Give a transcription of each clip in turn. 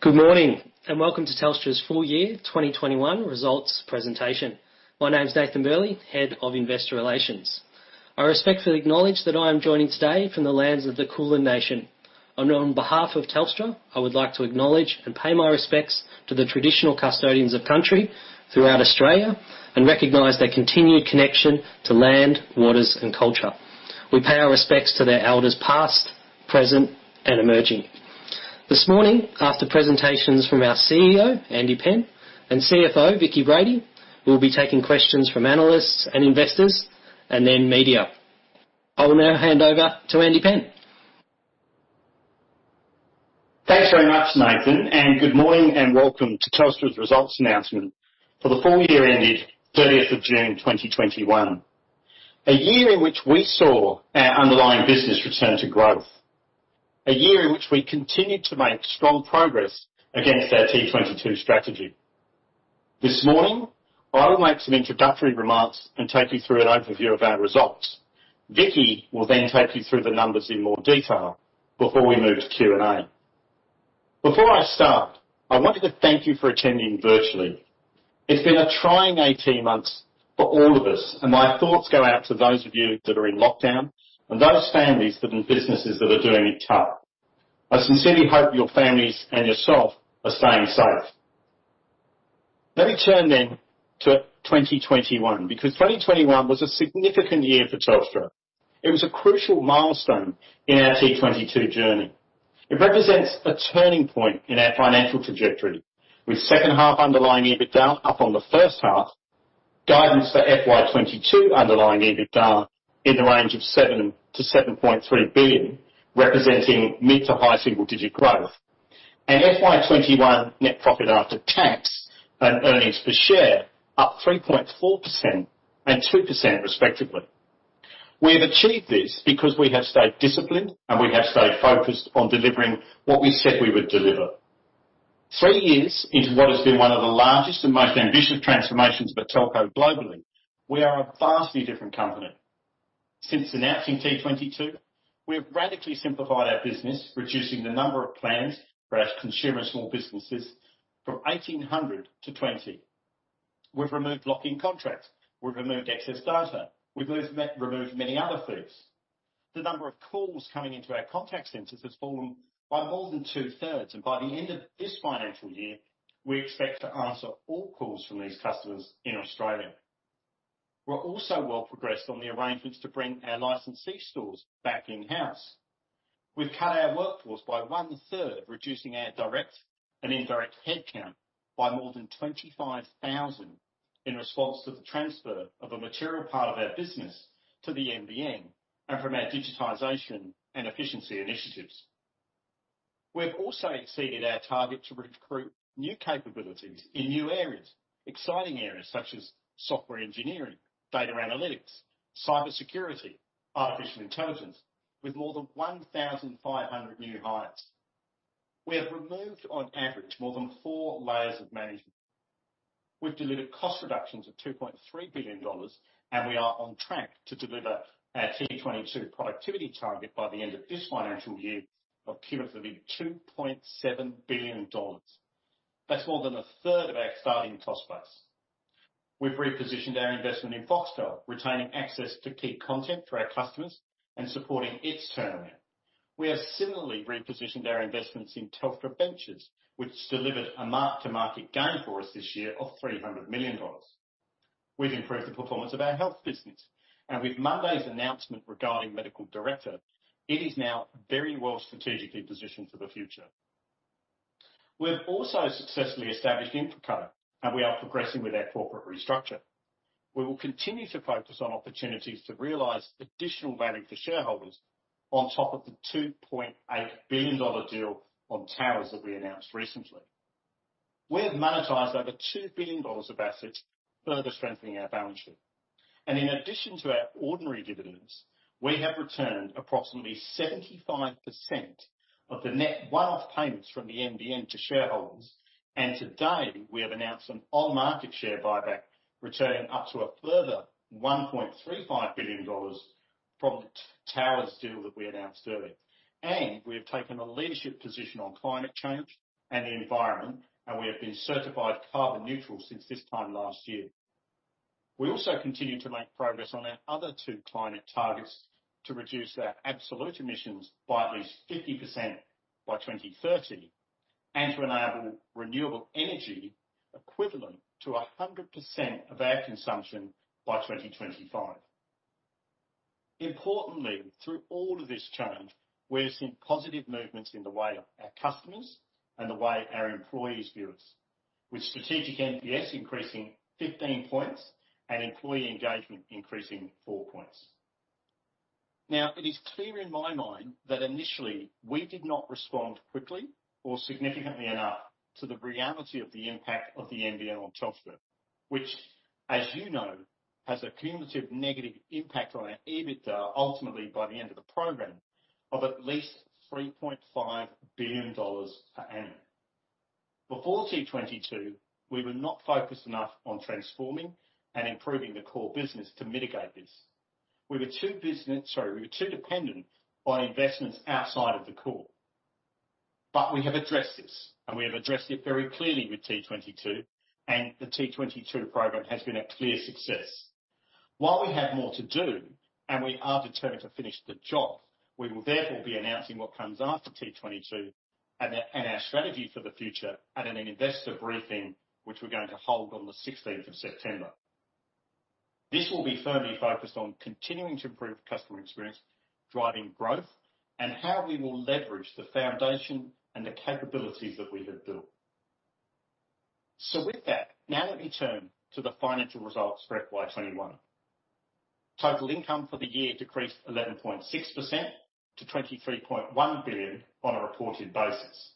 Good morning, welcome to Telstra's full year 2021 results presentation. My name's Nathan Burley, Head of Investor Relations. I respectfully acknowledge that I am joining today from the lands of the Kulin Nation, and on behalf of Telstra, I would like to acknowledge and pay my respects to the traditional custodians of country throughout Australia and recognize their continued connection to land, waters, and culture. We pay our respects to their elders past, present, and emerging. This morning, after presentations from our CEO, Andy Penn, and CFO, Vicki Brady, we'll be taking questions from analysts and investors and then media. I will now hand over to Andy Penn. Thanks very much, Nathan. Good morning and welcome to Telstra's results announcement for the full year ended June 30th 2021. A year in which we saw our underlying business return to growth. A year in which we continued to make strong progress against our T22 strategy. This morning, I will make some introductory remarks and take you through an overview of our results. Vicki will take you through the numbers in more detail before we move to Q&A. Before I start, I wanted to thank you for attending virtually. It's been a trying 18 months for all of us. My thoughts go out to those of you that are in lockdown and those families and businesses that are doing it tough. I sincerely hope your families and yourself are staying safe. Let me turn then to 2021. 2021 was a significant year for Telstra. It was a crucial milestone in our T22 journey. It represents a turning point in our financial trajectory with second half underlying EBITDA up on the first half. Guidance for FY 2022 underlying EBITDA in the range of 7 billion-7.3 billion, representing mid to high single digit growth. FY 2021 net profit after tax and earnings per share up 3.4% and 2% respectively. We have achieved this because we have stayed disciplined, and we have stayed focused on delivering what we said we would deliver. Three years into what has been one of the largest and most ambitious transformations of a telco globally, we are a vastly different company. Since announcing T22, we've radically simplified our business, reducing the number of plans for our consumer small businesses from 1,800 to 20. We've removed lock-in contracts. We've removed excess data. We've removed many other fees. The number of calls coming into our contact centers has fallen by more than two-thirds. By the end of this financial year, we expect to answer all calls from these customers in Australia. We're also well progressed on the arrangements to bring our licensee stores back in-house. We've cut our workforce by one-third, reducing our direct and indirect headcount by more than 25,000 in response to the transfer of a material part of our business to the NBN and from our digitization and efficiency initiatives. We've also exceeded our target to recruit new capabilities in new areas. Exciting areas such as software engineering, data analytics, cybersecurity, artificial intelligence with more than 1,500 new hires. We have removed, on average, more than four layers of management. We have delivered cost reductions of 2.3 billion dollars. We are on track to deliver our T22 productivity target by the end of this financial year of cumulative 2.7 billion dollars. That is more than a third of our starting cost base. We have repositioned our investment in Foxtel, retaining access to key content for our customers and supporting its turnaround. We have similarly repositioned our investments in Telstra Ventures, which delivered a mark-to-market gain for us this year of 300 million dollars. We have improved the performance of our health business, and with Monday's announcement regarding MedicalDirector, it is now very well strategically positioned for the future. We have also successfully established InfraCo. We are progressing with our corporate restructure. We will continue to focus on opportunities to realize additional value for shareholders on top of the 2.8 billion dollar deal on towers that we announced recently. We have monetized over 2 billion dollars of assets, further strengthening our balance sheet. In addition to our ordinary dividends, we have returned approximately 75% of the net one-off payments from the NBN to shareholders. Today, we have announced an on-market share buyback returning up to a further 1.35 billion dollars from the towers deal that we announced earlier. We have taken a leadership position on climate change and the environment, and we have been certified carbon neutral since this time last year. We also continue to make progress on our other two climate targets to reduce our absolute emissions by at least 50% by 2030 and to enable renewable energy equivalent to 100% of our consumption by 2025. Importantly, through all of this change, we have seen positive movements in the way our customers and the way our employees view us. With strategic NPS increasing 15 points and employee engagement increasing 4 points. Now, it is clear in my mind that initially we did not respond quickly or significantly enough to the reality of the impact of the NBN on Telstra, which as you know, has a cumulative negative impact on our EBITDA ultimately by the end of the program of at least 3.5 billion dollars per annum. Before T22, we were not focused enough on transforming and improving the core business to mitigate this. We were too dependent on investments outside of the core. We have addressed this, and we have addressed it very clearly with T22, and the T22 program has been a clear success. While we have more to do, and we are determined to finish the job, we will therefore be announcing what comes after T22 and our strategy for the future at an investor briefing, which we're going to hold on the September 16th. This will be firmly focused on continuing to improve customer experience, driving growth, and how we will leverage the foundation and the capabilities that we have built. With that, now let me turn to the financial results for FY 2021. Total income for the year decreased 11.6% to 23.1 billion on a reported basis.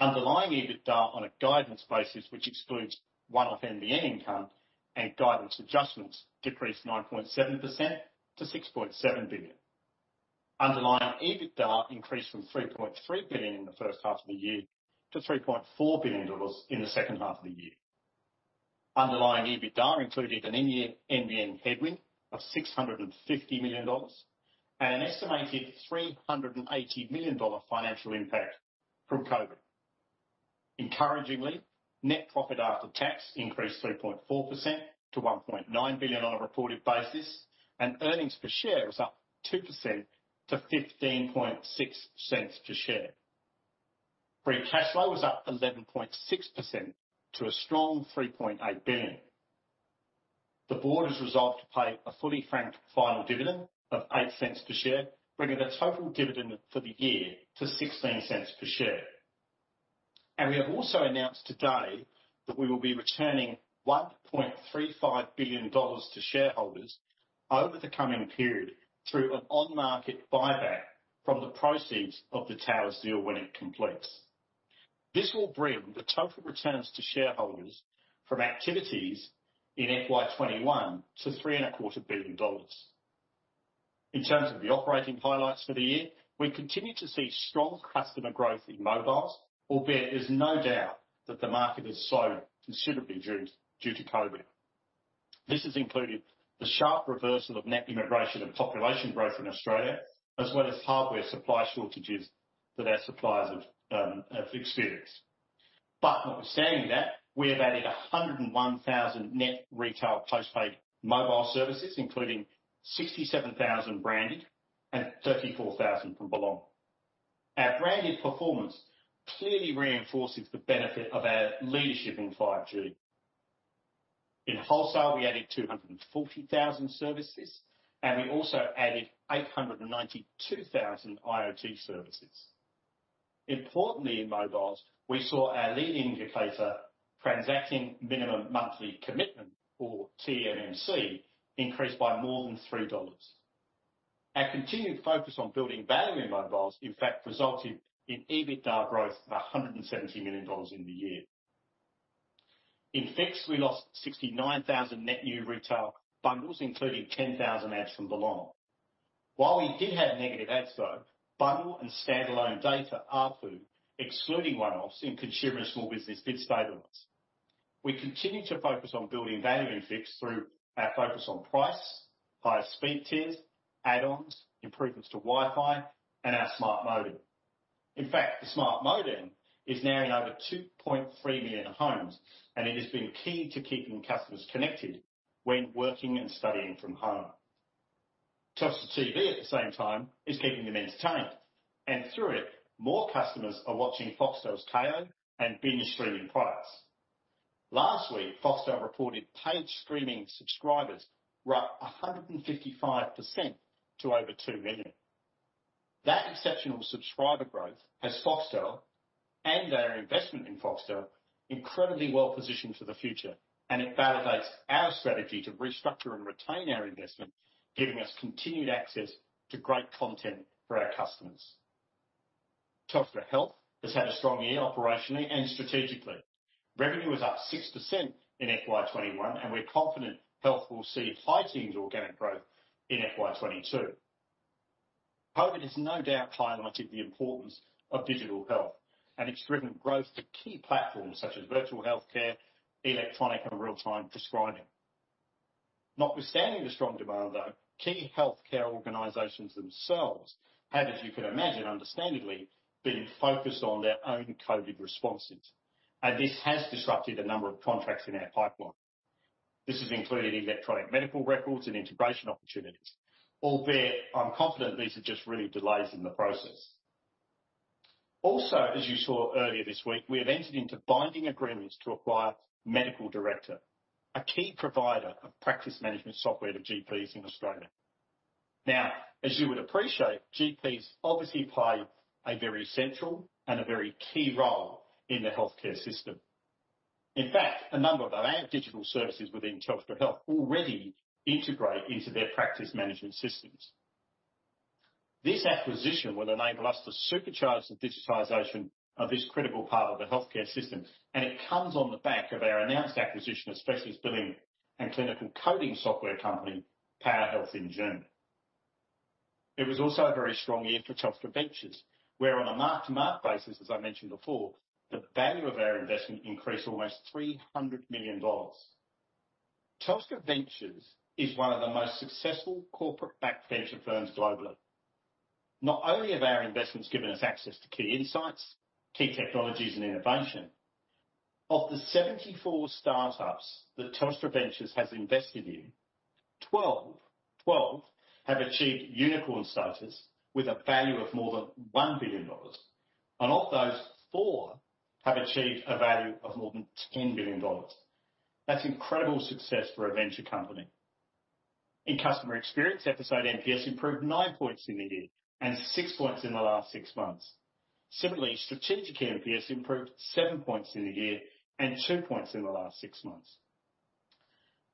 Underlying EBITDA on a guidance basis, which excludes one-off NBN income and guidance adjustments, decreased 9.7% to 6.7 billion. Underlying EBITDA increased from 3.3 billion in the first half of the year to 3.4 billion dollars in the second half of the year. Underlying EBITDA included an NBN headwind of 650 million dollars and an estimated 380 million dollar financial impact from COVID. Encouragingly, net profit after tax increased 3.4% to 1.9 billion on a reported basis, and earnings per share was up 2% to 0.156 per share. Free cash flow was up 11.6% to a strong 3.8 billion. The board has resolved to pay a fully franked final dividend of 0.08 per share, bringing the total dividend for the year to 0.16 per share. We have also announced today that we will be returning 1.35 billion dollars to shareholders over the coming period through an on-market buyback from the proceeds of the Towers deal when it completes. This will bring the total returns to shareholders from activities in FY 2021 to 3.25 billion dollars. In terms of the operating highlights for the year, we continue to see strong customer growth in mobiles, albeit there's no doubt that the market has slowed considerably due to COVID. This has included the sharp reversal of net immigration and population growth in Australia, as well as hardware supply shortages that our suppliers have experienced. Notwithstanding that, we have added 101,000 net retail post-paid mobile services, including 67,000 branded and 34,000 from Belong. Our Branded performance clearly reinforces the benefit of our leadership in 5G. In wholesale, we added 240,000 services, and we also added 892,000 IoT services. Importantly, in mobiles, we saw our leading indicator transacting minimum monthly commitment or TMMC increase by more than 3 dollars. Our continued focus on building value in mobiles, in fact, resulted in EBITDA growth of 170 million dollars in the year. In fixed, we lost 69,000 net new retail bundles, including 10,000 adds from Belong. While we did have negative adds, though, bundle and standalone data ARPU, excluding one-offs in consumer and small business, did stabilize. We continue to focus on building value in fixed through our focus on price, higher speed tiers, add-ons, improvements to Wi-Fi, and our Smart Modem. In fact, the Smart Modem is now in over 2.3 million homes. It has been key to keeping customers connected when working and studying from home. Telstra TV at the same time is keeping them entertained. Through it, more customers are watching Foxtel's Kayo and BINGE streaming products. Last week, Foxtel reported paid streaming subscribers were up 155% to over 2 million. That exceptional subscriber growth has Foxtel and our investment in Foxtel incredibly well-positioned for the future. It validates our strategy to restructure and retain our investment, giving us continued access to great content for our customers. Telstra Health has had a strong year operationally and strategically. Revenue was up 6% in FY 2021, and we're confident health will see high teens organic growth in FY 2022. COVID has no doubt highlighted the importance of digital health. It's driven growth to key platforms such as virtual healthcare, electronic and real-time prescribing. Notwithstanding the strong demand, though, key healthcare organizations themselves have, as you can imagine, understandably, been focused on their own COVID responses. This has disrupted a number of contracts in our pipeline. This has included electronic medical records and integration opportunities. I'm confident these are just really delays in the process. As you saw earlier this week, we have entered into binding agreements to acquire MedicalDirector, a key provider of practice management software to GPs in Australia. As you would appreciate, GPs obviously play a very central and a very key role in the healthcare system. A number of our own digital services within Telstra Health already integrate into their practice management systems. This acquisition will enable us to supercharge the digitization of this critical part of the healthcare system, and it comes on the back of our announced acquisition of specialist billing and clinical coding software company, PowerHealth, in June. It was a very strong year for Telstra Ventures, where on a mark-to-market basis, as I mentioned before, the value of our investment increased almost 300 million dollars. Telstra Ventures is one of the most successful corporate-backed venture firms globally. Not only have our investments given us access to key insights, key technologies, and innovation, of the 74 startups that Telstra Ventures has invested in, 12 have achieved unicorn status with a value of more than 1 billion dollars. Of those, four have achieved a value of more than 10 billion dollars. That's incredible success for a venture company. In customer experience, episode NPS improved 9 points in the year, and 6 points in the last six months. Similarly, strategic NPS improved 7 points in a year, and 2 points in the last six months.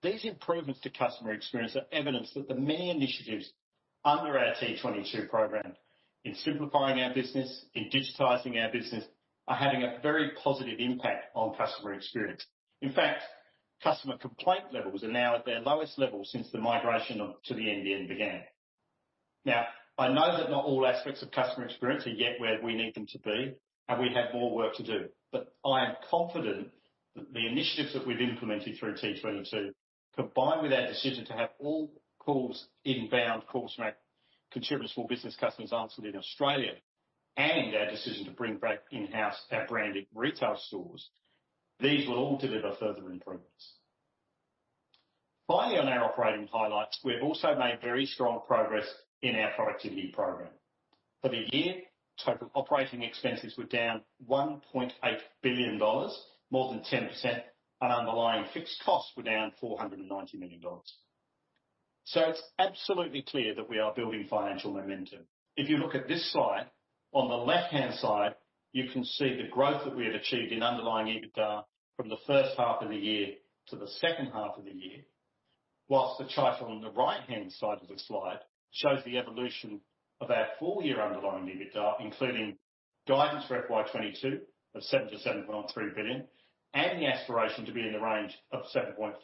These improvements to customer experience are evidence that the many initiatives under our T22 program in simplifying our business, in digitizing our business, are having a very positive impact on customer experience. In fact, customer complaint levels are now at their lowest level since the migration to the NBN began. I know that not all aspects of customer experience are yet where we need them to be, and we have more work to do. I am confident that the initiatives that we've implemented through T22, combined with our decision to have all calls inbound contact centres for business customers answered in Australia, and our decision to bring back in-house our branded retail stores, these will all deliver further improvements. On our operating highlights, we have also made very strong progress in our productivity program. For the year, total operating expenses were down 1.8 billion dollars, more than 10%, and underlying fixed costs were down 490 million dollars. It's absolutely clear that we are building financial momentum. If you look at this slide, on the left-hand side, you can see the growth that we have achieved in underlying EBITDA from the first half of the year to the second half of the year. Whilst the chart on the right-hand side of the slide shows the evolution of our full-year underlying EBITDA, including guidance for FY 2022 of 7 billion-7.3 billion, and the aspiration to be in the range of 7.5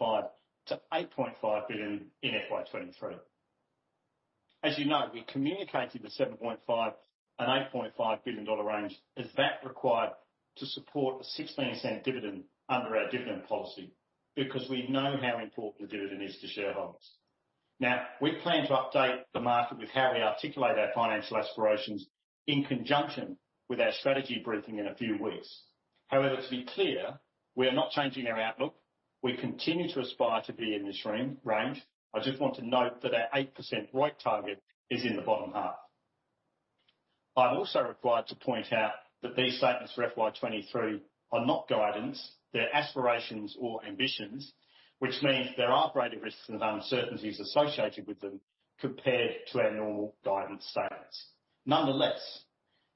billion-8.5 billion in FY 2023. As you know, we communicated the 7.5 billion and 8.5 billion dollar range as that required to support a 0.16 dividend under our dividend policy, because we know how important the dividend is to shareholders. We plan to update the market with how we articulate our financial aspirations in conjunction with our strategy briefing in a few weeks. However, to be clear, we are not changing our outlook. We continue to aspire to be in this range. I just want to note that our 8% ROIC target is in the bottom half. I'm also required to point out that these statements for FY 2023 are not guidance. They're aspirations or ambitions, which means there are greater risks and uncertainties associated with them compared to our normal guidance statements. Nonetheless,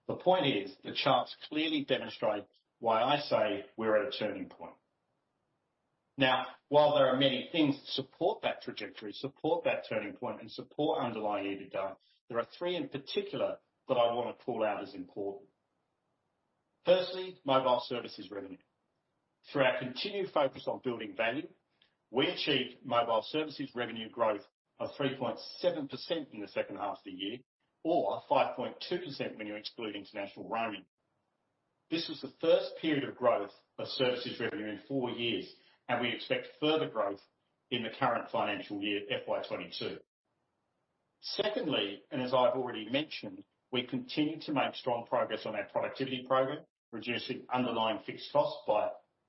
the point is, the charts clearly demonstrate why I say we're at a turning point. Now, while there are many things to support that trajectory, support that turning point, and support underlying EBITDA, there are three in particular that I want to call out as important. Firstly, mobile services revenue. Through our continued focus on building value, we achieved mobile services revenue growth of 3.7% in the second half of the year, or 5.2% when you exclude international roaming. This was the first period of growth of services revenue in four years. We expect further growth in the current financial year, FY 2022. Secondly, as I've already mentioned, we continue to make strong progress on our productivity program, reducing underlying fixed costs by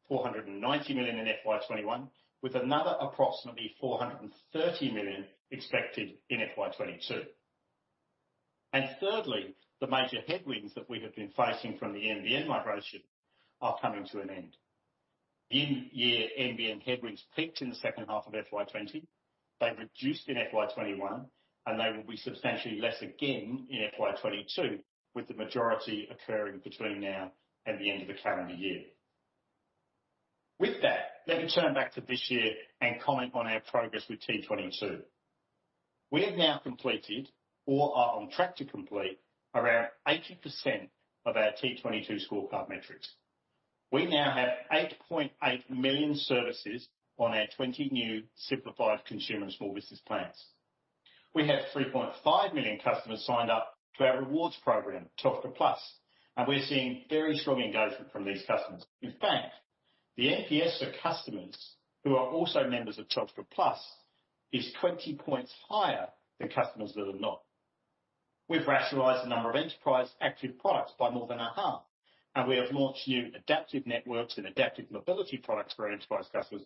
490 million in FY 2021, with another approximately 430 million expected in FY 2022. Thirdly, the major headwinds that we have been facing from the NBN migration are coming to an end. In-year NBN headwinds peaked in the second half of FY 2020. They reduced in FY 2021. They will be substantially less again in FY 2022, with the majority occurring between now and the end of the calendar year. With that, let me turn back to this year and comment on our progress with T22. We have now completed or are on track to complete around 80% of our T22 scorecard metrics. We now have 8.8 million services on our 20 new simplified consumer and small business plans. We have 3.5 million customers signed up to our rewards program, Telstra Plus, and we're seeing very strong engagement from these customers. In fact, the NPS for customers who are also members of Telstra Plus is 20 points higher than customers that are not. We've rationalized the number of enterprise active products by more than a half, and we have launched new adaptive networks and adaptive mobility products for our enterprise customers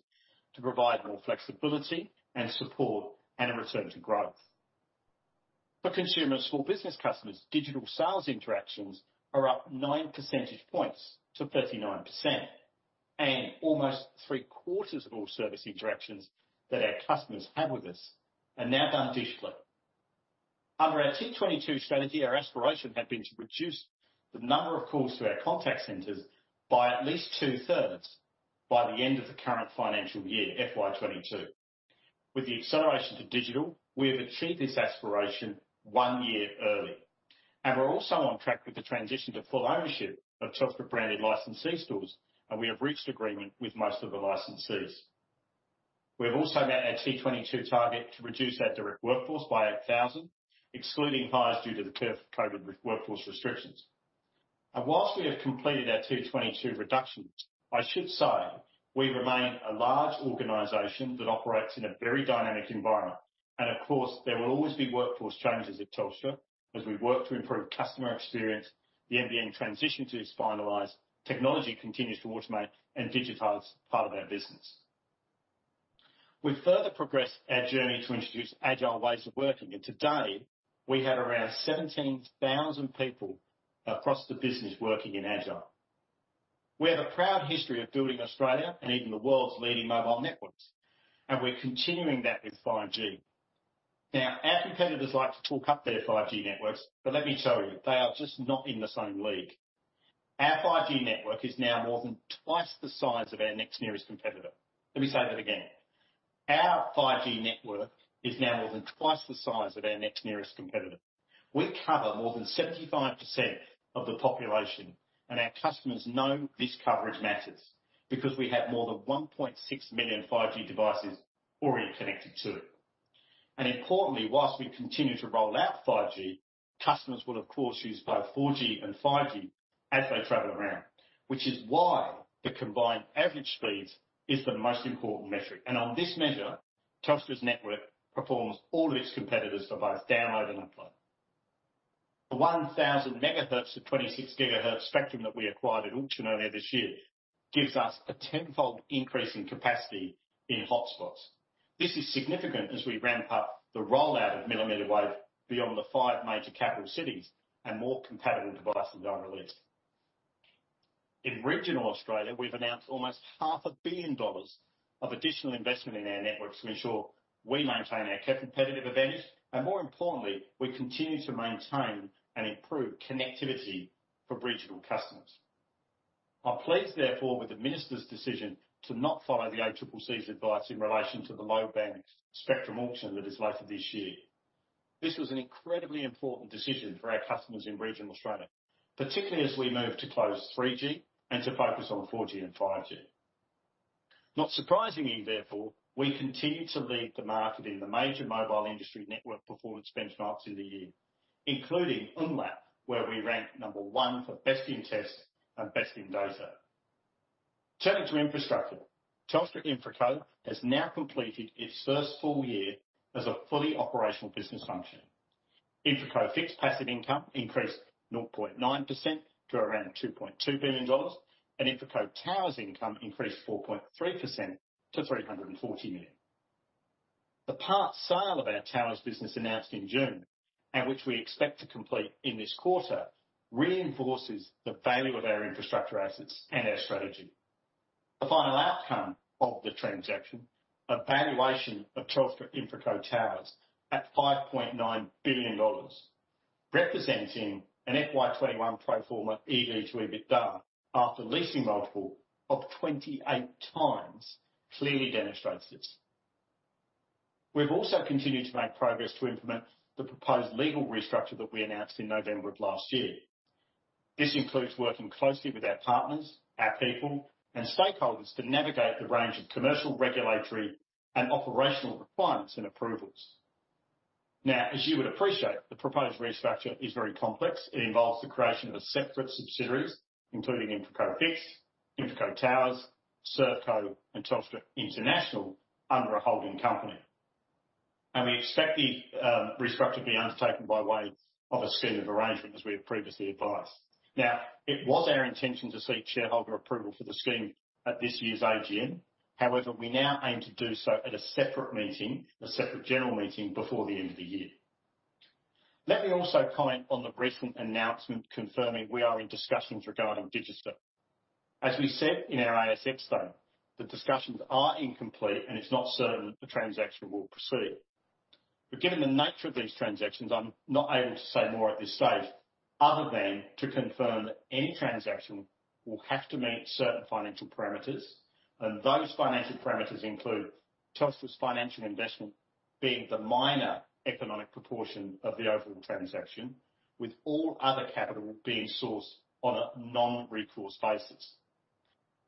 to provide more flexibility and support and a return to growth. For consumer and small business customers, digital sales interactions are up 9 percentage points to 39%, and almost three-quarters of all service interactions that our customers have with us are now done digitally. Under our T22 strategy, our aspiration had been to reduce the number of calls to our contact centers by at least two-thirds by the end of the current financial year, FY 2022. With the acceleration to digital, we have achieved this aspiration one year early. We're also on track with the transition to full ownership of Telstra-branded licensee stores, and we have reached agreement with most of the licensees. We've also met our T22 target to reduce our direct workforce by 8,000, excluding hires due to the COVID workforce restrictions. Whilst we have completed our T22 reductions, I should say we remain a large organization that operates in a very dynamic environment. Of course, there will always be workforce changes at Telstra as we work to improve customer experience, the NBN transition is finalized, technology continues to automate and digitize part of our business. We've further progressed our journey to introduce agile ways of working, and today we have around 17,000 people across the business working in agile. We have a proud history of building Australia and even the world's leading mobile networks, and we're continuing that with 5G. Our competitors like to talk up their 5G networks, but let me tell you, they are just not in the same league. Our 5G network is now more than twice the size of our next nearest competitor. Let me say that again. Our 5G network is now more than twice the size of our next nearest competitor. We cover more than 75% of the population, and our customers know this coverage matters because we have more than 1.6 million 5G devices already connected to it. Importantly, whilst we continue to roll out 5G, customers will of course use both 4G and 5G as they travel around, which is why the combined average speeds is the most important metric. On this measure, Telstra's network performs all of its competitors for both download and upload. The 1,000 MHz to 26 GHz spectrum that we acquired at auction earlier this year gives us a 10-fold increase in capacity in hotspots. This is significant as we ramp up the rollout of mmWave beyond the five major capital cities and more compatible devices are released. In regional Australia, we've announced almost 500 million dollars of additional investment in our network to ensure we maintain our competitive advantage, and more importantly, we continue to maintain and improve connectivity for regional customers. I'm pleased, therefore, with the minister's decision to not follow the ACCC's advice in relation to the low-band spectrum auction that is later this year. This was an incredibly important decision for our customers in regional Australia, particularly as we move to close 3G and to focus on 4G and 5G. Not surprisingly, therefore, we continue to lead the market in the major mobile industry network performance benchmarks in the year, including umlaut, where we rank number one for best in test and best in data. Turning to infrastructure. Telstra InfraCo has now completed its first full year as a fully operational business function. InfraCo Fixed passive income increased 0.9% to around 2.2 billion dollars, and InfraCo Towers income increased 4.3% to 340 million. The part sale of our towers business announced in June, and which we expect to complete in this quarter, reinforces the value of our infrastructure assets and our strategy. The final outcome of the transaction, a valuation of Telstra InfraCo Towers at 5.9 billion dollars, representing an FY 2021 pro forma EV to EBITDA after leasing multiple of 28x, clearly demonstrates this. We've also continued to make progress to implement the proposed legal restructure that we announced in November of last year. This includes working closely with our partners, our people and stakeholders to navigate the range of commercial, regulatory, and operational requirements and approvals. As you would appreciate, the proposed restructure is very complex. It involves the creation of separate subsidiaries, including InfraCo Fixed, InfraCo Towers, ServCo, and Telstra International under a holding company. We expect the restructure to be undertaken by way of a scheme of arrangement, as we have previously advised. It was our intention to seek shareholder approval for the scheme at this year's AGM. However, we now aim to do so at a separate meeting, a separate general meeting, before the end of the year. Let me also comment on the recent announcement confirming we are in discussions regarding Digicel. As we said in our ASX statement, the discussions are incomplete, and it's not certain that the transaction will proceed. Given the nature of these transactions, I'm not able to say more at this stage other than to confirm that any transaction will have to meet certain financial parameters, and those financial parameters include Telstra's financial investment being the minor economic proportion of the overall transaction, with all other capital being sourced on a non-recourse basis.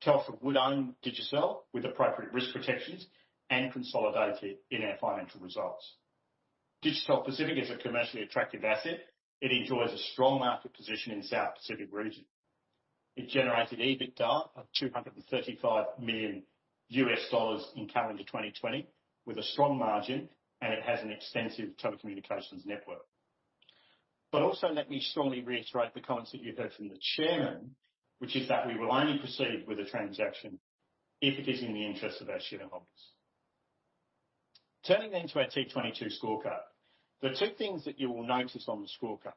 Telstra would own Digicel with appropriate risk protections and consolidated in our financial results. Digicel Pacific is a commercially attractive asset. It enjoys a strong market position in South Pacific region. It generated EBITDA of $235 million in calendar 2020 with a strong margin. It has an extensive telecommunications network. Also let me strongly reiterate the comments that you heard from the chairman, which is that we will only proceed with a transaction if it is in the interest of our shareholders. Turning to our T22 scorecard. There are two things that you will notice on the scorecard.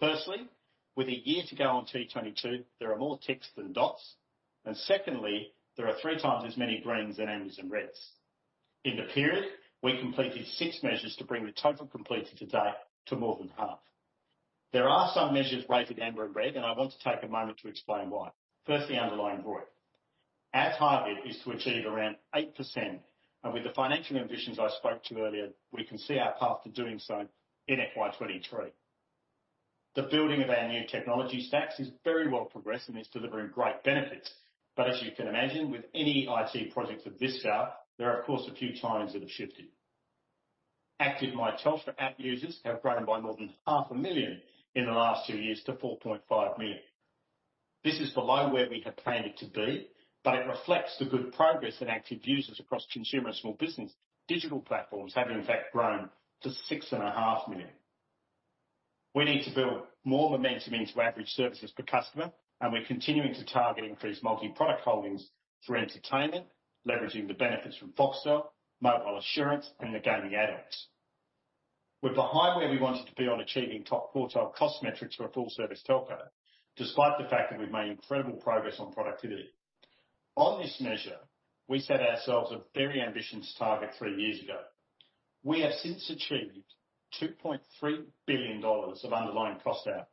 Firstly, with a year to go on T22, there are more ticks than dots. Secondly, there are 3x as many greens than ambers and reds. In the period, we completed six measures to bring the total completed to date to more than half. There are some measures rated amber and red, and I want to take a moment to explain why. Firstly, underlying ROIC. Our target is to achieve around 8%, and with the financial ambitions I spoke to earlier, we can see our path to doing so in FY 2023. The building of our new technology stacks is very well progressed and is delivering great benefits. As you can imagine, with any IT project of this scale, there are of course a few timings that have shifted. Active My Telstra app users have grown by more than 0.5 million in the last two years to 4.5 million. This is below where we had planned it to be, but it reflects the good progress in active users across consumer and small business. Digital platforms have in fact grown to 6.5 million. We need to build more momentum into average services per customer, and we're continuing to target increased multi-product holdings through entertainment, leveraging the benefits from Foxtel, mobile assurance, and the gaming add-ons. We're behind where we wanted to be on achieving top quartile cost metrics for a full service telco, despite the fact that we've made incredible progress on productivity. On this measure, we set ourselves a very ambitious target three years ago. We have since achieved 2.3 billion dollars of underlying cost out.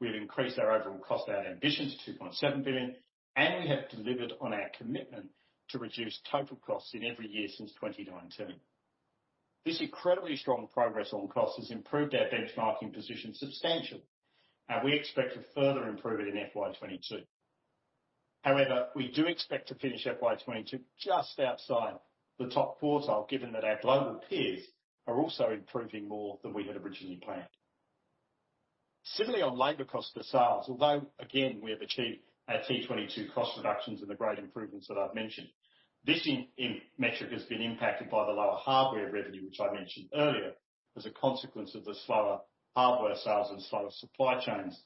We have increased our overall cost out ambitions to 2.7 billion, and we have delivered on our commitment to reduce total costs in every year since 2019. This incredibly strong progress on costs has improved our benchmarking position substantially, and we expect to further improve it in FY 2022. However, we do expect to finish FY 2022 just outside the top quartile, given that our global peers are also improving more than we had originally planned. Similarly, on labor cost per sales, although again, we have achieved our T22 cost reductions and the great improvements that I've mentioned. This metric has been impacted by the lower hardware revenue, which I mentioned earlier, as a consequence of the slower hardware sales and slower supply chains,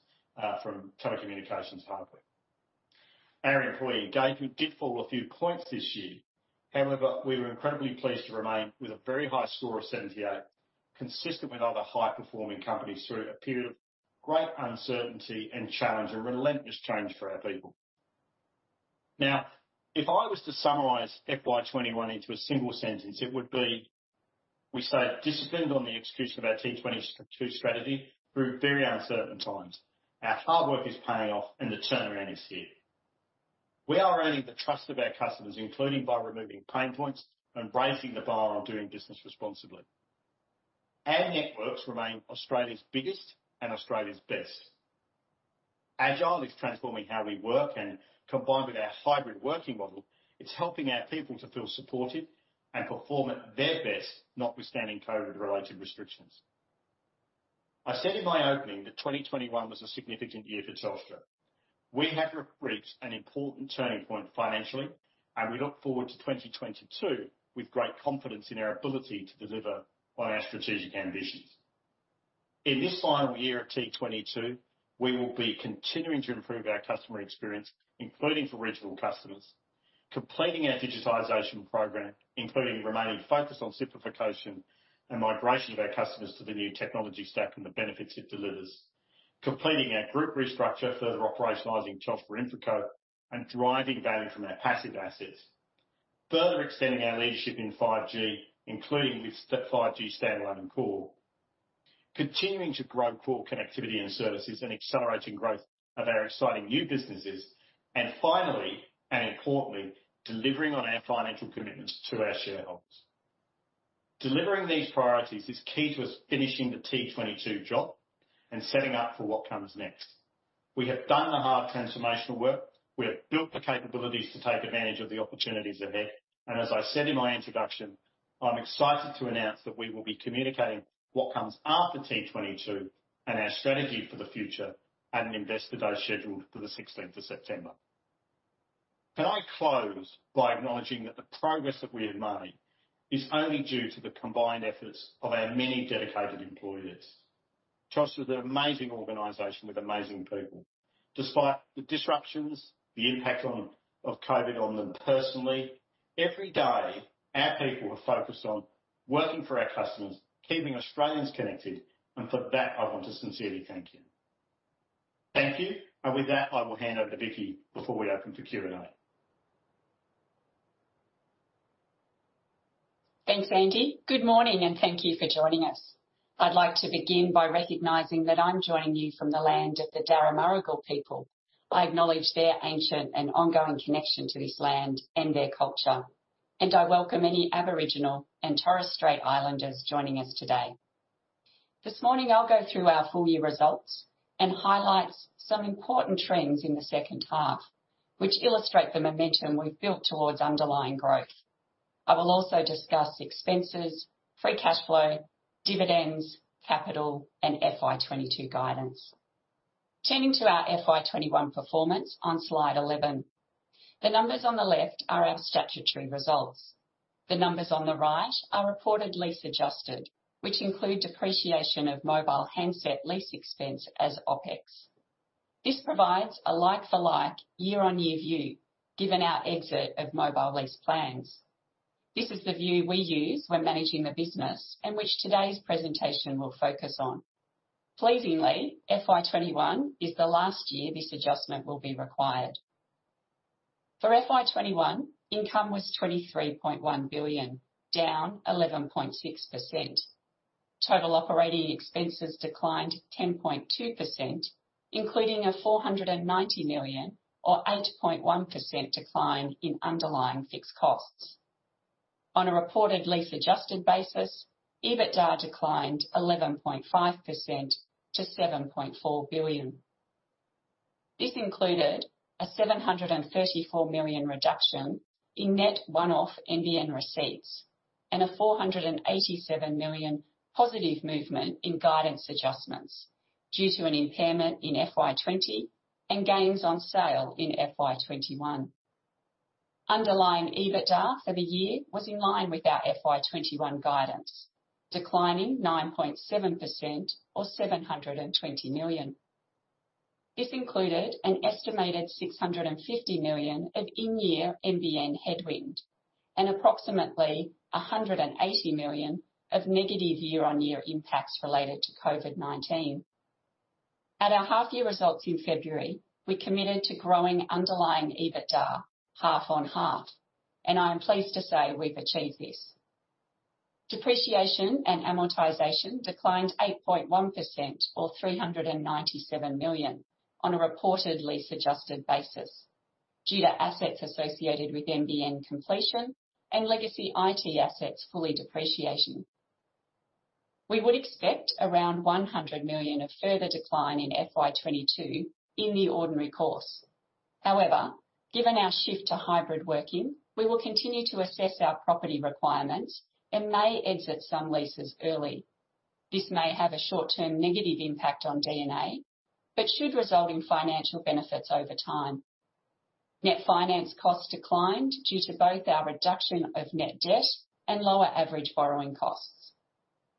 from telecommunications hardware. Our employee engagement did fall a few points this year. However, we were incredibly pleased to remain with a very high score of 78, consistent with other high-performing companies through a period of great uncertainty and challenge and relentless change for our people. Now, if I was to summarize FY 2021 into a single sentence, it would be, we stayed disciplined on the execution of our T22 strategy through very uncertain times. Our hard work is paying off and the turnaround is here. We are earning the trust of our customers, including by removing pain points and raising the bar on doing business responsibly. Our networks remain Australia's biggest and Australia's best. Agile is transforming how we work and combined with our hybrid working model, it's helping our people to feel supported and perform at their best, notwithstanding COVID-related restrictions. I said in my opening that 2021 was a significant year for Telstra. We have reached an important turning point financially, we look forward to 2022 with great confidence in our ability to deliver on our strategic ambitions. In this final year of T22, we will be continuing to improve our customer experience, including for regional customers. Completing our digitization program, including remaining focused on simplification and migration of our customers to the new technology stack and the benefits it delivers. Completing our group restructure, further operationalizing Telstra InfraCo, and driving value from our passive assets. Further extending our leadership in 5G, including with 5G standalone and core. Continuing to grow core connectivity and services and accelerating growth of our exciting new businesses. Finally, and importantly, delivering on our financial commitments to our shareholders. Delivering these priorities is key to us finishing the T22 job and setting up for what comes next. We have done the hard transformational work. We have built the capabilities to take advantage of the opportunities ahead. As I said in my introduction, I'm excited to announce that we will be communicating what comes after T22 and our strategy for the future at an investor day scheduled for the September 16th. Can I close by acknowledging that the progress that we have made is only due to the combined efforts of our many dedicated employees. Telstra's an amazing organization with amazing people. Despite the disruptions, the impact of COVID on them personally. Every day, our people are focused on working for our customers, keeping Australians connected, and for that, I want to sincerely thank you. Thank you. Thank you. With that, I will hand over to Vicki before we open for Q&A. Thanks, Andy. Good morning and thank you for joining us. I'd like to begin by recognizing that I'm joining you from the land of the Darramuragal people. I acknowledge their ancient and ongoing connection to this land and their culture, and I welcome any Aboriginal and Torres Strait Islanders joining us today. This morning, I'll go through our full-year results and highlight some important trends in the second half, which illustrate the momentum we've built towards underlying growth. I will also discuss expenses, free cash flow, dividends, capital, and FY 2022 guidance. Turning to our FY 2021 performance on slide 11. The numbers on the left are our statutory results. The numbers on the right are reported lease adjusted, which include depreciation of mobile handset lease expense as OpEx. This provides a like-for-like year-on-year view given our exit of mobile lease plans. This is the view we use when managing the business and which today's presentation will focus on. Pleasingly, FY 2021 is the last year this adjustment will be required. For FY 2021, income was AUD 23.1 billion, down 11.6%. Total operating expenses declined 10.2%, including an 490 million or 8.1% decline in underlying fixed costs. On a reported lease adjusted basis, EBITDA declined 11.5% to 7.4 billion. This included an 734 million reduction in net one-off NBN receipts and an 487 million positive movement in guidance adjustments due to an impairment in FY 2020 and gains on sale in FY 2021. Underlying EBITDA for the year was in line with our FY 2021 guidance, declining 9.7% or AUD 720 million. This included an estimated 650 million of in-year NBN headwind and approximately 180 million of negative year-on-year impacts related to COVID-19. At our half year results in February, we committed to growing underlying EBITDA half on half. I'm pleased to say we've achieved this. Depreciation and amortization declined 8.1% or 397 million on a reported lease adjusted basis due to assets associated with NBN completion and legacy IT assets fully depreciated. We would expect around 100 million of further decline in FY 2022 in the ordinary course. However, given our shift to hybrid working, we will continue to assess our property requirements and may exit some leases early. This may have a short-term negative impact on D&A, should result in financial benefits over time. Net finance costs declined due to both our reduction of net debt and lower average borrowing costs.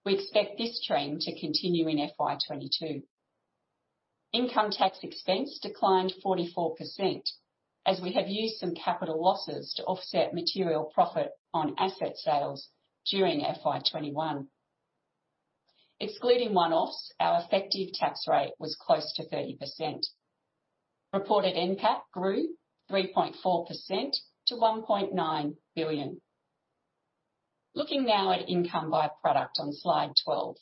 We expect this trend to continue in FY 2022. Income tax expense declined 44% as we have used some capital losses to offset material profit on asset sales during FY 2021. Excluding one-offs, our effective tax rate was close to 30%. Reported NPAT grew 3.4% to 1.9 billion. Looking now at income by product on slide 12.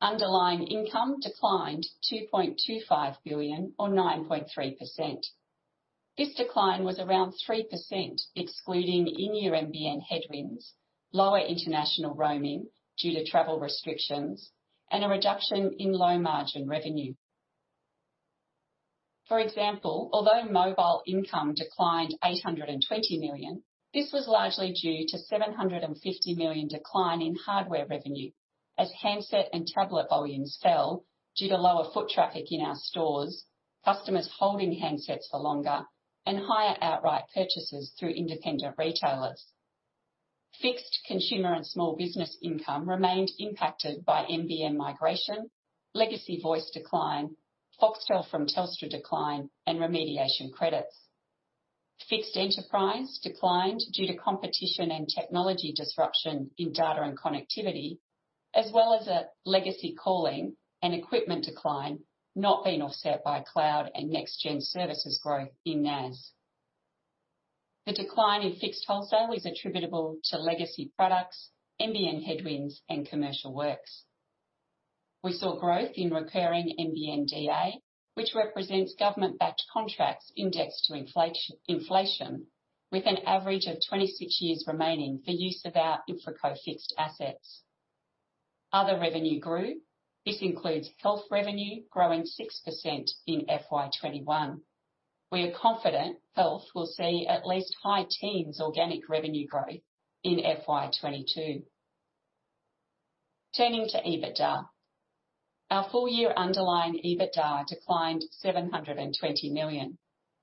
Underlying income declined 2.25 billion or 9.3%. This decline was around 3% excluding in-year NBN headwinds, lower international roaming due to travel restrictions, and a reduction in low margin revenue. For example, although mobile income declined 820 million, this was largely due to 750 million decline in hardware revenue as handset and tablet volumes fell due to lower foot traffic in our stores, customers holding handsets for longer, and higher outright purchases through independent retailers. Fixed consumer and small business income remained impacted by NBN migration, legacy voice decline, Foxtel from Telstra decline, and remediation credits. Fixed enterprise declined due to competition and technology disruption in data and connectivity, as well as a legacy calling and equipment decline not being offset by cloud and next-gen services growth in NAS. The decline in fixed wholesale is attributable to legacy products, NBN headwinds, and commercial works. We saw growth in recurring NBN DA, which represents government-backed contracts indexed to inflation, with an average of 26 years remaining for use of our InfraCo Fixed assets. Other revenue grew. This includes health revenue growing 6% in FY 2021. We are confident health will see at least high teens organic revenue growth in FY 2022. Turning to EBITDA. Our full year underlying EBITDA declined 720 million,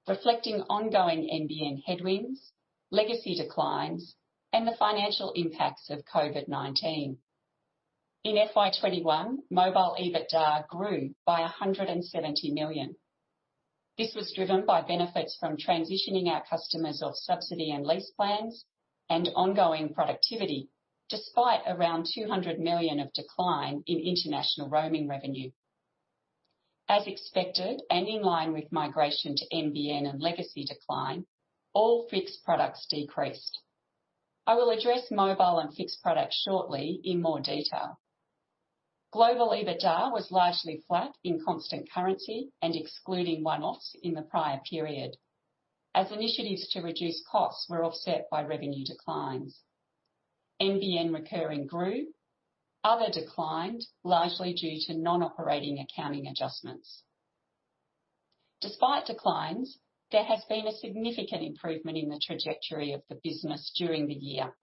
reflecting ongoing NBN headwinds, legacy declines, and the financial impacts of COVID-19. In FY 2021, mobile EBITDA grew by 170 million. This was driven by benefits from transitioning our customers off subsidy and lease plans and ongoing productivity, despite around 200 million of decline in international roaming revenue. As expected and in line with migration to NBN and legacy decline, all fixed products decreased. I will address mobile and fixed products shortly in more detail. Global EBITDA was largely flat in constant currency and excluding one-offs in the prior period, as initiatives to reduce costs were offset by revenue declines. NBN recurring grew. Other declined largely due to non-operating accounting adjustments. Despite declines, there has been a significant improvement in the trajectory of the business during the year.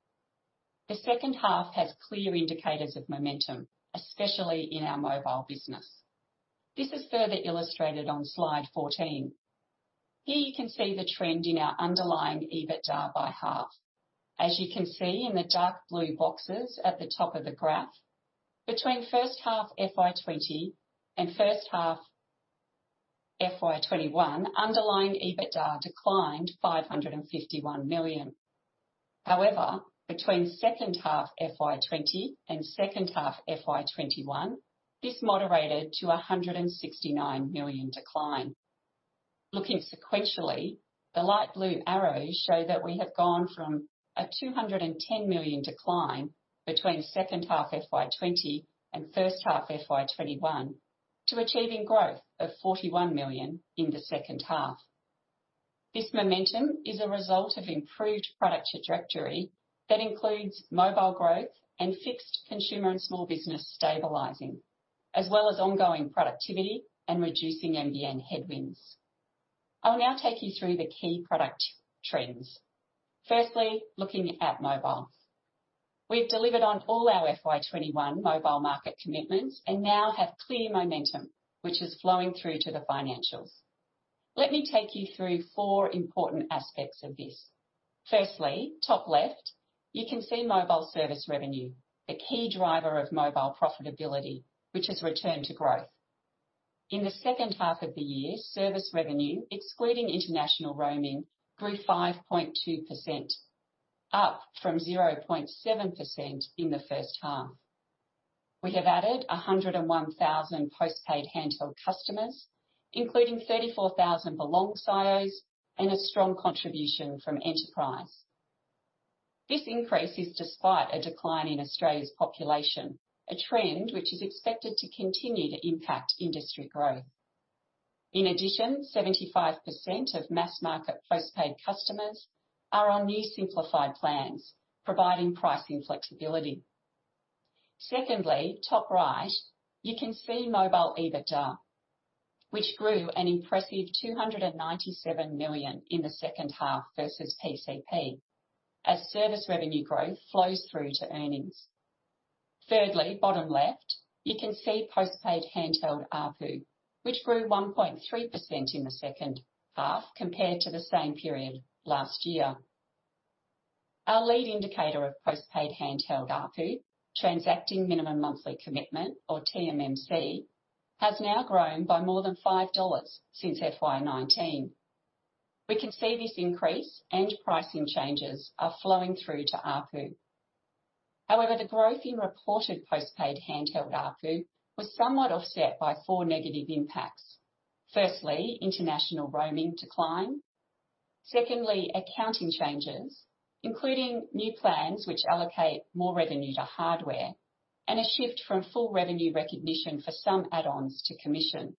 The second half has clear indicators of momentum, especially in our mobile business. This is further illustrated on slide 14. Here you can see the trend in our underlying EBITDA by half. As you can see in the dark blue boxes at the top of the graph, between first half FY 2020 and first half FY 2021, underlying EBITDA declined 551 million. However, between second half FY 2020 and second half FY 2021, this moderated to 169 million decline. Looking sequentially, the light blue arrows show that we have gone from a 210 million decline between second half FY 2020 and first half FY 2021 to achieving growth of 41 million in the second half. This momentum is a result of improved product trajectory that includes mobile growth and fixed consumer and small business stabilizing, as well as ongoing productivity and reducing NBN headwinds. I'll now take you through the key product trends. Firstly, looking at mobile. We've delivered on all our FY 2021 mobile market commitments and now have clear momentum, which is flowing through to the financials. Let me take you through four important aspects of this. Firstly, top left, you can see mobile service revenue, the key driver of mobile profitability, which has returned to growth. In the second half of the year, service revenue, excluding international roaming, grew 5.2%, up from 0.7% in the first half. We have added 101,000 postpaid handheld customers, including 34,000 Belong SIOs and a strong contribution from Enterprise. This increase is despite a decline in Australia's population, a trend which is expected to continue to impact industry growth. In addition, 75% of mass market postpaid customers are on new simplified plans, providing pricing flexibility. Secondly, top right, you can see mobile EBITDA, which grew an impressive 297 million in the second half versus PCP as service revenue growth flows through to earnings. Thirdly, bottom left, you can see postpaid handheld ARPU, which grew 1.3% in the second half compared to the same period last year. Our lead indicator of postpaid handheld ARPU, transacting minimum monthly commitment, or TMMC, has now grown by more than 5 dollars since FY 2019. We can see this increase and pricing changes are flowing through to ARPU. The growth in reported postpaid handheld ARPU was somewhat offset by four negative impacts. Firstly, international roaming decline. Secondly, accounting changes, including new plans which allocate more revenue to hardware and a shift from full revenue recognition for some add-ons to commission.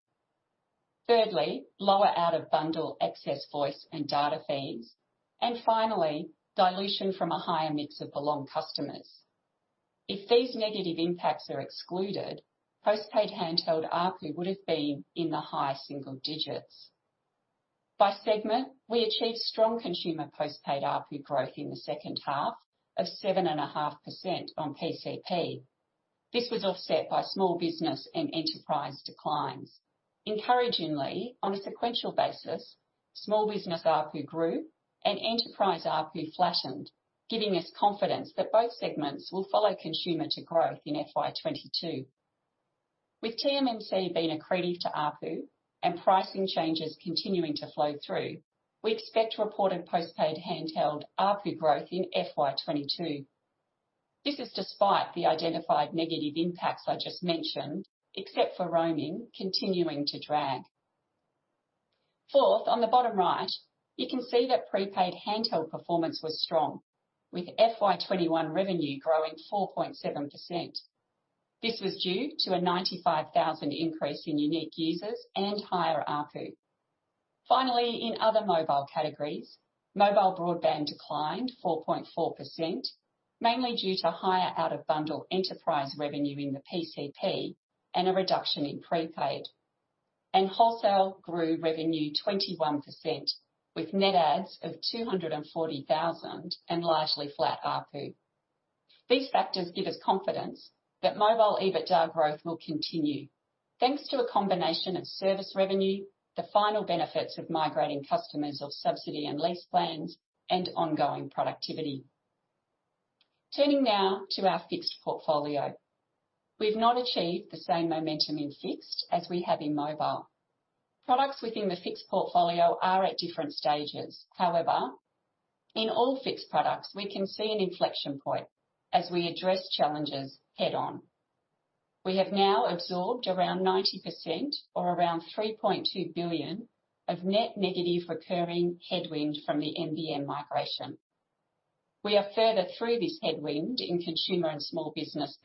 Thirdly, lower out-of-bundle access voice and data fees. Finally, dilution from a higher mix of Belong customers. If these negative impacts are excluded, postpaid handheld ARPU would've been in the high single digits. By segment, we achieved strong consumer postpaid ARPU growth in the second half of 7.5% on PCP. This was offset by small business and Telstra Enterprise declines. Encouragingly, on a sequential basis, small business ARPU grew and enterprise ARPU flattened, giving us confidence that both segments will follow consumer to growth in FY 2022. With TMMC being accretive to ARPU and pricing changes continuing to flow through, we expect to report a postpaid handheld ARPU growth in FY 2022. This is despite the identified negative impacts I just mentioned, except for roaming continuing to drag. Fourth, on the bottom right, you can see that prepaid handheld performance was strong with FY 2021 revenue growing 4.7%. This was due to a 95,000 increase in unique users and higher ARPU. Finally, in other mobile categories, mobile broadband declined 4.4%, mainly due to higher out-of-bundle enterprise revenue in the PCP and a reduction in prepaid. Wholesale grew revenue 21% with net adds of 240,000 and largely flat ARPU. These factors give us confidence that mobile EBITDA growth will continue, thanks to a combination of service revenue, the final benefits of migrating customers off subsidy and lease plans, and ongoing productivity. Turning now to our fixed portfolio. We have not achieved the same momentum in fixed as we have in mobile. Products within the fixed portfolio are at different stages. However, in all fixed products, we can see an inflection point as we address challenges head-on. We have now absorbed around 90% or around 3.2 billion of net negative recurring headwind from the NBN migration. We are further through this headwind in Consumer and Small Business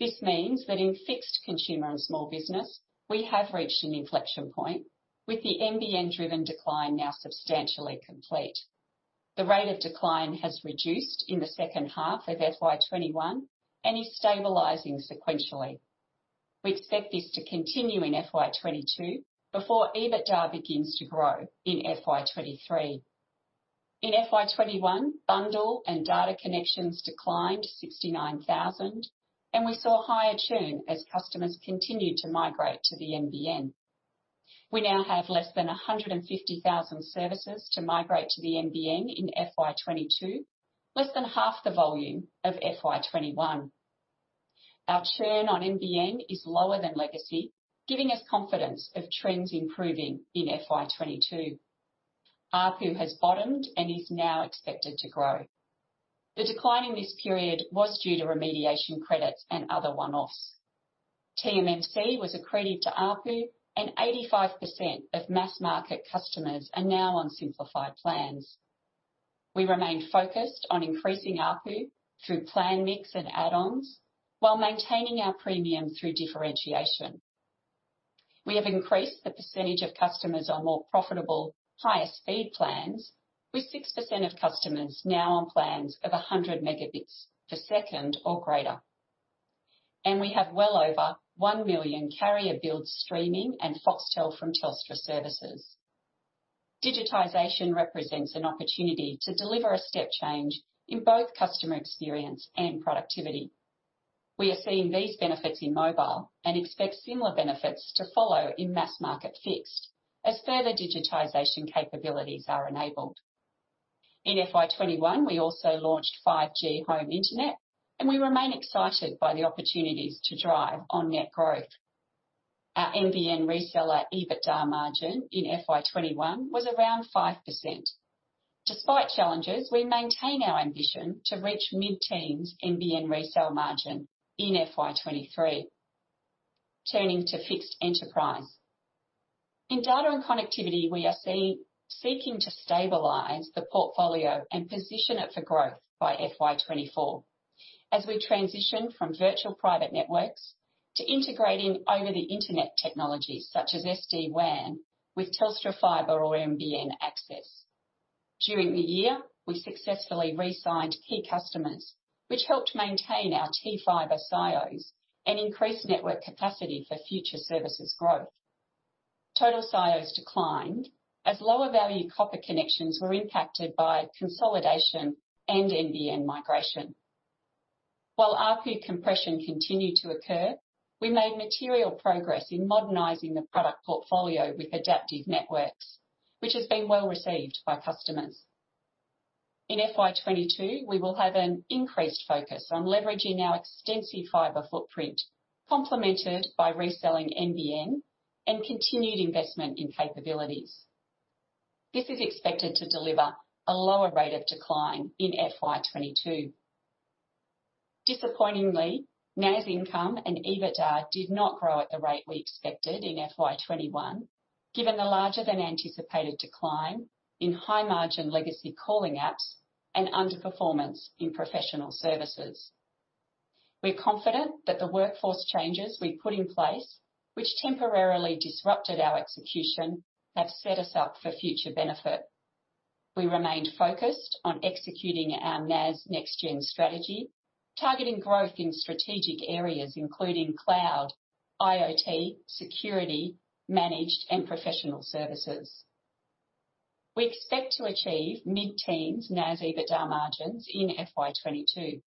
than Enterprise. This means that in fixed Consumer and Small Business, we have reached an inflection point with the NBN-driven decline now substantially complete. The rate of decline has reduced in the second half of FY 2021 and is stabilizing sequentially. We expect this to continue in FY 2022 before EBITDA begins to grow in FY 2023. In FY 2021, bundle and data connections declined 69,000, and we saw higher churn as customers continued to migrate to the NBN. We now have less than 150,000 services to migrate to the NBN in FY 2022, less than half the volume of FY 2021. Our churn on NBN is lower than legacy, giving us confidence of trends improving in FY 2022. ARPU has bottomed and is now expected to grow. The decline in this period was due to remediation credits and other one-offs. TMMC was accretive to ARPU, and 85% of mass market customers are now on simplified plans. We remain focused on increasing ARPU through plan mix and add-ons while maintaining our premium through differentiation. We have increased the percentage of customers on more profitable higher speed plans with 6% of customers now on plans of 100 Mb per second or greater. We have well over 1 million carrier-billed streaming and Foxtel from Telstra services. Digitization represents an opportunity to deliver a step change in both customer experience and productivity. We are seeing these benefits in mobile and expect similar benefits to follow in mass market fixed as further digitization capabilities are enabled. In FY 2021, we also launched 5G home internet, and we remain excited by the opportunities to drive on net growth. Our NBN reseller EBITDA margin in FY 2021 was around 5%. Despite challenges, we maintain our ambition to reach mid-teens NBN resale margin in FY 2023. Turning to fixed enterprise. In data and connectivity, we are seeking to stabilize the portfolio and position it for growth by FY 2024 as we transition from virtual private networks to integrating over the internet technologies such as SD-WAN with Telstra Fibre or NBN access. During the year, we successfully resigned key customers, which helped maintain our Telstra Fibre SIOs and increase network capacity for future services growth. Total SIOs declined as lower value copper connections were impacted by consolidation and NBN migration. While ARPU compression continued to occur, we made material progress in modernizing the product portfolio with adaptive networks, which has been well received by customers. In FY 2022, we will have an increased focus on leveraging our extensive Fibre footprint, complemented by reselling NBN and continued investment in capabilities. This is expected to deliver a lower rate of decline in FY 2022. Disappointingly, NAS income and EBITDA did not grow at the rate we expected in FY 2021, given the larger than anticipated decline in high margin legacy calling apps and underperformance in professional services. We're confident that the workforce changes we put in place, which temporarily disrupted our execution, have set us up for future benefit. We remained focused on executing our NAS NextGen strategy, targeting growth in strategic areas including cloud, IoT, security, managed and professional services. We expect to achieve mid-teens NAS EBITDA margins in FY 2022.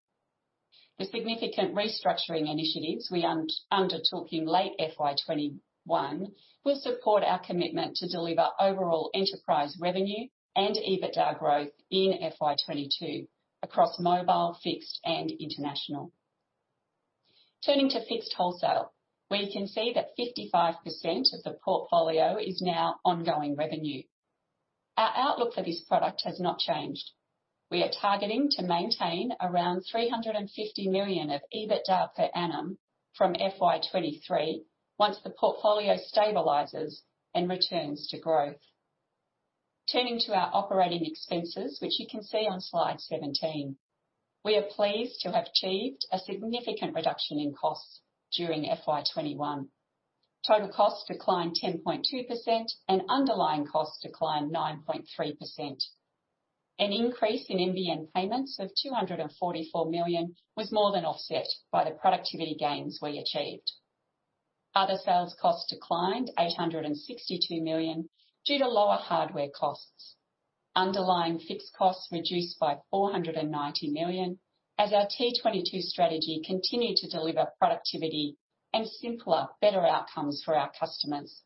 The significant restructuring initiatives we undertook in late FY 2021 will support our commitment to deliver overall enterprise revenue and EBITDA growth in FY 2022 across mobile, fixed, and international. Turning to fixed wholesale. We can see that 55% of the portfolio is now ongoing revenue. Our outlook for this product has not changed. We are targeting to maintain around 350 million of EBITDA per annum from FY 2023 once the portfolio stabilizes and returns to growth. Turning to our operating expenses, which you can see on slide 17. We are pleased to have achieved a significant reduction in costs during FY 2021. Total costs declined 10.2% and underlying costs declined 9.3%. An increase in NBN payments of 244 million was more than offset by the productivity gains we achieved. Other sales costs declined 862 million due to lower hardware costs. Underlying fixed costs reduced by 490 million as our T22 strategy continued to deliver productivity and simpler, better outcomes for our customers.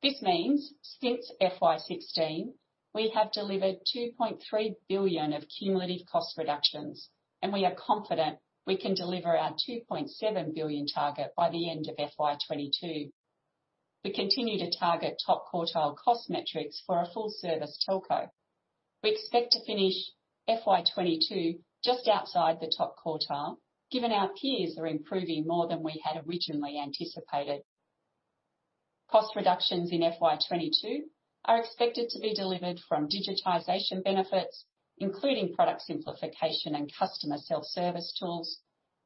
This means since FY 2016, we have delivered 2.3 billion of cumulative cost reductions, and we are confident we can deliver our 2.7 billion target by the end of FY 2022. We continue to target top quartile cost metrics for a full service telco. We expect to finish FY 2022 just outside the top quartile, given our peers are improving more than we had originally anticipated. Cost reductions in FY 2022 are expected to be delivered from digitization benefits, including product simplification and customer self-service tools,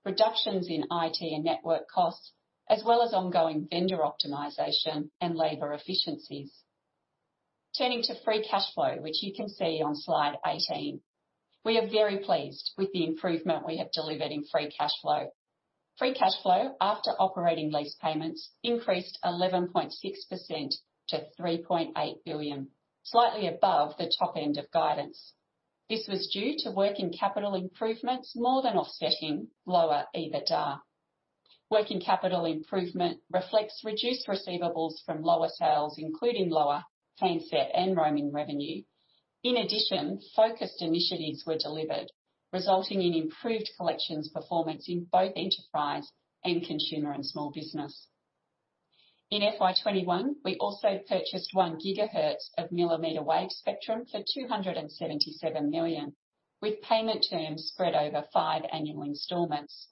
reductions in IT and network costs, as well as ongoing vendor optimization and labor efficiencies. Turning to free cash flow, which you can see on slide 18. We are very pleased with the improvement we have delivered in free cash flow. Free cash flow after operating lease payments increased 11.6% to 3.8 billion, slightly above the top end of guidance. This was due to working capital improvements more than offsetting lower EBITDA. Working capital improvement reflects reduced receivables from lower sales, including lower handset and roaming revenue. In addition, focused initiatives were delivered, resulting in improved collections performance in both Telstra Enterprise and Consumer & Small Business. In FY 2021, we also purchased 1 GHz of millimeter wave spectrum for 277 million, with payment terms spread over five annual installments.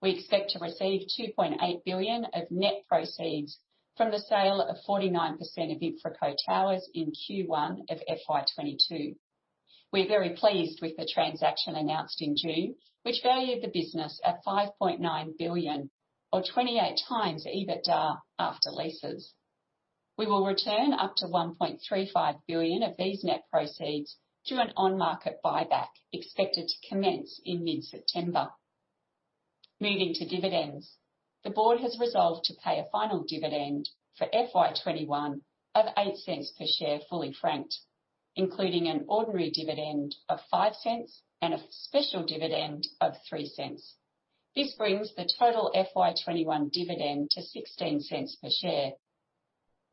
We expect to receive 2.8 billion of net proceeds from the sale of 49% of InfraCo Towers in Q1 of FY 2022. We're very pleased with the transaction announced in June, which valued the business at 5.9 billion or 28x EBITDA after leases. We will return up to 1.35 billion of these net proceeds to an on-market buyback, expected to commence in mid-September. Moving to dividends. The board has resolved to pay a final dividend for FY 2021 of 0.08 per share fully franked, including an ordinary dividend of 0.05 and a special dividend of 0.03. This brings the total FY 2021 dividend to 0.16 per share.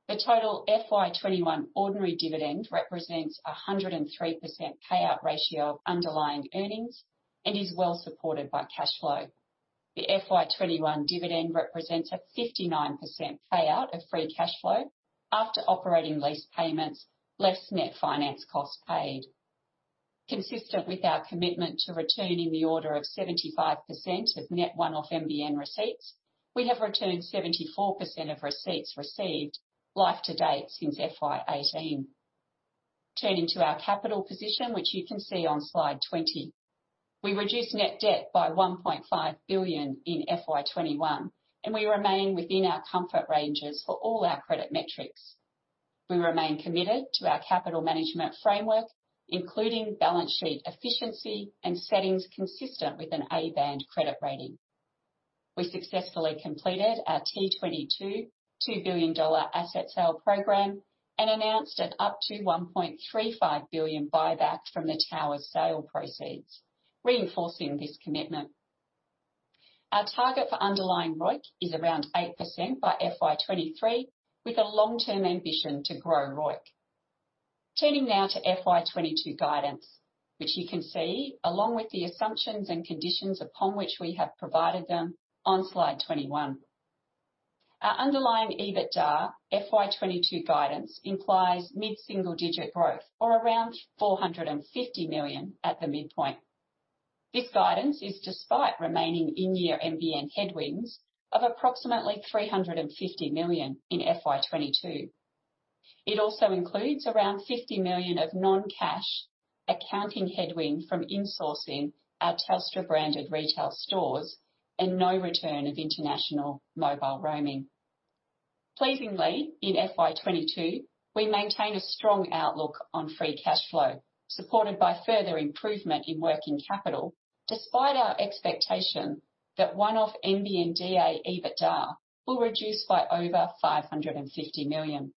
The total FY 2021 ordinary dividend represents 103% payout ratio of underlying earnings and is well supported by cash flow. The FY 2021 dividend represents a 59% payout of free cash flow after operating lease payments, less net finance costs paid. Consistent with our commitment to returning the order of 75% of net one-off NBN receipts, we have returned 74% of receipts received life to date since FY 2018. Turning to our capital position, which you can see on slide 20. We reduced net debt by 1.5 billion in FY 2021, and we remain within our comfort ranges for all our credit metrics. We remain committed to our capital management framework, including balance sheet efficiency and settings consistent with an A-band credit rating. We successfully completed our T22 2 billion dollar asset sale program and announced an up to 1.35 billion buyback from the tower sale proceeds, reinforcing this commitment. Our target for underlying ROIC is around 8% by FY 2023, with a long-term ambition to grow ROIC. Turning now to FY 2022 guidance, which you can see, along with the assumptions and conditions upon which we have provided them, on slide 21. Our underlying EBITDA FY 2022 guidance implies mid-single digit growth or around 450 million at the midpoint. This guidance is despite remaining in-year NBN headwinds of approximately 350 million in FY 2022. It also includes around 50 million of non-cash accounting headwind from insourcing our Telstra-branded retail stores and no return of international mobile roaming. Pleasingly, in FY 2022, we maintain a strong outlook on free cash flow, supported by further improvement in working capital, despite our expectation that one-off NBN DA EBITDA will reduce by over 550 million.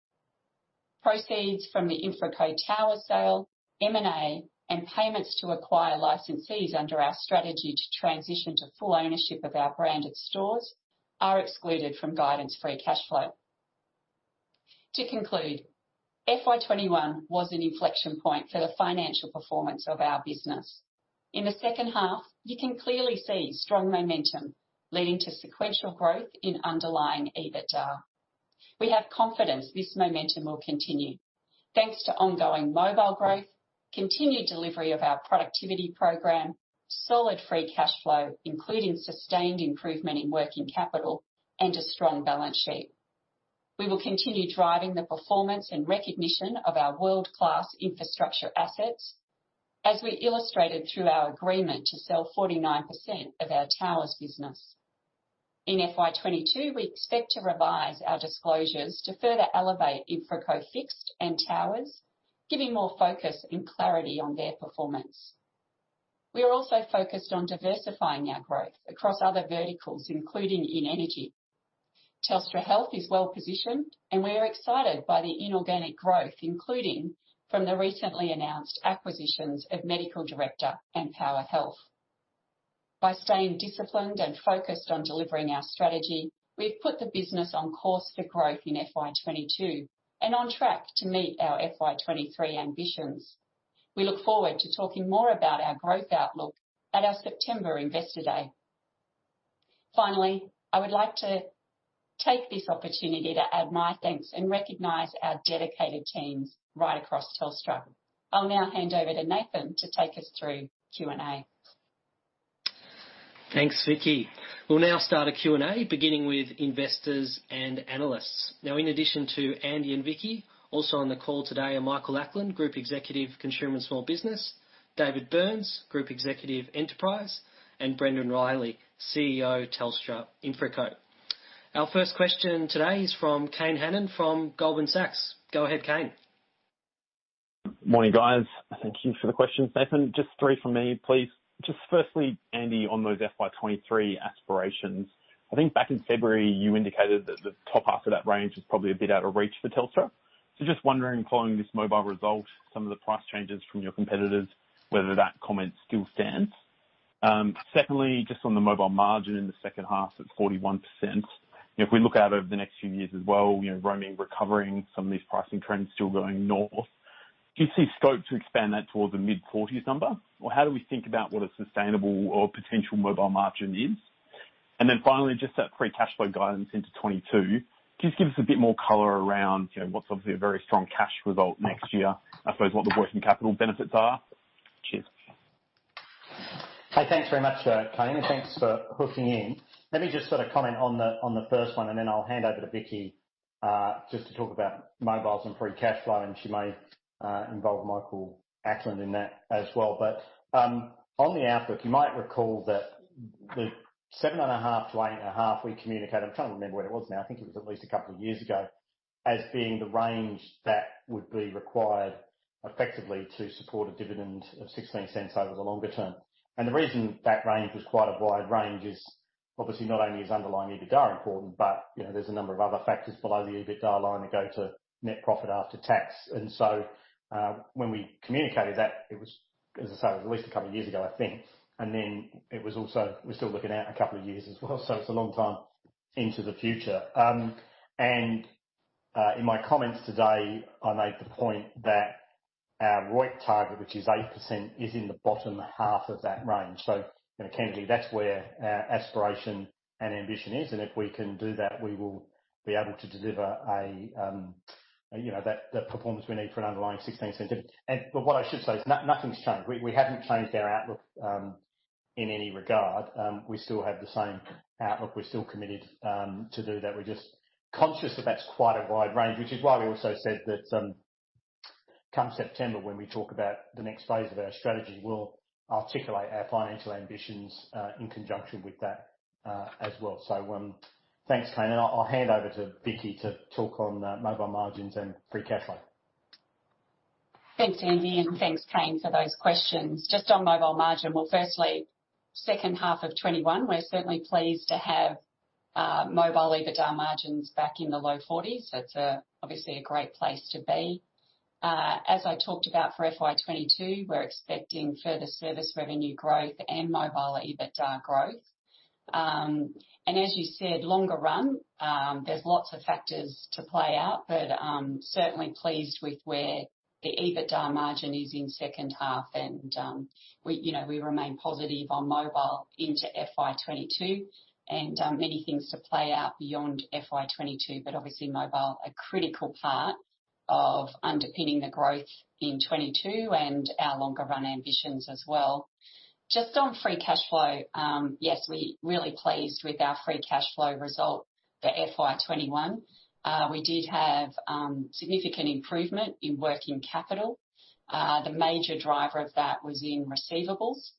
Proceeds from the InfraCo Towers sale, M&A, and payments to acquire licensees under our strategy to transition to full ownership of our branded stores are excluded from guidance free cash flow. To conclude, FY 2021 was an inflection point for the financial performance of our business. In the second half, you can clearly see strong momentum leading to sequential growth in underlying EBITDA. We have confidence this momentum will continue. Thanks to ongoing mobile growth, continued delivery of our productivity program, solid free cash flow, including sustained improvement in working capital, and a strong balance sheet. We will continue driving the performance and recognition of our world-class infrastructure assets, as we illustrated through our agreement to sell 49% of our towers business. In FY 2022, we expect to revise our disclosures to further elevate InfraCo Fixed and Towers, giving more focus and clarity on their performance. We are also focused on diversifying our growth across other verticals, including in energy. Telstra Health is well-positioned, and we are excited by the inorganic growth, including from the recently announced acquisitions of MedicalDirector and PowerHealth. By staying disciplined and focused on delivering our strategy, we've put the business on course for growth in FY 2022 and on track to meet our FY 2023 ambitions. We look forward to talking more about our growth outlook at our September Investor Day. Finally, I would like to take this opportunity to add my thanks and recognize our dedicated teams right across Telstra. I'll now hand over to Nathan to take us through Q&A. Thanks, Vicki. We'll now start a Q&A, beginning with investors and analysts. In addition to Andy and Vicki, also on the call today are Michael Ackland, Group Executive, Consumer & Small Business, David Burns, Group Executive, Enterprise, and Brendon Riley, CEO, Telstra InfraCo. Our first question today is from Kane Hannan from Goldman Sachs. Go ahead, Kane. Morning, guys. Thank you for the questions. Nathan, just three from me, please. Firstly, Andy, on those FY 2023 aspirations. I think back in February, you indicated that the top half of that range was probably a bit out of reach for Telstra. Just wondering, following this mobile result, some of the price changes from your competitors, whether that comment still stands. Secondly, just on the mobile margin in the second half, that 41%. If we look out over the next few years as well, roaming recovering, some of these pricing trends still going north. Do you see scope to expand that toward the mid-40s number? How do we think about what a sustainable or potential mobile margin is? Finally, just that free cash flow guidance into 2022. Can you just give us a bit more color around what's obviously a very strong cash result next year? I suppose what the working capital benefits are. Cheers. Hey, thanks very much, Kane. And thanks for hooking in. Let me just comment on the first one, and then I'll hand over to Vicki, just to talk about mobiles and free cash flow, and she may involve Michael Ackland in that as well. On the outlook, you might recall that the 7.5-8.5 we communicated, I'm trying to remember where it was now, I think it was at least a couple of years ago, as being the range that would be required effectively to support a dividend of 0.16 over the longer term. The reason that range was quite a wide range is obviously not only is underlying EBITDA important, but there's a number of other factors below the EBITDA line that go to NPAT. When we communicated that, it was, as I say, at least a couple of years ago, I think, and then we're still looking at a couple of years as well, so it's a long time into the future. In my comments today, I made the point that our ROIC target, which is 8%, is in the bottom half of that range. Candidly, that's where our aspiration and ambition is, and if we can do that, we will be able to deliver that performance we need for an underlying 0.16 dividend. What I should say is nothing's changed. We haven't changed our outlook in any regard. We still have the same outlook. We're still committed to do that. We're just conscious that's quite a wide range, which is why we also said that come September, when we talk about the next phase of our strategy, we'll articulate our financial ambitions in conjunction with that as well. Thanks, Kane, and I'll hand over to Vicki to talk on mobile margins and free cash flow. Thanks, Andy, and thanks, Kane, for those questions. Just on mobile margin, well, firstly, second half of 2021, we're certainly pleased to have mobile EBITDA margins back in the low 40s. It's obviously a great place to be. As I talked about for FY 2022, we're expecting further service revenue growth and mobile EBITDA growth. As you said, longer run, there's lots of factors to play out, but I'm certainly pleased with where the EBITDA margin is in the second half and we remain positive on mobile into FY 2022. Many things to play out beyond FY 2022, but obviously mobile, a critical part of underpinning the growth in 2022 and our longer run ambitions as well. Just on free cash flow. We're really pleased with our free cash flow result for FY 2021. We did have significant improvement in working capital. The major driver of that was in receivables,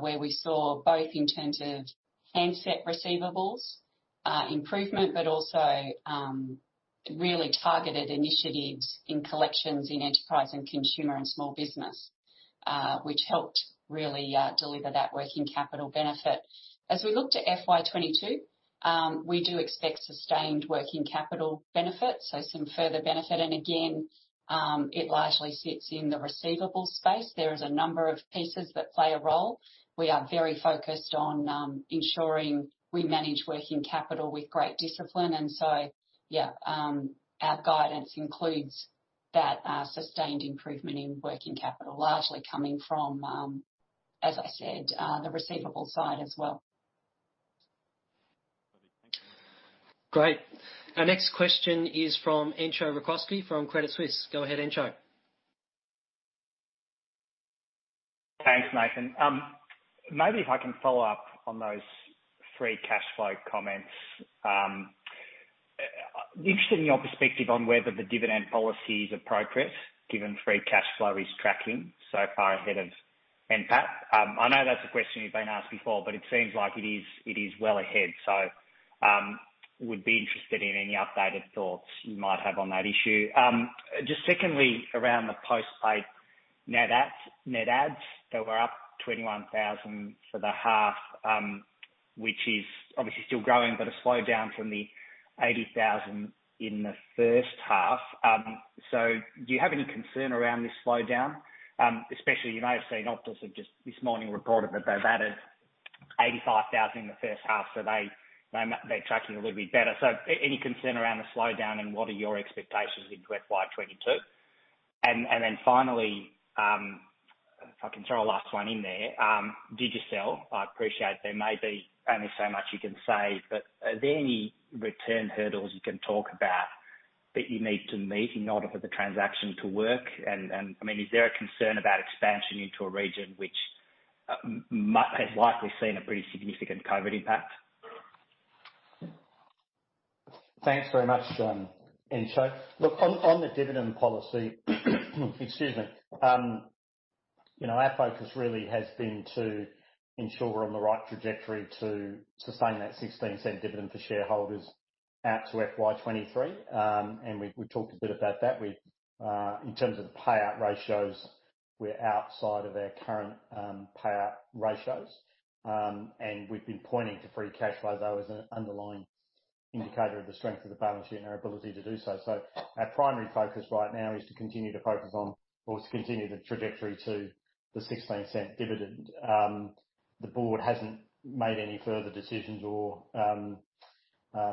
where we saw both in terms of handset receivables improvement, but also really targeted initiatives in collections in Enterprise and Consumer and Small Business, which helped really deliver that working capital benefit. As we look to FY 2022, we do expect sustained working capital benefit, so some further benefit, and again, it largely sits in the receivables space. There is a number of pieces that play a role. We are very focused on ensuring we manage working capital with great discipline. Yeah, our guidance includes that sustained improvement in working capital, largely coming from, as I said, the receivables side as well. Great. Our next question is from Entcho Raykovski from Credit Suisse. Go ahead, Entcho. Thanks, Nathan. Maybe if I can follow up on those free cash flow comments. Interested in your perspective on whether the dividend policy is appropriate given free cash flow is tracking so far ahead of NPAT. I know that's a question you've been asked before, but it seems like it is well ahead. Would be interested in any updated thoughts you might have on that issue. Just secondly, around the postpaid net adds. They were up 21,000 for the half, which is obviously still growing, but a slowdown from the 80,000 in the first half. Do you have any concern around this slowdown? Especially, you may have seen Optus have just this morning reported that they've added 85,000 in the first half. They're tracking a little bit better. Any concern around the slowdown and what are your expectations into FY 2022? Finally, if I can throw a last one in there, Digicel. I appreciate there may be only so much you can say, but are there any return hurdles you can talk about that you need to meet in order for the transaction to work? Is there a concern about expansion into a region which has likely seen a pretty significant COVID impact? Thanks very much, Entcho. Look on the dividend policy, excuse me. Our focus really has been to ensure we're on the right trajectory to sustain that 0.16 dividend for shareholders out to FY 2023. We talked a bit about that. In terms of payout ratios, we're outside of our current payout ratios. We've been pointing to free cash flow, though, as an underlying indicator of the strength of the balance sheet and our ability to do so. Our primary focus right now is to continue the trajectory to the 0.16 dividend. The board hasn't made any further decisions or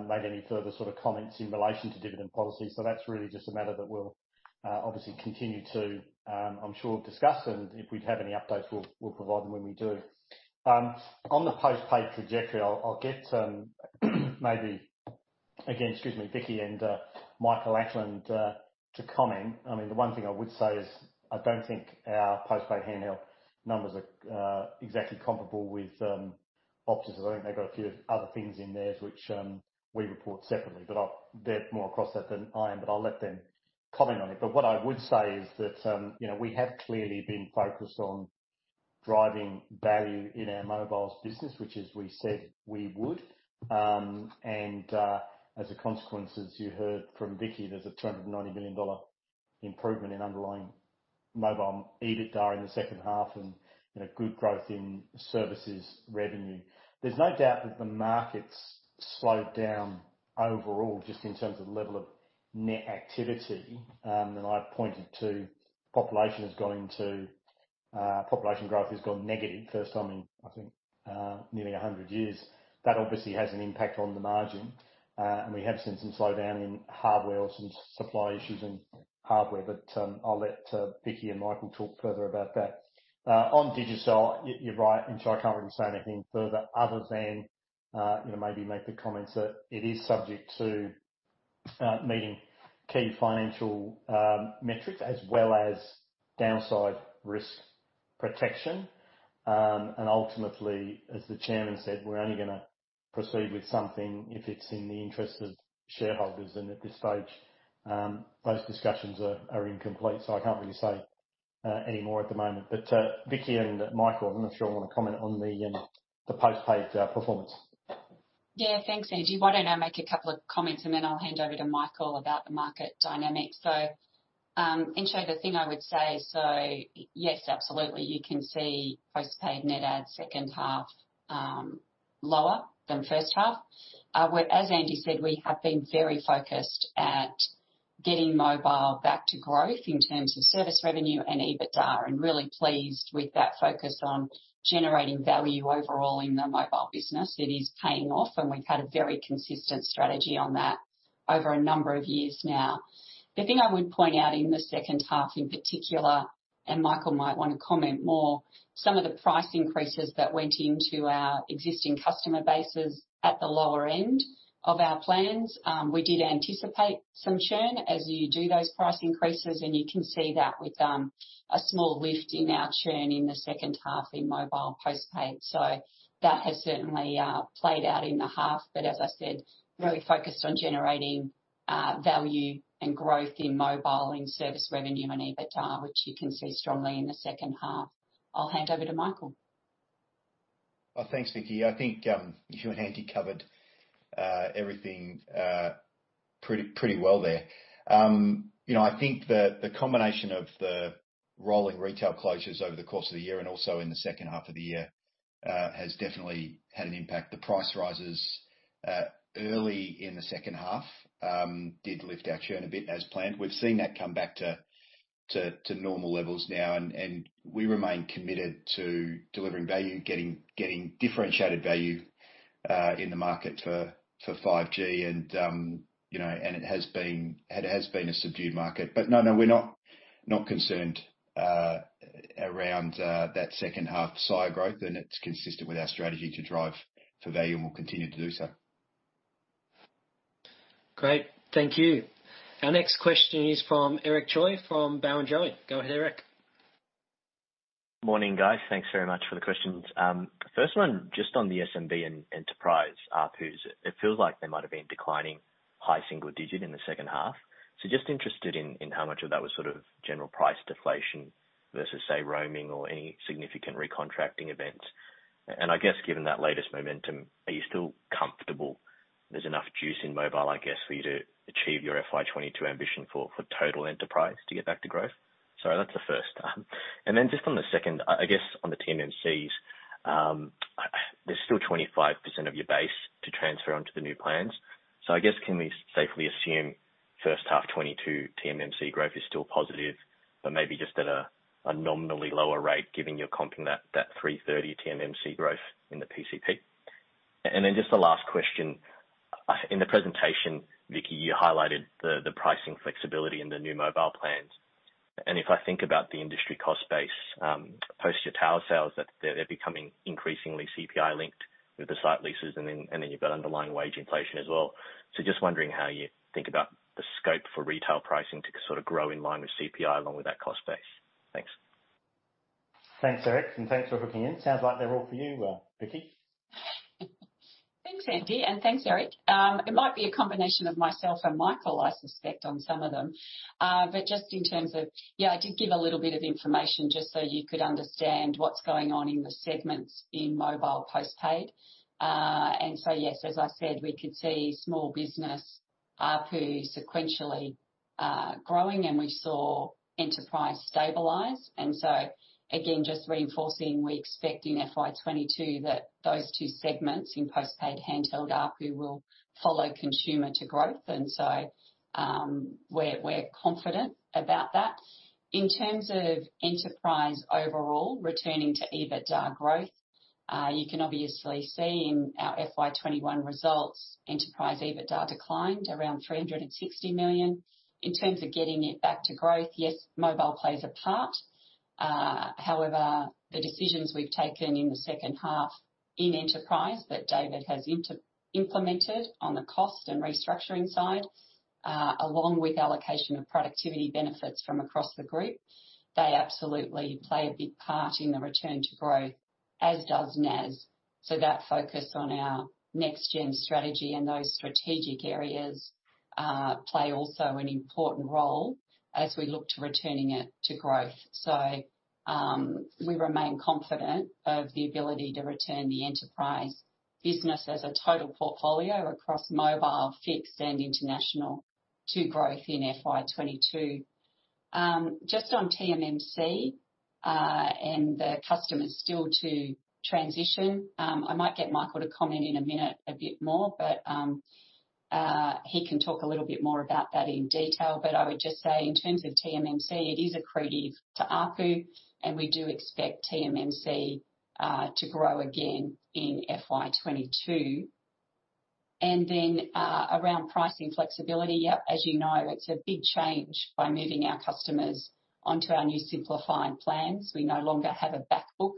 made any further comments in relation to dividend policy. That's really just a matter that we'll obviously continue to, I'm sure, discuss. If we have any updates, we'll provide them when we do. On the postpaid trajectory, I'll get, excuse me, Vicki and Michael Ackland to comment. The one thing I would say is I don't think our post-paid handheld numbers are exactly comparable with Optus. I think they've got a few other things in theirs, which we report separately. They're more across that than I am, but I'll let them comment on it. What I would say is that we have clearly been focused on driving value in our mobiles business, which as we said we would. As a consequence, as you heard from Vicki, there's an 290 million dollar improvement in underlying mobile EBITDA in the second half and good growth in services revenue. There's no doubt that the market's slowed down overall, just in terms of level of net activity. I pointed to population growth has gone negative, first time in, I think, nearly 100 years. That obviously has an impact on the margin. We have seen some slowdown in hardware or some supply issues in hardware. I'll let Vicki and Michael talk further about that. On Digicel, you're right, I can't really say anything further other than maybe make the comments that it is subject to meeting key financial metrics as well as downside risk protection. Ultimately, as the chairman said, we're only going to proceed with something if it's in the interest of shareholders. At this stage, those discussions are incomplete, so I can't really say any more at the moment. Vicki and Michael, I'm not sure, want to comment on the post-paid performance. Thanks, Andy. Why don't I make a couple of comments, and then I'll hand over to Michael about the market dynamics. Entcho, the thing I would say, yes, absolutely, you can see post-paid net add second half lower than first half. As Andy said, we have been very focused at getting mobile back to growth in terms of service revenue and EBITDA, and really pleased with that focus on generating value overall in the mobile business. It is paying off, and we've had a very consistent strategy on that over a number of years now. The thing I would point out in the second half, in particular, and Michael might want to comment more, some of the price increases that went into our existing customer bases at the lower end of our plans, we did anticipate some churn as you do those price increases. You can see that with a small lift in our churn in the second half in mobile post-paid. That has certainly played out in the half. As I said, really focused on generating value and growth in mobile, in service revenue and EBITDA, which you can see strongly in the second half. I'll hand over to Michael. Thanks, Vicki. I think you and Andy covered everything pretty well there. I think that the combination of the rolling retail closures over the course of the year and also in the second half of the year, has definitely had an impact. The price rises early in the second half did lift our churn a bit as planned. We've seen that come back to normal levels now, and we remain committed to delivering value, getting differentiated value in the market for 5G. It has been a subdued market. No, we're not concerned around that second half SIO growth, and it's consistent with our strategy to drive for value, and we'll continue to do so. Great. Thank you. Our next question is from Eric Choi from Barrenjoey. Go ahead, Eric. Morning, guys. Thanks very much for the questions. First one, just on the SMB and Enterprise ARPUs. It feels like they might've been declining high single-digit in the second half. Just interested in how much of that was sort of general price deflation versus, say, roaming or any significant recontracting events. I guess, given that latest momentum, are you still comfortable there's enough juice in mobile, I guess, for you to achieve your FY 2022 ambition for total Enterprise to get back to growth? Sorry, that's the first. Then just on the second, I guess on the TMMCs, there's still 25% of your base to transfer onto the new plans. I guess, can we safely assume first half 2022 TMMC growth is still positive, but maybe just at a nominally lower rate, given you're comping that 330 TMMC growth in the PCP? Just the last question. In the presentation, Vicki, you highlighted the pricing flexibility in the new mobile plans. If I think about the industry cost base post your tower sales, they're becoming increasingly CPI-linked with the site leases, you've got underlying wage inflation as well. Just wondering how you think about the scope for retail pricing to sort of grow in line with CPI along with that cost base. Thanks. Thanks, Eric, and thanks for hooking in. Sounds like they're all for you, Vicki. Thanks, Andy. Thanks, Eric. It might be a combination of myself and Michael, I suspect, on some of them. Just in terms of, I did give a little bit of information just so you could understand what's going on in the segments in mobile post-paid. Yes, as I said, we could see Small Business ARPU sequentially growing, and we saw Enterprise stabilize. Again, just reinforcing, we expect in FY 2022 that those two segments in post-paid handheld ARPU will follow Consumer to growth. We're confident about that. In terms of Enterprise overall returning to EBITDA growth, you can obviously see in our FY 2021 results, Enterprise EBITDA declined around 360 million. In terms of getting it back to growth, yes, mobile plays a part. However, the decisions we've taken in the second half. In Enterprise that David has implemented on the cost and restructuring side, along with allocation of productivity benefits from across the group. They absolutely play a big part in the return to growth, as does NAS. That focus on our next gen strategy and those strategic areas play also an important role as we look to returning it to growth. We remain confident of the ability to return the Enterprise business as a total portfolio across mobile, fixed, and International to growth in FY 2022. Just on TMMC, and the customers still to transition. I might get Michael to comment in a minute a bit more, but he can talk a little bit more about that in detail. I would just say in terms of TMMC, it is accretive to ARPU, and we do expect TMMC to grow again in FY 2022. Around pricing flexibility. Yep, as you know, it's a big change by moving our customers onto our new simplified plans. We no longer have a back book,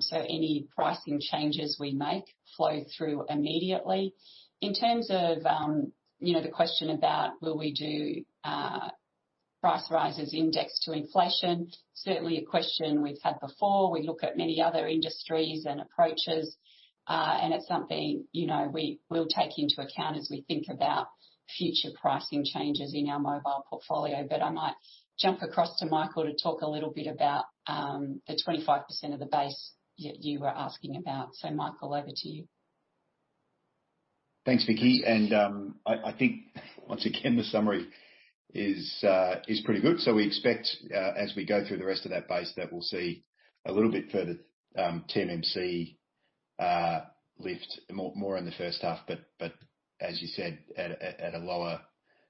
so any pricing changes we make flow through immediately. In terms of the question about will we do price rises indexed to inflation, certainly a question we've had before. We look at many other industries and approaches. It's something we'll take into account as we think about future pricing changes in our mobile portfolio. I might jump across to Michael to talk a little bit about the 25% of the base you were asking about. Michael, over to you. Thanks, Vicki. I think once again, the summary is pretty good. We expect, as we go through the rest of that base, that we'll see a little bit further TMMC lift more in the first half. As you said, at a lower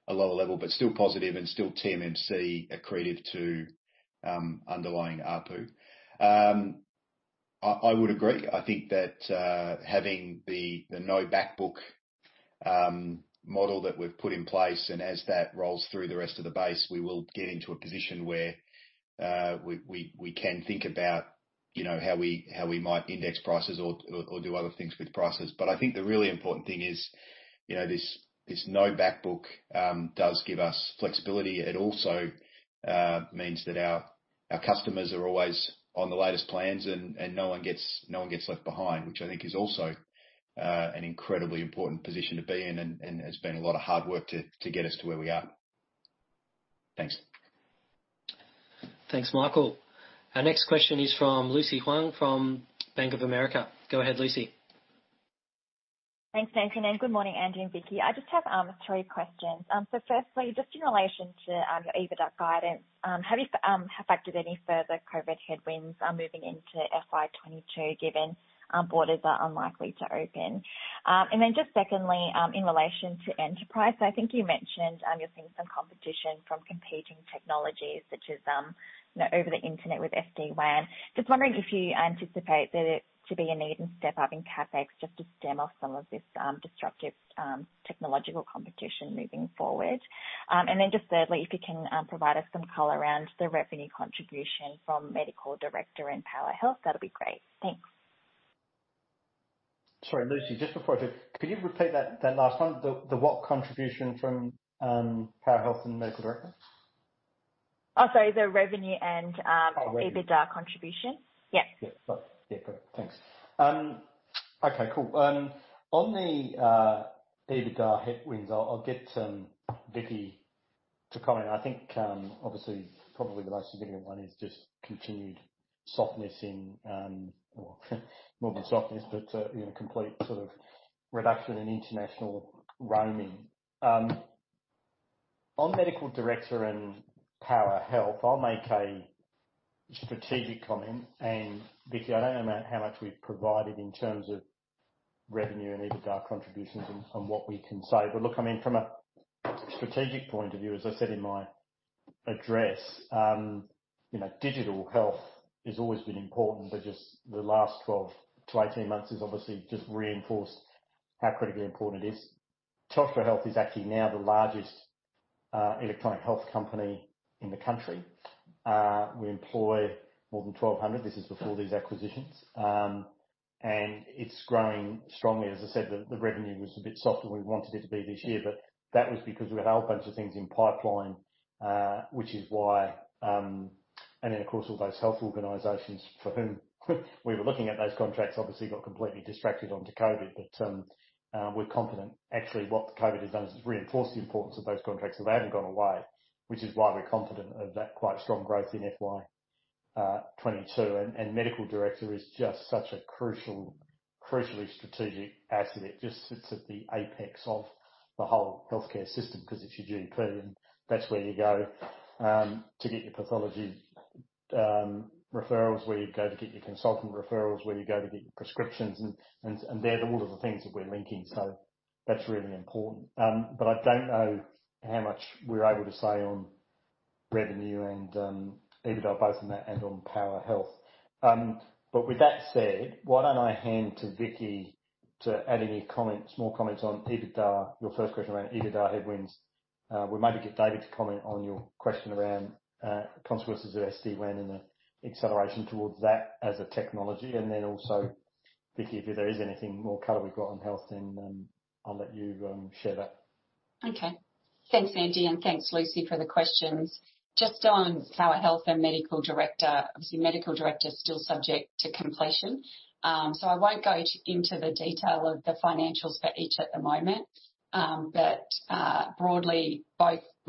level, but still positive and still TMMC accretive to underlying ARPU. I would agree. I think that having the no back book model that we've put in place, as that rolls through the rest of the base, we will get into a position where we can think about how we might index prices or do other things with prices. I think the really important thing is this no back book does give us flexibility. It also means that our customers are always on the latest plans, and no one gets left behind, which I think is also an incredibly important position to be in and has been a lot of hard work to get us to where we are. Thanks. Thanks, Michael. Our next question is from Lucy Huang from Bank of America. Go ahead, Lucy. Thanks, Nathan, and good morning, Andy and Vicki. I just have three questions. Firstly, just in relation to your EBITDA guidance, have you factored any further COVID headwinds moving into FY 2022, given borders are unlikely to open? Secondly, in relation to Enterprise, I think you mentioned you're seeing some competition from competing technologies such as over the internet with SD-WAN. Just wondering if you anticipate there to be a need and step up in CapEx just to stem off some of this disruptive technological competition moving forward. Thirdly, if you can provide us some color around the revenue contribution from MedicalDirector and PowerHealth, that'd be great. Thanks. Sorry, Lucy, just before I do, could you repeat that last one? The what contribution from PowerHealth and MedicalDirector? Oh, sorry. Oh, revenue. EBITDA contribution. Yep. Yeah. Right. Yeah, great. Thanks. Okay, cool. On the EBITDA headwinds, I will get Vicki to comment. I think, obviously, probably the most significant one is just continued softness in Well, more than softness, but complete sort of reduction in international roaming. On MedicalDirector and PowerHealth, I will make a strategic comment. Vicki, I do not know how much we have provided in terms of revenue and EBITDA contributions and what we can say. Look, I mean, from a strategic point of view, as I said in my address, digital health has always been important, but just the last 12 to 18 months has obviously just reinforced how critically important it is. Telstra Health is actually now the largest electronic health company in the country. We employ more than 1,200. This is before these acquisitions. It is growing strongly. As I said, the revenue was a bit softer than we wanted it to be this year, but that was because we had a whole bunch of things in pipeline, which is why. Of course, all those health organizations for whom we were looking at those contracts obviously got completely distracted onto COVID. We're confident. Actually, what COVID has done is it's reinforced the importance of those contracts, so they haven't gone away, which is why we're confident of that quite strong growth in FY 2022. MedicalDirector is just such a crucially strategic asset. It just sits at the apex of the whole healthcare system because it's your GP, and that's where you go to get your pathology referrals, where you go to get your consultant referrals, where you go to get your prescriptions. They're all of the things that we're linking, so that's really important. I don't know how much we're able to say on revenue and EBITDA, both on that and on PowerHealth. With that said, why don't I hand to Vicki. To add any comments, more comments on EBITDA, your first question around EBITDA headwinds. We'll maybe get David to comment on your question around consequences of SD-WAN and the acceleration towards that as a technology. Then also, Vicki, if there is anything more color we've got on health, then I'll let you share that. Okay. Thanks, Andy, and thanks, Lucy, for the questions. Just on PowerHealth and MedicalDirector, obviously, MedicalDirector is still subject to completion. I won't go into the detail of the financials for each at the moment. Broadly,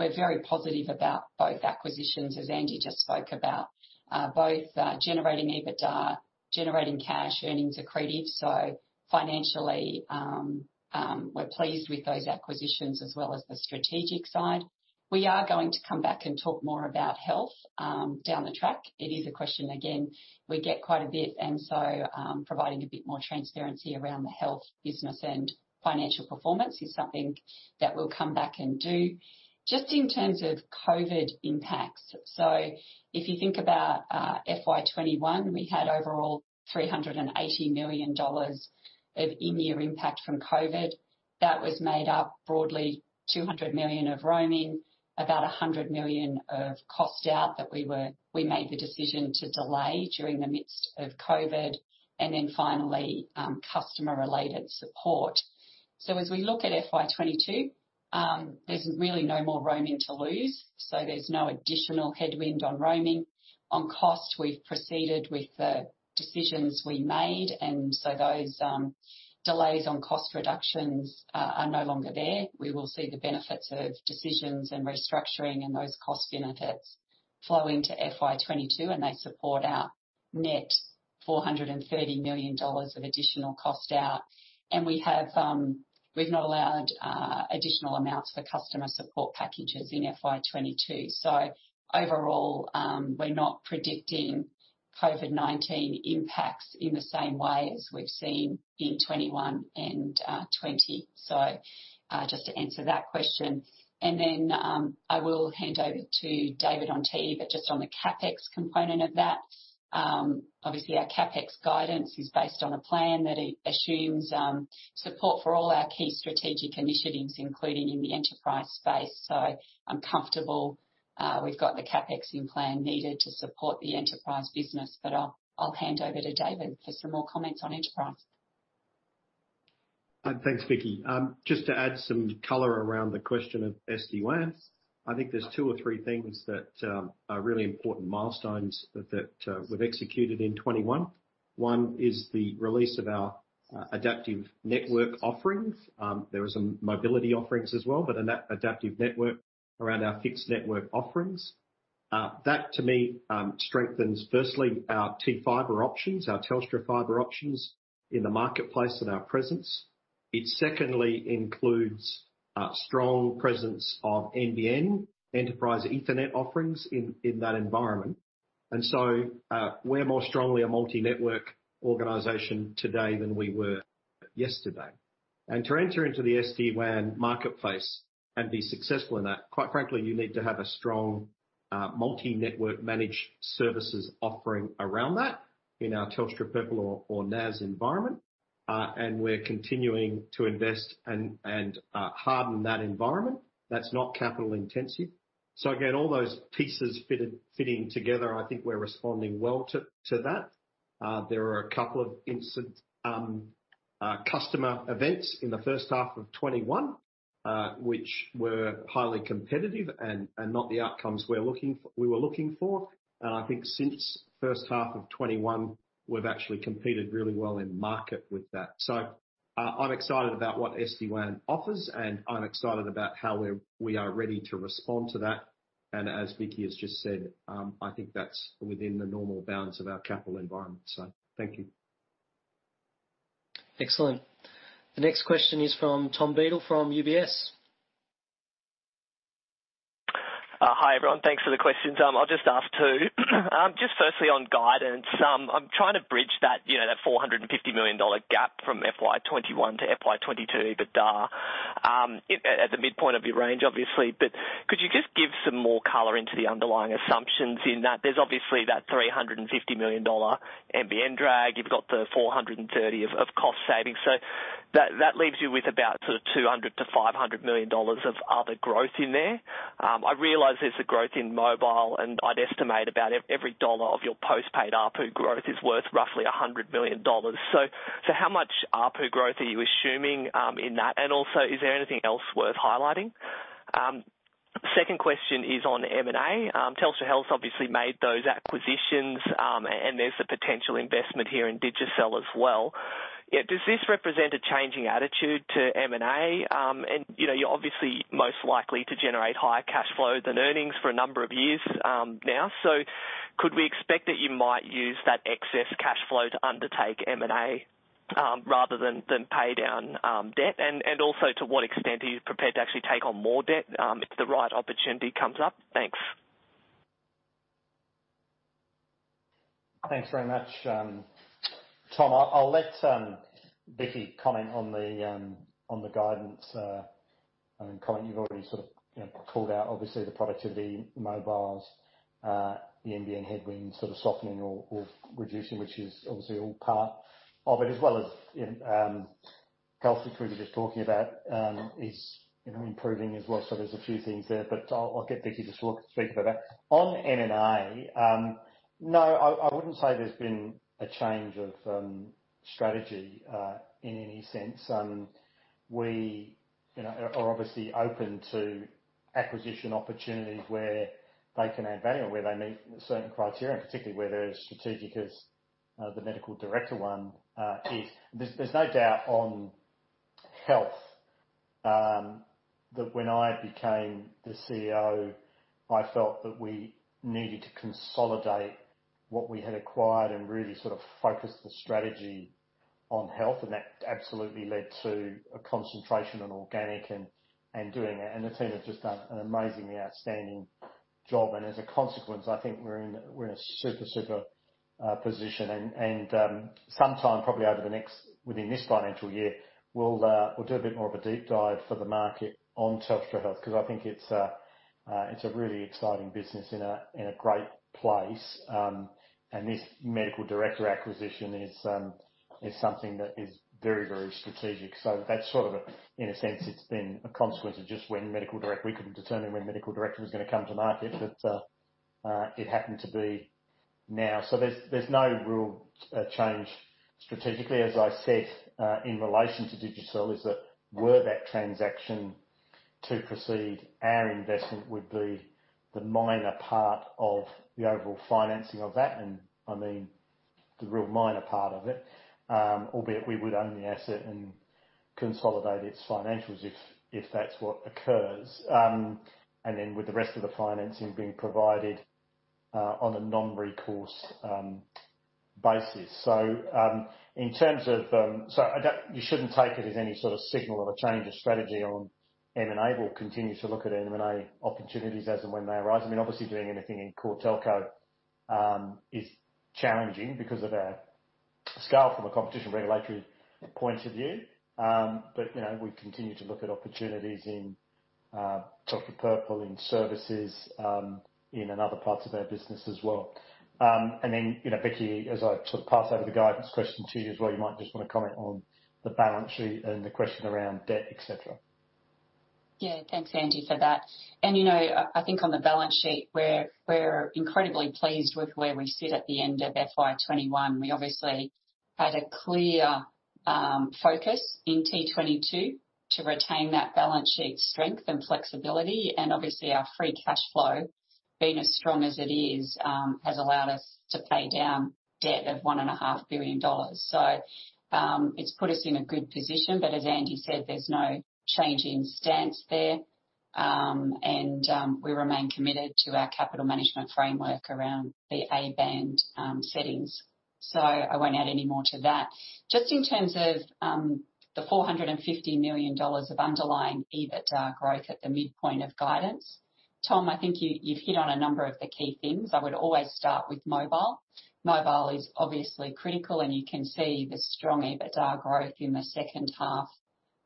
we're very positive about both acquisitions, as Andy just spoke about. Both generating EBITDA, generating cash earnings accretive. Financially, we're pleased with those acquisitions as well as the strategic side. We are going to come back and talk more about health down the track. It is a question, again, we get quite a bit. Providing a bit more transparency around the health business and financial performance is something that we'll come back and do. Just in terms of COVID impacts. If you think about FY 2021, we had overall 380 million dollars of in-year impact from COVID. That was made up broadly 200 million of roaming, about 100 million of cost out that we made the decision to delay during the midst of COVID. Finally, customer-related support. As we look at FY 2022, there's really no more roaming to lose. There's no additional headwind on roaming. On cost, we've proceeded with the decisions we made, those delays on cost reductions are no longer there. We will see the benefits of decisions and restructuring and those cost benefits flow into FY 2022, and they support our net 430 million dollars of additional cost out. We've not allowed additional amounts for customer support packages in FY 2022. Overall, we're not predicting COVID-19 impacts in the same way as we've seen in 2021 and 2020. Just to answer that question. I will hand over to David on TE. Just on the CapEx component of that, obviously our CapEx guidance is based on a plan that assumes support for all our key strategic initiatives, including in the enterprise space. I'm comfortable we've got the CapEx in plan needed to support the enterprise business. I'll hand over to David for some more comments on enterprise. Thanks, Vicki. Just to add some color around the question of SD-WAN. I think there's two or three things that are really important milestones that we've executed in 2021. One is the release of our adaptive network offerings. There is mobility offerings as well, but adaptive network around our fixed network offerings. That, to me, strengthens firstly our Telstra Fibre options, our Telstra Fibre options in the marketplace and our presence. It secondly includes strong presence of NBN, Enterprise Ethernet offerings in that environment. We're more strongly a multi-network organization today than we were yesterday. To enter into the SD-WAN marketplace and be successful in that, quite frankly, you need to have a strong multi-network managed services offering around that in our Telstra Purple or NAS environment. We're continuing to invest and harden that environment. That's not capital intensive. All those pieces fitting together, I think we're responding well to that. There are a couple of instant customer events in the first half of 2021, which were highly competitive and not the outcomes we were looking for. Since first half of 2021, we've actually competed really well in market with that. I'm excited about what SD-WAN offers, and I'm excited about how we are ready to respond to that. I think that's within the normal bounds of our capital environment. Thank you. Excellent. The next question is from Tom Beadle from UBS. Hi, everyone. Thanks for the questions. I'll just ask two. Just firstly on guidance. I'm trying to bridge that 450 million dollar gap from FY 2021 to FY 2022 EBITDA at the midpoint of your range, obviously. Could you just give some more color into the underlying assumptions in that? There's obviously that 350 million dollar NBN drag. You've got the 430 of cost savings. That leaves you with about sort of 200 million-500 million dollars of other growth in there. I realize there's a growth in mobile. I'd estimate about every dollar of your postpaid ARPU growth is worth roughly 100 million dollars. How much ARPU growth are you assuming in that? Also, is there anything else worth highlighting? Second question is on M&A. Telstra Health obviously made those acquisitions. There's the potential investment here in Digicel as well. Does this represent a changing attitude to M&A? You're obviously most likely to generate higher cash flow than earnings for a number of years now. Could we expect that you might use that excess cash flow to undertake M&A rather than pay down debt? Also, to what extent are you prepared to actually take on more debt if the right opportunity comes up? Thanks. Thanks very much, Tom. I'll let Vicki comment on the guidance. Comment you've already sort of called out obviously the productivity mobiles, the NBN headwind sort of softening or reducing, which is obviously all part of it, as well as health, which we were just talking about is improving as well. There's a few things there, but I'll get Vicki just to speak about that. On M&A, no, I wouldn't say there's been a change of strategy in any sense. We are obviously open to acquisition opportunities where they can add value and where they meet certain criteria, and particularly where they're as strategic as the MedicalDirector one is. There's no doubt on health that when I became the CEO, I felt that we needed to consolidate what we had acquired and really sort of focus the strategy on health, and that absolutely led to a concentration on organic and doing it. The team have just done an amazingly outstanding job. As a consequence, I think we're in a super position. Sometime probably within this financial year, we'll do a bit more of a deep dive for the market on Telstra Health, because I think it's a really exciting business in a great place. This MedicalDirector acquisition is something that is very strategic. In a sense, it's been a consequence of just We couldn't determine when MedicalDirector was going to come to market, but it happened to be now. There's no real change strategically, as I said, in relation to Digicel, is that were that transaction to proceed, our investment would be the minor part of the overall financing of that, I mean the real minor part of it, albeit we would own the asset and consolidate its financials if that's what occurs. With the rest of the financing being provided on a non-recourse basis. You shouldn't take it as any sort of signal of a change of strategy on M&A. We'll continue to look at M&A opportunities as and when they arise. Obviously, doing anything in core telco is challenging because of our scale from a competition regulatory point of view. We continue to look at opportunities in Telstra Purple, in services, and in other parts of our business as well. Vicki, as I sort of pass over the guidance question to you as well, you might just want to comment on the balance sheet and the question around debt, et cetera. Yeah. Thanks, Andy, for that. I think on the balance sheet, we're incredibly pleased with where we sit at the end of FY 2021. We obviously had a clear focus in T22 to retain that balance sheet strength and flexibility, and obviously our free cash flow, being as strong as it is, has allowed us to pay down debt of 1.5 billion dollars. It's put us in a good position. As Andy said, there's no change in stance there. We remain committed to our capital management framework around the A band settings. I won't add any more to that. Just in terms of the 450 million dollars of underlying EBITDA growth at the midpoint of guidance, Tom, I think you've hit on a number of the key things. I would always start with mobile. Mobile is obviously critical, and you can see the strong EBITDA growth in the second half of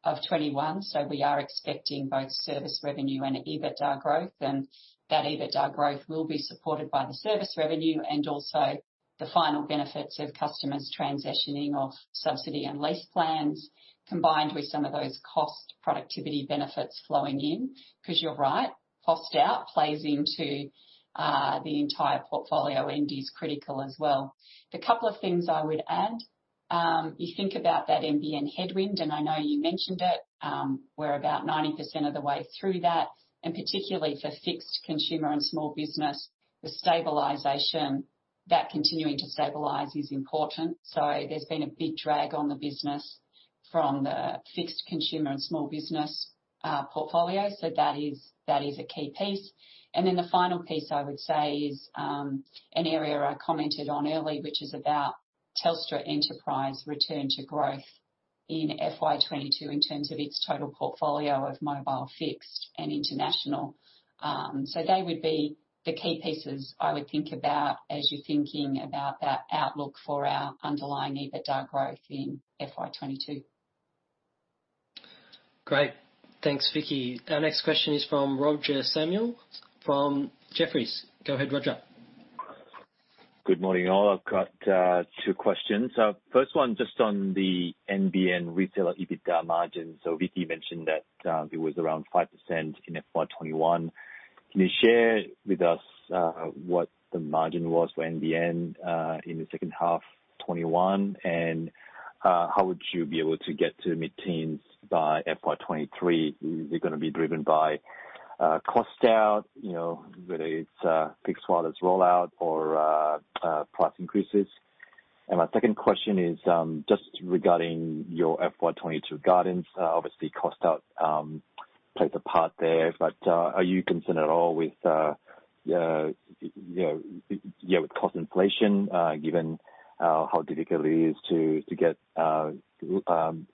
2021. We are expecting both service revenue and EBITDA growth, and that EBITDA growth will be supported by the service revenue and also the final benefits of customers transitioning off subsidy and lease plans, combined with some of those cost productivity benefits flowing in. You're right, cost out plays into the entire portfolio. NBN's critical as well. The couple of things I would add, you think about that NBN headwind, and I know you mentioned it. We're about 90% of the way through that, and particularly for fixed consumer and small business, the stabilization, that continuing to stabilize is important. There's been a big drag on the business from the fixed consumer and small business portfolio. That is a key piece. The final piece I would say is an area I commented on early, which is about Telstra Enterprise return to growth in FY 2022 in terms of its total portfolio of mobile, fixed, and international. They would be the key pieces I would think about as you're thinking about that outlook for our underlying EBITDA growth in FY 2022. Great. Thanks, Vicki. Our next question is from Roger Samuel from Jefferies. Go ahead, Roger. Good morning, all. I've got two questions. First one, just on the NBN retailer EBITDA margin. Vicki mentioned that it was around 5% in FY 2021. Can you share with us what the margin was for NBN in the second half 2021, and how would you be able to get to mid-teens by FY 2023? Is it going to be driven by cost out, whether it's Fixed Wireless rollout or price increases? My second question is just regarding your FY 2022 guidance. Obviously, cost out plays a part there, but are you concerned at all with cost inflation, given how difficult it is to get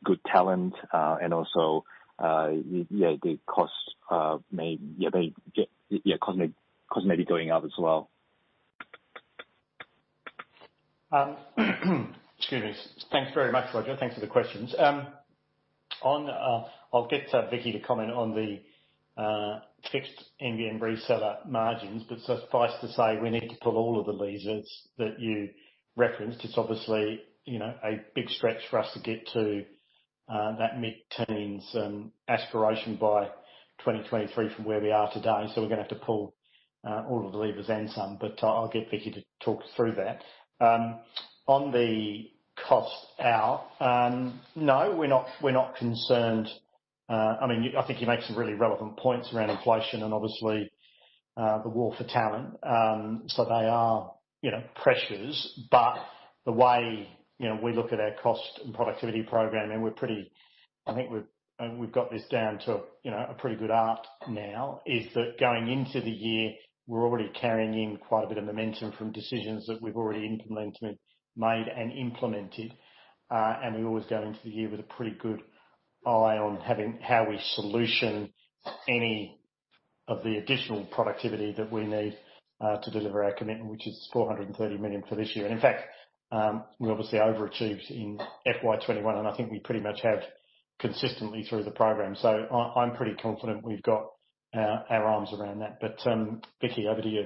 good talent and also the cost may be going up as well? Excuse me. Thanks very much, Roger. Thanks for the questions. I'll get Vicki to comment on the fixed NBN reseller margins, but suffice to say, we need to pull all of the levers that you referenced. It's obviously a big stretch for us to get to that mid-teens aspiration by 2023 from where we are today. We're going to have to pull all of the levers and some. I'll get Vicki to talk through that. On the cost out. No, we're not concerned. I think you make some really relevant points around inflation and obviously, the war for talent. They are pressures. The way we look at our cost and productivity program, I think we've got this down to a pretty good art now, is that going into the year, we're already carrying in quite a bit of momentum from decisions that we've already made and implemented. We always go into the year with a pretty good eye on how we solution any of the additional productivity that we need to deliver our commitment, which is 430 million for this year. In fact, we obviously overachieved in FY 2021, I think we pretty much have consistently through the program. I'm pretty confident we've got our arms around that. Vicki, over to you.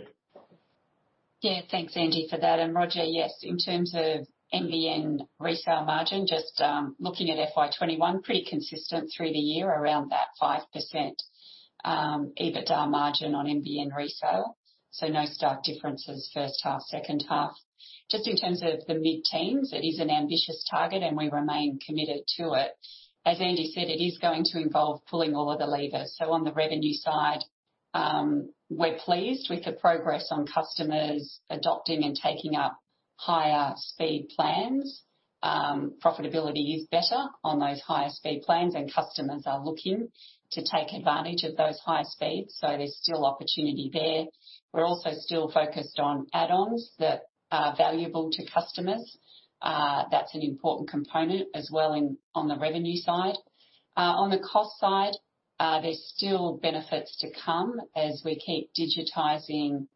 Thanks, Andy, for that. Roger, yes, in terms of NBN resale margin, just looking at FY 2021, pretty consistent through the year around that 5% EBITDA margin on NBN resale. No stark differences first half, second half. Just in terms of the mid-teens, it is an ambitious target, and we remain committed to it. As Andy said, it is going to involve pulling all of the levers. On the revenue side, we're pleased with the progress on customers adopting and taking up higher speed plans. Profitability is better on those higher speed plans, and customers are looking to take advantage of those higher speeds. There's still opportunity there. We're also still focused on add-ons that are valuable to customers. That's an important component as well on the revenue side. On the cost side, there's still benefits to come as we keep digitizing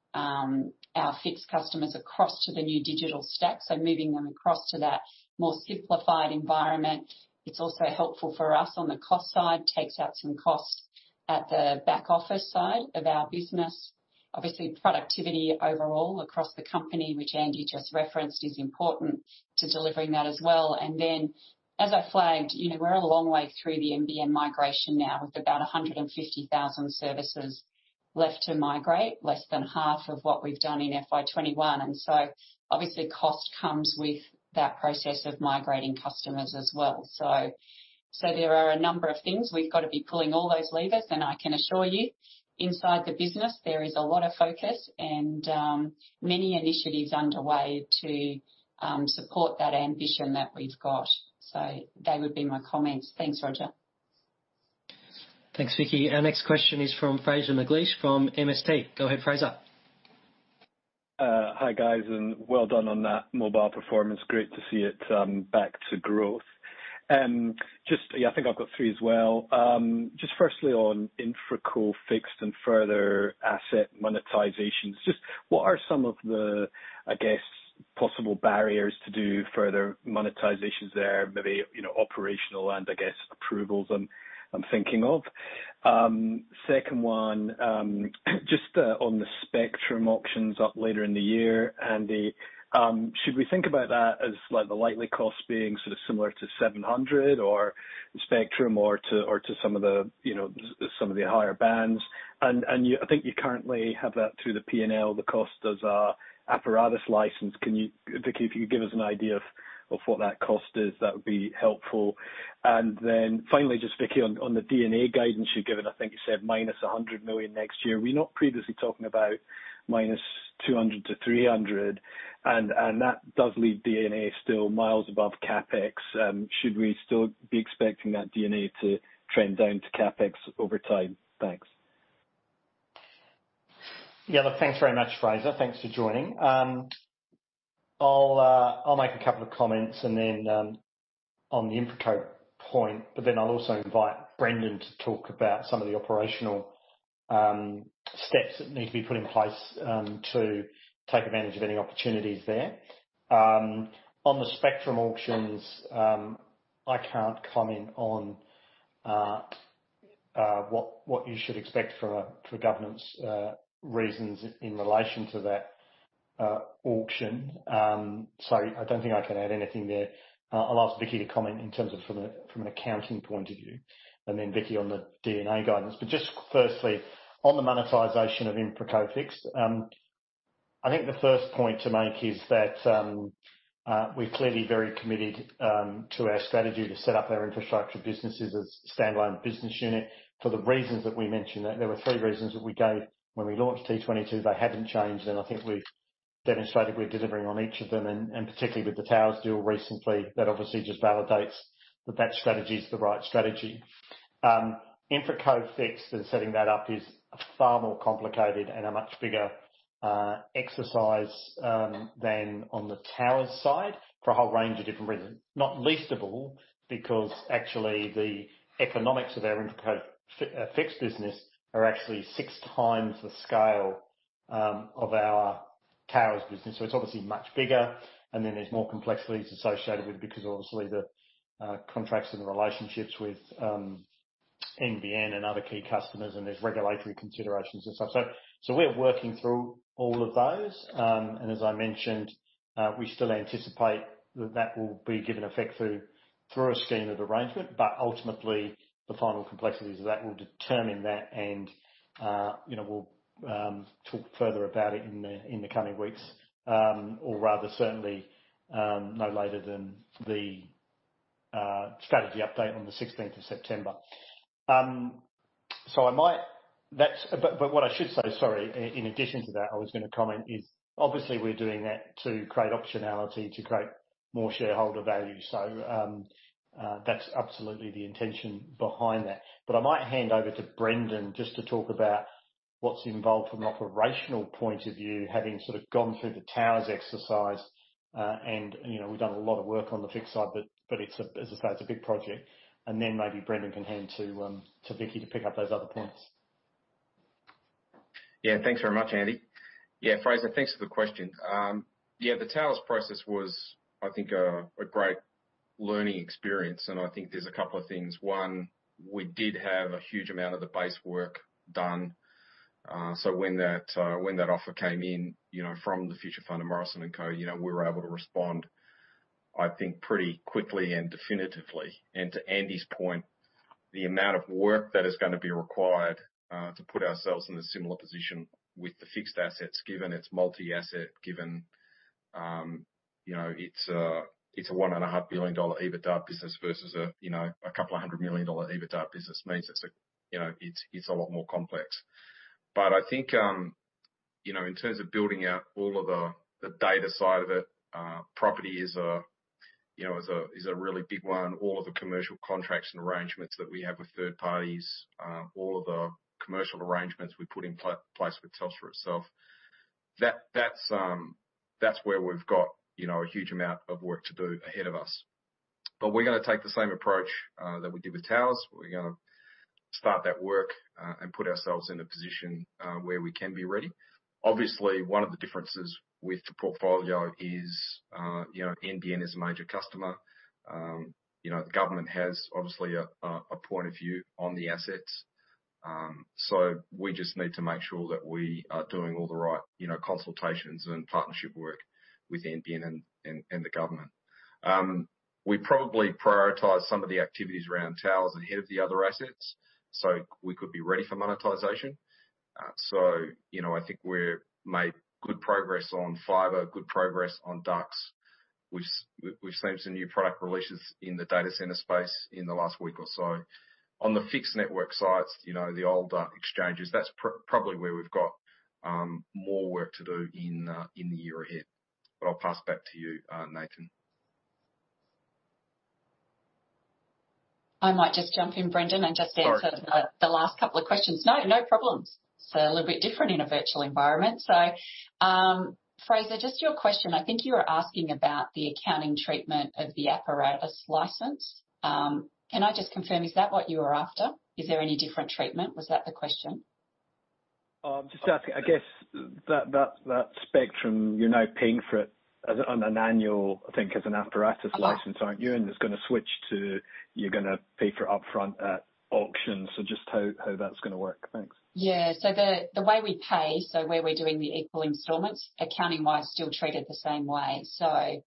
our fixed customers across to the new digital stack. Moving them across to that more simplified environment. It's also helpful for us on the cost side. Takes out some costs at the back-office side of our business. Obviously, productivity overall across the company, which Andy just referenced, is important to delivering that as well. As I flagged, we're a long way through the NBN migration now with about 150,000 services left to migrate, less than half of what we've done in FY 2021. Obviously cost comes with that process of migrating customers as well. There are a number of things. We've got to be pulling all those levers, and I can assure you inside the business, there is a lot of focus and many initiatives underway to support that ambition that we've got. They would be my comments. Thanks, Roger. Thanks, Vicki. Our next question is from Fraser McLeish from MST. Go ahead, Fraser. Hi, guys. Well done on that mobile performance. Great to see it back to growth. I think I've got three as well. Just firstly on InfraCo Fixed and further asset monetizations. Just what are some of the, I guess, possible barriers to do further monetizations there? Maybe operational and I guess approvals I'm thinking of. Second one, just on the spectrum auctions up later in the year. Andy, should we think about that as the likely cost being sort of similar to 700 or spectrum or to some of the higher bands? I think you currently have that through the P&L, the cost as a apparatus license. Vicki, if you could give us an idea of what that cost is, that would be helpful. Finally, just Vicki, on the D&A guidance you've given, I think you said -100 million next year. Were we not previously talking about -200 to -300? That does leave D&A still miles above CapEx. Should we still be expecting that D&A to trend down to CapEx over time? Thanks. Look, thanks very much, Fraser. Thanks for joining. I'll make a couple of comments and then on the InfraCo point, but then I'll also invite Brendon to talk about some of the operational steps that need to be put in place to take advantage of any opportunities there. On the spectrum auctions, I can't comment on what you should expect for governance reasons in relation to that auction. I don't think I can add anything there. I'll ask Vicki to comment in terms of from an accounting point of view, and then Vicki on the D&A guidance. Just firstly, on the monetization of InfraCo Fixed. I think the first point to make is that we're clearly very committed to our strategy to set up our infrastructure businesses as a standalone business unit for the reasons that we mentioned. There were three reasons that we gave when we launched T22. They haven't changed, and I think we've demonstrated we're delivering on each of them, and particularly with the Towers deal recently. That obviously just validates that strategy is the right strategy. InfraCo Fixed and setting that up is far more complicated and a much bigger exercise than on the Towers side for a whole range of different reasons. Not least of all, because actually the economics of our InfraCo Fixed business are actually 6x the scale of our Towers business. It's obviously much bigger, and then there's more complexities associated with it because obviously the contracts and the relationships with NBN and other key customers, and there's regulatory considerations and such. We're working through all of those. As I mentioned, we still anticipate that will be given effect through a scheme of arrangement. Ultimately, the final complexities of that will determine that, and we'll talk further about it in the coming weeks. Rather, certainly, no later than the strategy update on the September 16th. What I should say, sorry, in addition to that, I was going to comment is obviously we're doing that to create optionality, to create more shareholder value. That's absolutely the intention behind that. I might hand over to Brendon just to talk about what's involved from an operational point of view, having gone through the towers exercise. We've done a lot of work on the fixed side, but as I say, it's a big project. Then maybe Brendon can hand to Vicki to pick up those other points. Thanks very much, Andy. Fraser, thanks for the question. The Towers process was, I think, a great learning experience, and I think there's a couple of things. One, we did have a huge amount of the base work done. When that offer came in from the Future Fund of Morrison & Co, we were able to respond, I think, pretty quickly and definitively. To Andy's point, the amount of work that is going to be required to put ourselves in a similar position with the fixed assets given it's multi-asset, given it's a 1.5 billion dollar EBITDA business versus a couple hundred million dollar EBITDA business means it's a lot more complex. I think in terms of building out all of the data side of it, property is a really big one. All of the commercial contracts and arrangements that we have with third parties, all of the commercial arrangements we put in place with Telstra itself. That's where we've got a huge amount of work to do ahead of us. We're going to take the same approach that we did with Towers. We're going to start that work and put ourselves in a position where we can be ready. Obviously, one of the differences with the portfolio is NBN is a major customer. The government has obviously a point of view on the assets. We just need to make sure that we are doing all the right consultations and partnership work with NBN and the government. We probably prioritize some of the activities around Towers ahead of the other assets, so we could be ready for monetization. I think we've made good progress on fiber, good progress on ducts. We've seen some new product releases in the data center space in the last week or so. On the fixed network sites, the older exchanges, that's probably where we've got more work to do in the year ahead. I'll pass back to you, Nathan. I might just jump in, Brendon. Sorry the last couple of questions. No, no problems. It is a little bit different in a virtual environment. Fraser, just your question, I think you were asking about the accounting treatment of the apparatus license. Can I just confirm, is that what you were after? Is there any different treatment? Was that the question? Just asking. I guess that spectrum, you're now paying for it on an annual, I think, as an apparatus license aren't you? It's going to switch to. You're going to pay for it upfront at auction. Just how that's going to work? Thanks. The way we pay, where we're doing the equal installments, accounting-wise, still treated the same way. Intangible,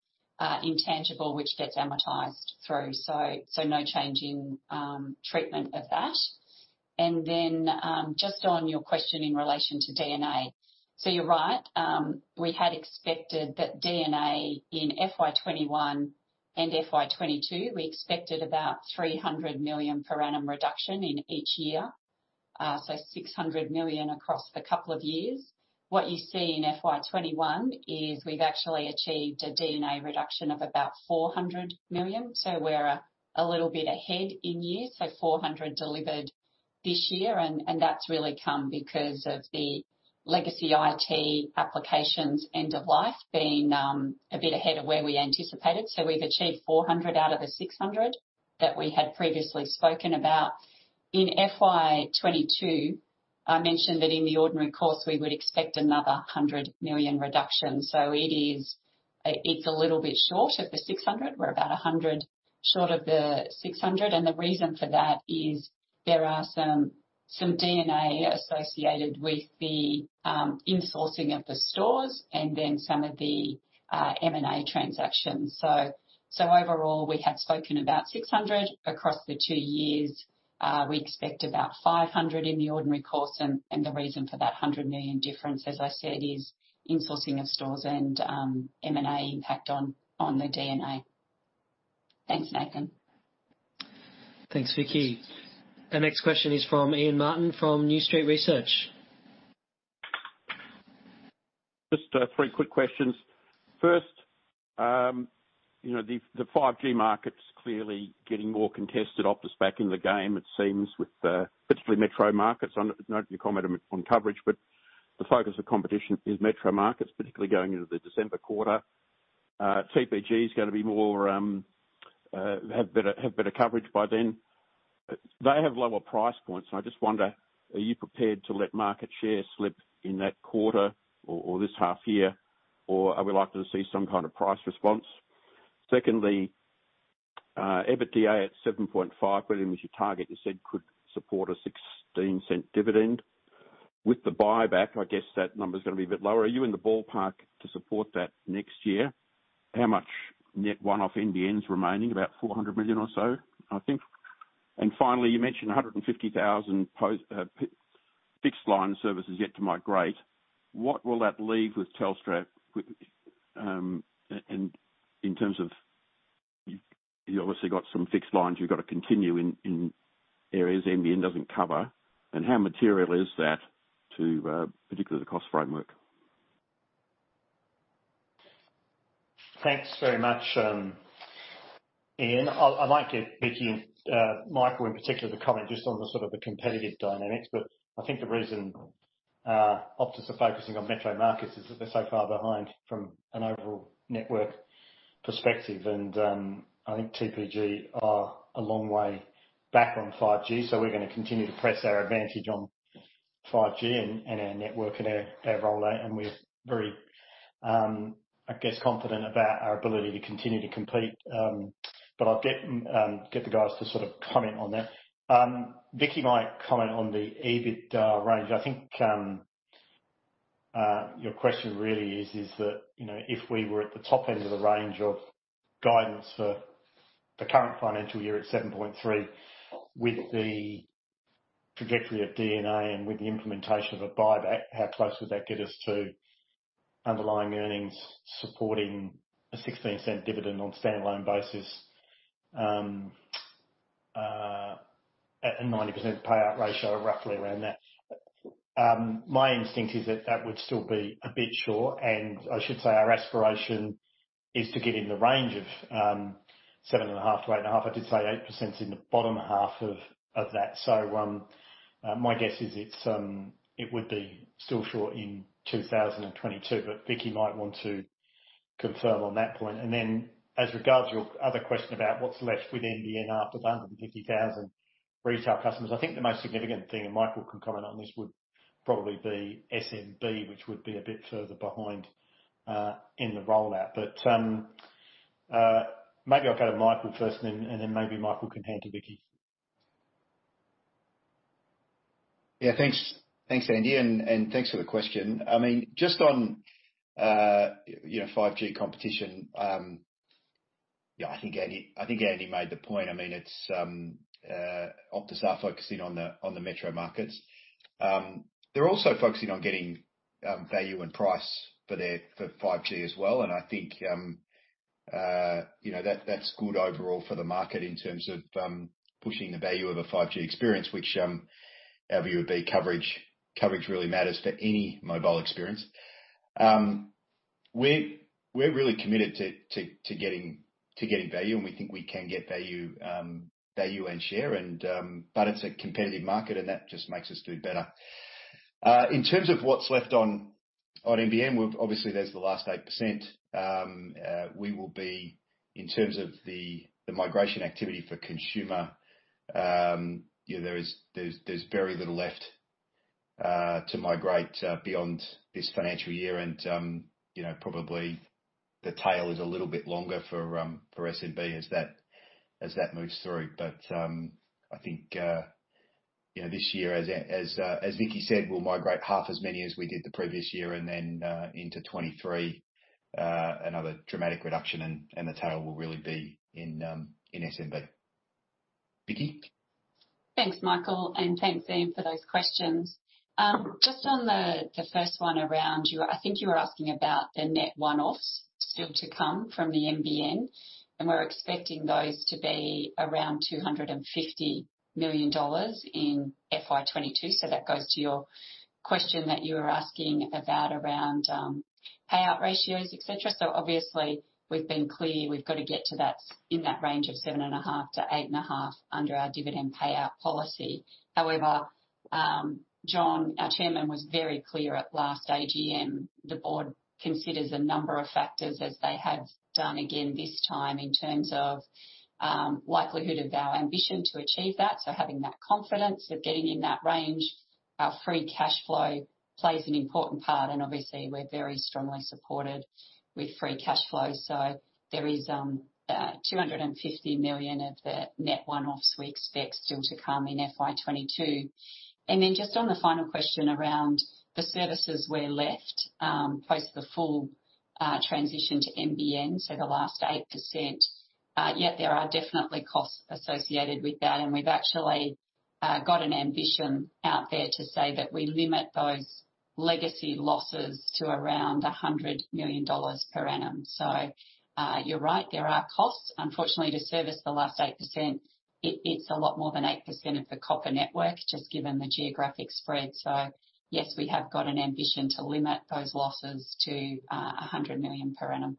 which gets amortized through. No change in treatment of that. Then, just on your question in relation to D&A. You're right. We had expected that D&A in FY 2021 and FY 2022, we expected about 300 million per annum reduction in each year. 600 million across the couple of years. What you see in FY 2021 is we've actually achieved a D&A reduction of about 400 million. We're a little bit ahead in year. 400 delivered this year, and that's really come because of the legacy IT applications end of life being a bit ahead of where we anticipated. We've achieved 400 out of the 600 that we had previously spoken about. In FY 2022, I mentioned that in the ordinary course, we would expect another 100 million reduction. It's a little bit short of the 600. We're about 100 short of the 600, and the reason for that is there are some D&A associated with the in-sourcing of the stores and then some of the M&A transactions. Overall, we had spoken about 600 across the two years. We expect about 500 in the ordinary course, and the reason for that 100 million difference, as I said, is in-sourcing of stores and M&A impact on the D&A. Thanks, Nathan. Thanks, Vicki. The next question is from Ian Martin from New Street Research. Just three quick questions. First, the 5G market's clearly getting more contested. Optus back in the game it seems with, particularly metro markets. I know you commented on coverage, the focus of competition is metro markets, particularly going into the December quarter. TPG is going to have better coverage by then. They have lower price points, I just wonder, are you prepared to let market share slip in that quarter or this half year or are we likely to see some kind of price response? Secondly, EBITDA at 7.5 billion was your target, you said could support an 0.16 dividend. With the buyback, I guess that number's gonna be a bit lower. Are you in the ballpark to support that next year? How much net one-off NBN's remaining? About 400 million or so, I think. Finally, you mentioned 150,000 fixed line services yet to migrate. What will that leave with Telstra with, in terms of You obviously got some fixed lines you've got to continue in areas NBN doesn't cover? How material is that to, particularly the cost framework? Thanks very much, Ian. I might get Vicki and Michael in particular to comment just on the sort of the competitive dynamics, but I think the reason Optus are focusing on metro markets is that they're so far behind from an overall network perspective. I think TPG are a long way back on 5G. We're gonna continue to press our advantage on 5G and our network and our rollout. We're very, I guess, confident about our ability to continue to compete. I'll get the guys to sort of comment on that. Vicki might comment on the EBIT range. I think your question really is that if we were at the top end of the range of guidance for the current financial year at 7.3, with the trajectory of D&A and with the implementation of a buyback, how close would that get us to underlying earnings supporting a 0.16 dividend on standalone basis at a 90% payout ratio, roughly around that. My instinct is that that would still be a bit short. I should say our aspiration is to get in the range of 7.5 to 8.5. I did say 8% is in the bottom half of that. My guess is it would be still short in 2022. Vicki might want to confirm on that point. As regards your other question about what's left with NBN after the 150,000 retail customers, I think the most significant thing, and Michael can comment on this, would probably be SMB, which would be a bit further behind, in the rollout. Maybe I'll go to Michael first and then maybe Michael can hand to Vicki. Yeah. Thanks. Thanks, Andy, and thanks for the question. Just on 5G competition, yeah, I think Andy made the point. Optus are focusing on the metro markets. They're also focusing on getting value and price for their 5G as well, and I think that's good overall for the market in terms of pushing the value of a 5G experience, which our view would be coverage really matters for any mobile experience. We're really committed to getting value, and we think we can get value and share, but it's a competitive market, and that just makes us do it better. In terms of what's left on NBN, obviously, there's the last 8%. In terms of the migration activity for consumer, there's very little left to migrate beyond this financial year. Probably the tail is a little bit longer for SMB as that moves through. I think this year, as Vicki said, we'll migrate half as many as we did the previous year, then, into 2023, another dramatic reduction and the tail will really be in SMB. Vicki? Thanks, Michael, thanks, Ian, for those questions. Just on the first one around, I think you were asking about the net one-offs still to come from the NBN, we're expecting those to be around 250 million dollars in FY 2022. That goes to your question that you were asking about around payout ratios, et cetera. Obviously, we've been clear we've got to get to that, in that range of 7.5 to 8.5 under our dividend payout policy. However, John, our Chairman, was very clear at last AGM. The board considers a number of factors as they have done again this time in terms of likelihood of our ambition to achieve that. Having that confidence of getting in that range. Our free cash flow plays an important part. Obviously, we're very strongly supported with free cash flow. There is 250 million of the net one-offs we expect still to come in FY 2022. Just on the final question around the services we're left post the full transition to NBN, so the last 8%. Yeah, there are definitely costs associated with that, and we've actually got an ambition out there to say that we limit those legacy losses to around 100 million dollars per annum. You're right, there are costs. Unfortunately, to service the last 8%, it's a lot more than 8% of the copper network, just given the geographic spread. Yes, we have got an ambition to limit those losses to 100 million per annum.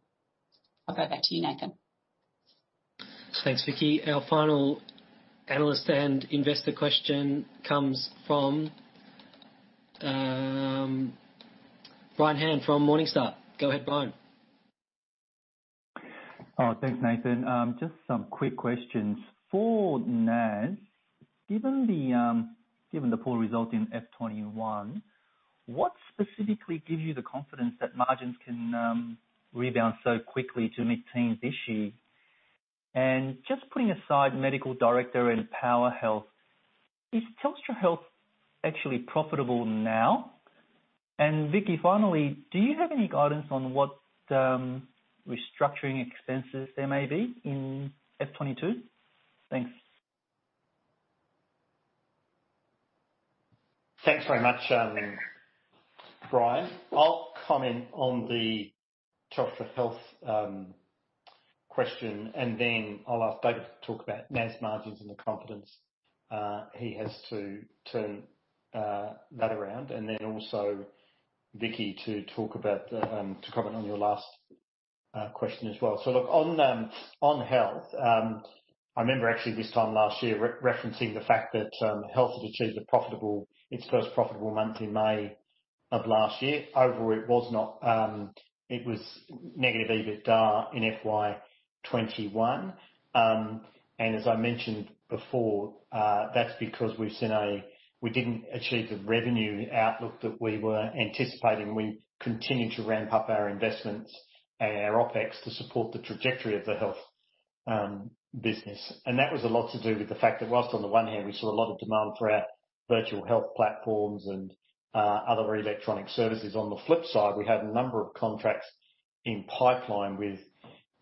I'll go back to you, Nathan. Thanks, Vicki. Our final analyst and investor question comes from Brian Han from Morningstar. Go ahead, Brian. Oh, thanks, Nathan. Just some quick questions. For NAS, given the poor result in FY 2021, what specifically gives you the confidence that margins can rebound so quickly to mid-teens this year? Just putting aside MedicalDirector and PowerHealth, is Telstra Health actually profitable now? Vicki, finally, do you have any guidance on what restructuring expenses there may be in FY 2022? Thanks. Thanks very much, Brian. I'll comment on the Telstra Health question. Then I'll ask David to talk about NAS margins and the confidence he has to turn that around. Also Vicki to comment on your last question as well. On health, I remember actually this time last year referencing the fact that health had achieved its first profitable month in May of last year. Overall, it was negative EBITDA in FY 2021. As I mentioned before, that's because we didn't achieve the revenue outlook that we were anticipating. We continued to ramp up our investments and our OpEx to support the trajectory of the health business. That was a lot to do with the fact that whilst on the one hand, we saw a lot of demand for our virtual health platforms and other electronic services, on the flip side, we had a number of contracts in pipeline with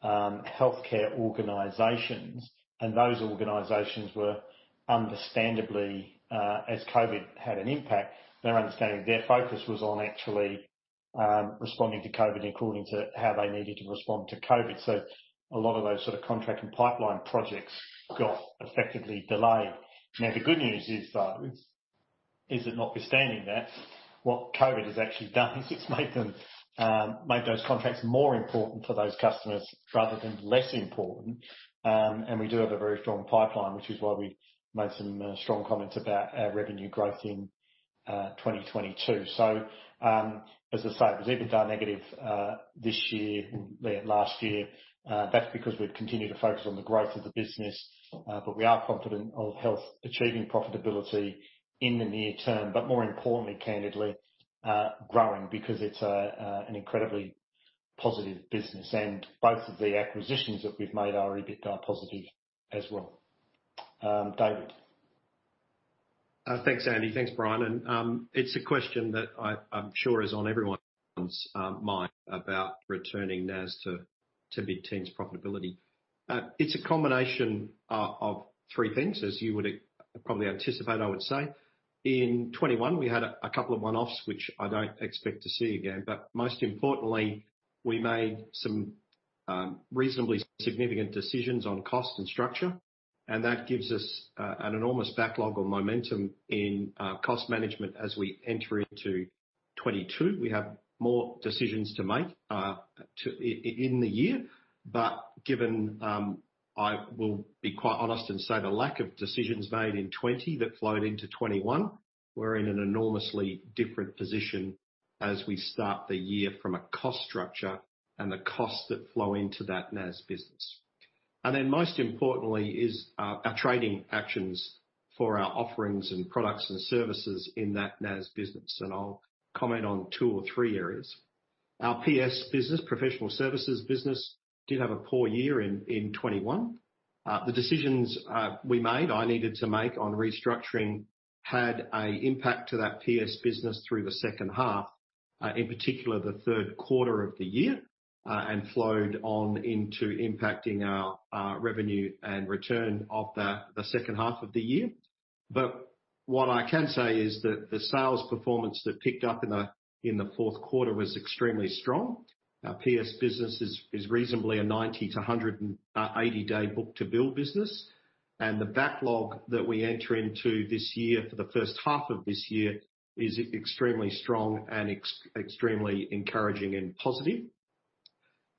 healthcare organizations. Those organizations were understandably, as COVID had an impact, their understanding, their focus was on actually responding to COVID according to how they needed to respond to COVID. A lot of those sort of contract and pipeline projects got effectively delayed. The good news is, though, is that notwithstanding that, what COVID has actually done is it's made those contracts more important for those customers rather than less important. We do have a very strong pipeline, which is why we made some strong comments about our revenue growth in 2022. As I say, it was EBITDA negative last year. That's because we've continued to focus on the growth of the business. We are confident of Telstra Health achieving profitability in the near term, but more importantly, candidly, growing, because it's an incredibly positive business. Both of the acquisitions that we've made are EBITDA positive as well. David. Thanks, Andy. Thanks, Brian. It's a question that I'm sure is on everyone's mind about returning NAS to mid-teens profitability. It's a combination of three things, as you would probably anticipate, I would say. In 2021, we had a couple of one-offs, which I don't expect to see again. Most importantly, we made some reasonably significant decisions on cost and structure, and that gives us an enormous backlog of momentum in cost management as we enter into 2022. We have more decisions to make in the year. Given, I will be quite honest and say the lack of decisions made in 2020 that flowed into 2021, we're in an enormously different position as we start the year from a cost structure and the costs that flow into that NAS business. Most importantly is our trading actions for our offerings and products and services in that NAS business. I'll comment on two or three areas. Our PS business, professional services business, did have a poor year in 2021. The decisions we made, I needed to make on restructuring had a impact to that PS business through the second half, in particular the third quarter of the year, and flowed on into impacting our revenue and return of the second half of the year. What I can say is that the sales performance that picked up in the fourth quarter was extremely strong. Our PS business is reasonably a 90- to 180-day book to bill business, and the backlog that we enter into this year for the first half of this year is extremely strong and extremely encouraging and positive.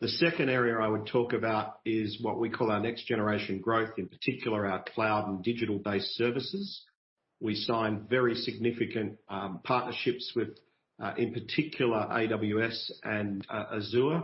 The second area I would talk about is what we call our next generation growth, in particular our cloud and digital-based services. We signed very significant partnerships with, in particular, AWS and Azure.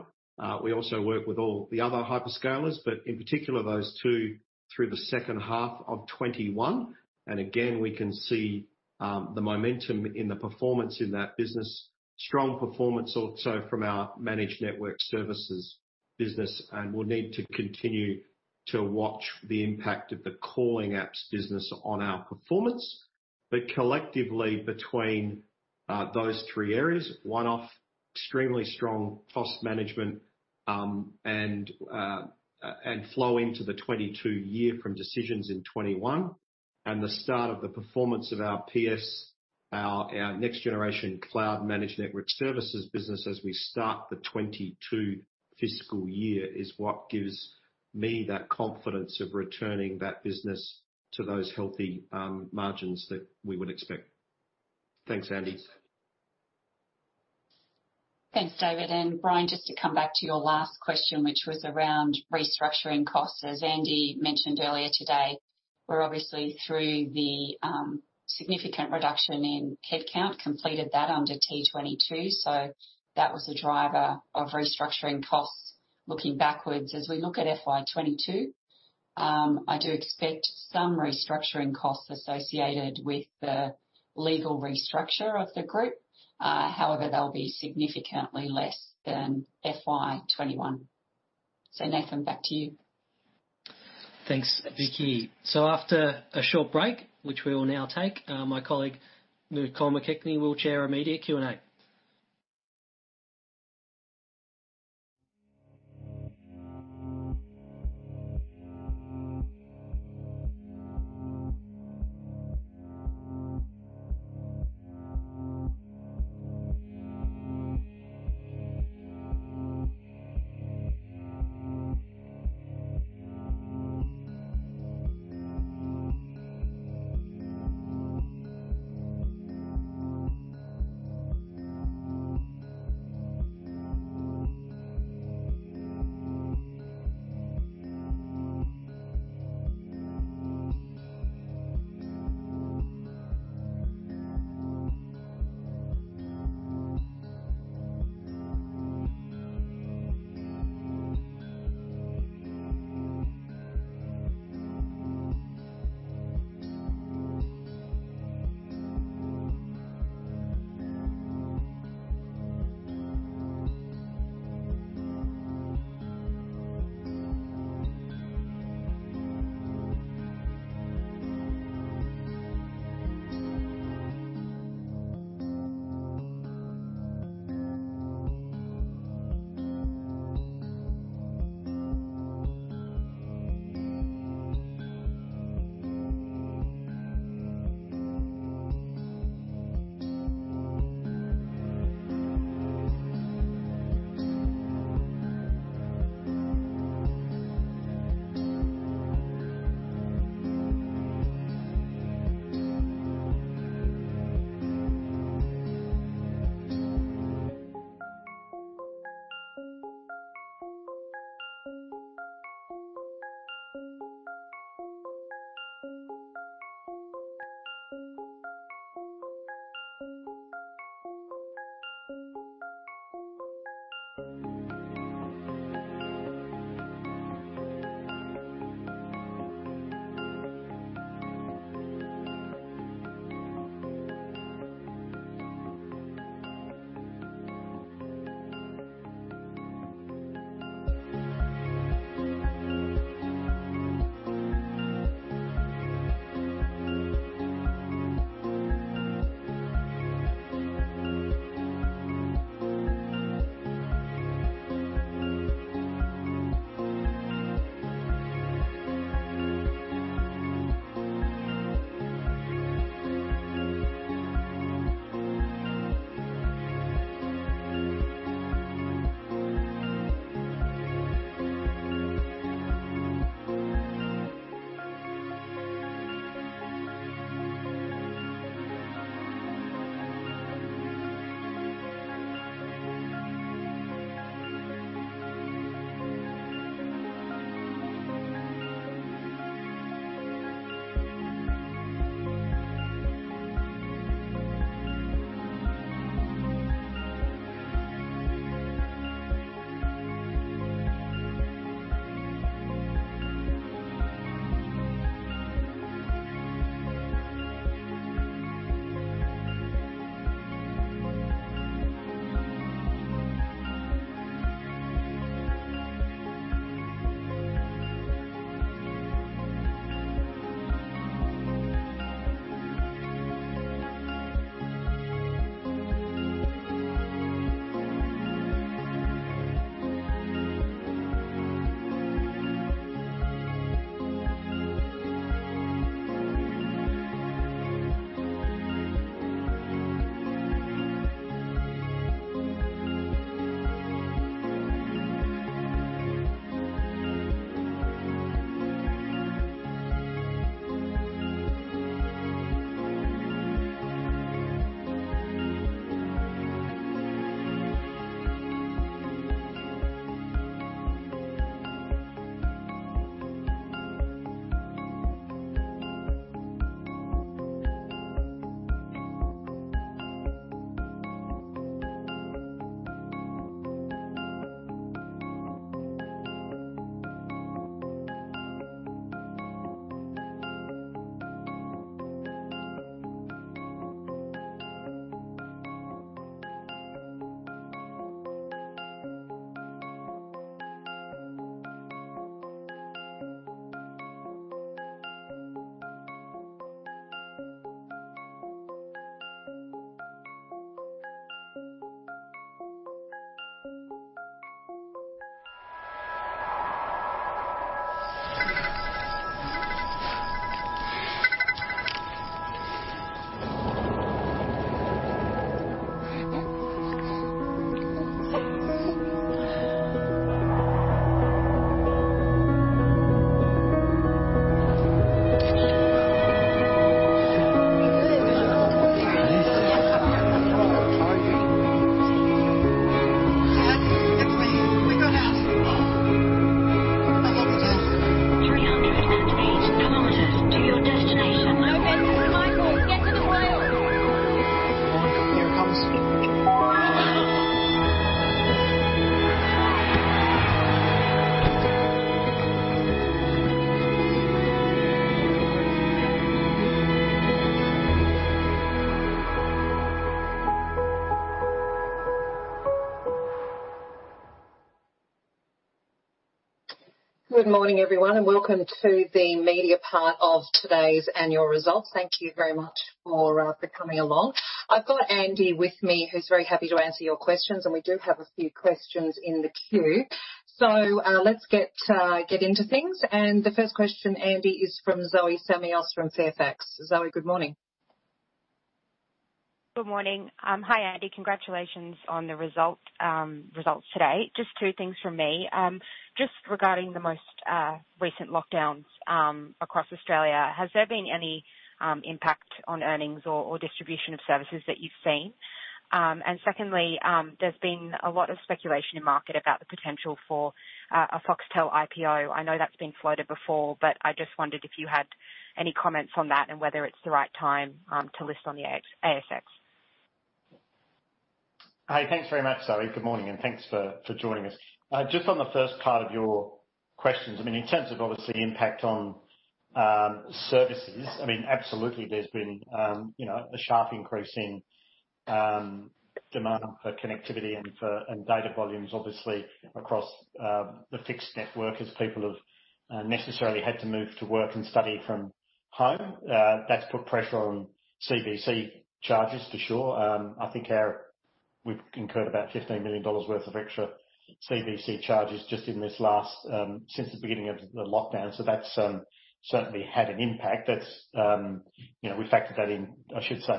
We also work with all the other hyperscalers, but in particular, those two through the second half of 2021. Again, we can see the momentum in the performance in that business. Strong performance also from our managed network services business, and we'll need to continue to watch the impact of the calling apps business on our performance. Collectively, between those three areas, one-off extremely strong cost management, and flow into the 2022 year from decisions in 2021 and the start of the performance of our PS, our next generation cloud managed network services business as we start the 2022 fiscal year, is what gives me that confidence of returning that business to those healthy margins that we would expect. Thanks, Andy. Thanks, David. Brian, just to come back to your last question, which was around restructuring costs. As Andy mentioned earlier today. We're obviously through the significant reduction in headcount, completed that under T22. That was the driver of restructuring costs. Looking backwards as we look at FY 2022, I do expect some restructuring costs associated with the legal restructure of the group. However, they'll be significantly less than FY 2021. Nathan, back to you. Thanks, Vicki. After a short break, which we will now take, my colleague, Nicole McKechnie, will chair a media Q&A. Good morning, everyone, welcome to the media part of today's annual results. Thank you very much for coming along. I've got Andy with me, who's very happy to answer your questions, and we do have a few questions in the queue. Let's get into things. The first question, Andy, is from Zoe Samios from Fairfax. Zoe, good morning. Good morning. Hi, Andy. Congratulations on the results today. Just two things from me. Just regarding the most recent lockdowns across Australia, has there been any impact on earnings or distribution of services that you've seen? Secondly, there's been a lot of speculation in market about the potential for a Foxtel IPO. I know that's been floated before, but I just wondered if you had any comments on that and whether it's the right time to list on the ASX. Hi. Thanks very much, Zoe. Good morning. Thanks for joining us. Just on the first part of your questions. In terms of, obviously, impact on services, absolutely there's been a sharp increase in demand for connectivity and data volumes, obviously, across the fixed network as people have necessarily had to move to work and study from home. That's put pressure on CVC charges, for sure. I think we've incurred about 15 million dollars worth of extra CVC charges since the beginning of the lockdown. That's certainly had an impact. We factored that in, I should say,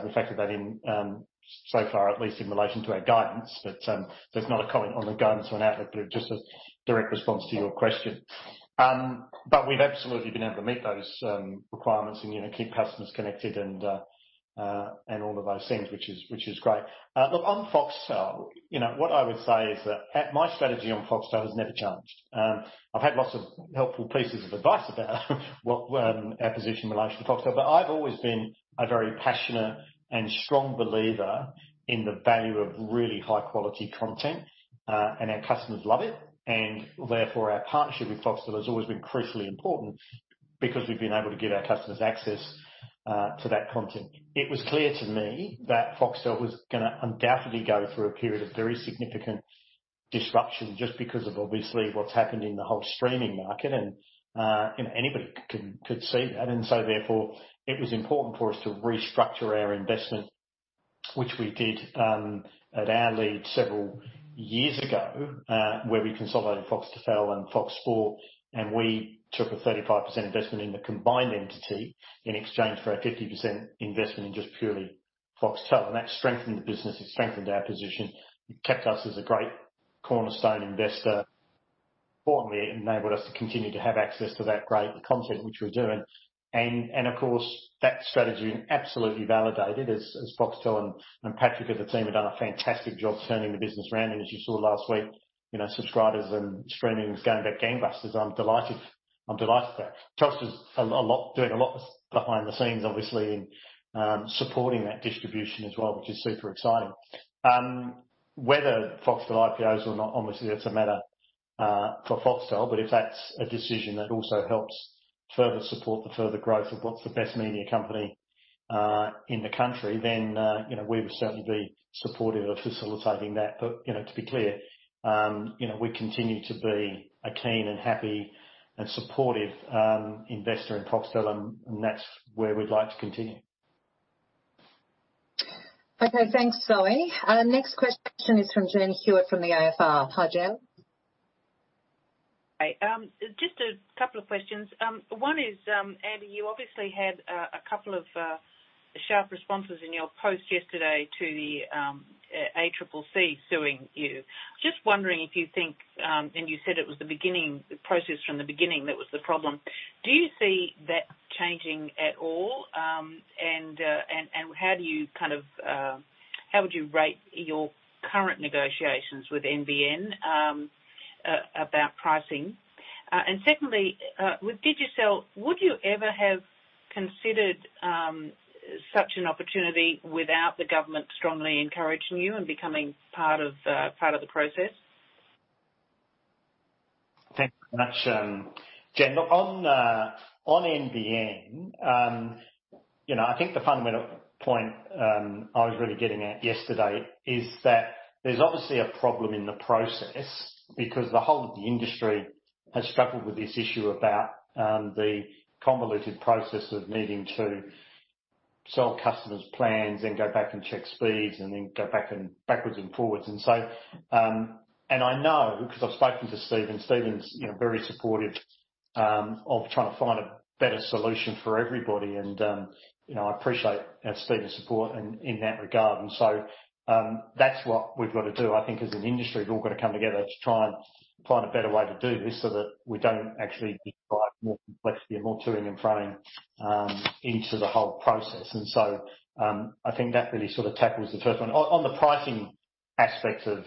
so far at least in relation to our guidance. That's not a comment on the guidance or an outlook, but just a direct response to your question. We've absolutely been able to meet those requirements and keep customers connected and all of those things, which is great. Look, on Foxtel, what I would say is that my strategy on Foxtel has never changed. I've had lots of helpful pieces of advice about our position in relation to Foxtel. I've always been a very passionate and strong believer in the value of really high-quality content, and our customers love it. Therefore, our partnership with Foxtel has always been crucially important because we've been able to give our customers access to that content. It was clear to me that Foxtel was going to undoubtedly go through a period of very significant disruption, just because of obviously what's happened in the whole streaming market, and anybody could see that. Therefore, it was important for us to restructure our investment, which we did at our lead several years ago. Where we consolidated Foxtel and Fox Sports, and we took a 35% investment in the combined entity in exchange for our 50% investment in just purely Foxtel. That strengthened the business, it strengthened our position, it kept us as a great cornerstone investor. Importantly, it enabled us to continue to have access to that great content, which we're doing. Of course, that strategy absolutely validated as Foxtel and Patrick and the team have done a fantastic job turning the business around. As you saw last week, subscribers and streaming is going gangbusters. I'm delighted for that. Telstra's doing a lot behind the scenes, obviously, in supporting that distribution as well, which is super exciting. Whether Foxtel IPOs or not, obviously that's a matter for Foxtel. If that's a decision that also helps further support the further growth of what's the best media company in the country, then we would certainly be supportive of facilitating that. To be clear, we continue to be a keen and happy and supportive investor in Foxtel, and that's where we'd like to continue. Okay. Thanks, Zoe. Next question is from Jenny Hewett from the AFR. Hi, Jen. Hi. Just a couple of questions. One is, Andy, you obviously had a couple of sharp responses in your post yesterday to the ACCC suing you. You said it was the process from the beginning that was the problem. Do you see that changing at all? How would you rate your current negotiations with NBN about pricing? Secondly, with Digicel, would you ever have considered such an opportunity without the government strongly encouraging you and becoming part of the process? Thanks very much, Jen. On NBN, I think the fundamental point I was really getting at yesterday is that there's obviously a problem in the process because the whole of the industry has struggled with this issue about the convoluted process of needing to sell customers plans, then go back and check speeds, and then go backwards and forwards. I know because I've spoken to Stephen. Stephen's very supportive of trying to find a better solution for everybody. I appreciate Stephen's support in that regard. That's what we've got to do. I think as an industry, we've all got to come together to try and find a better way to do this so that we don't actually invite more complexity and more to-ing and fro-ing into the whole process. I think that really sort of tackles the first one. On the pricing aspects of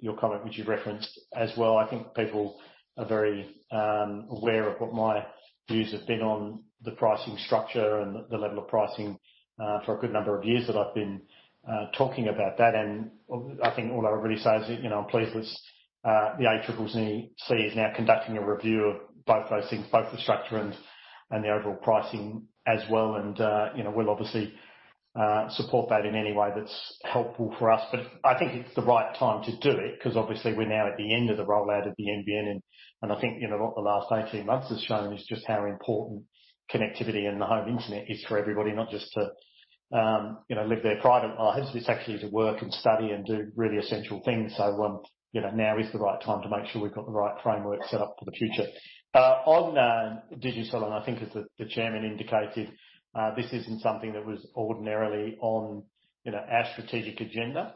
your comment, which you referenced as well. I think people are very aware of what my views have been on the pricing structure and the level of pricing for a good number of years that I've been talking about that. I think all I'll really say is, I'm pleased with the ACCC is now conducting a review of both those things, both the structure and the overall pricing as well. We'll obviously support that in any way that's helpful for us. I think it's the right time to do it because obviously we're now at the end of the rollout of the NBN. I think what the last 18 months has shown is just how important connectivity and the home internet is for everybody, not just to live their private lives. It's actually to work and study and do really essential things. Now is the right time to make sure we've got the right framework set up for the future. On Digicel, I think as the chairman indicated, this isn't something that was ordinarily on our strategic agenda.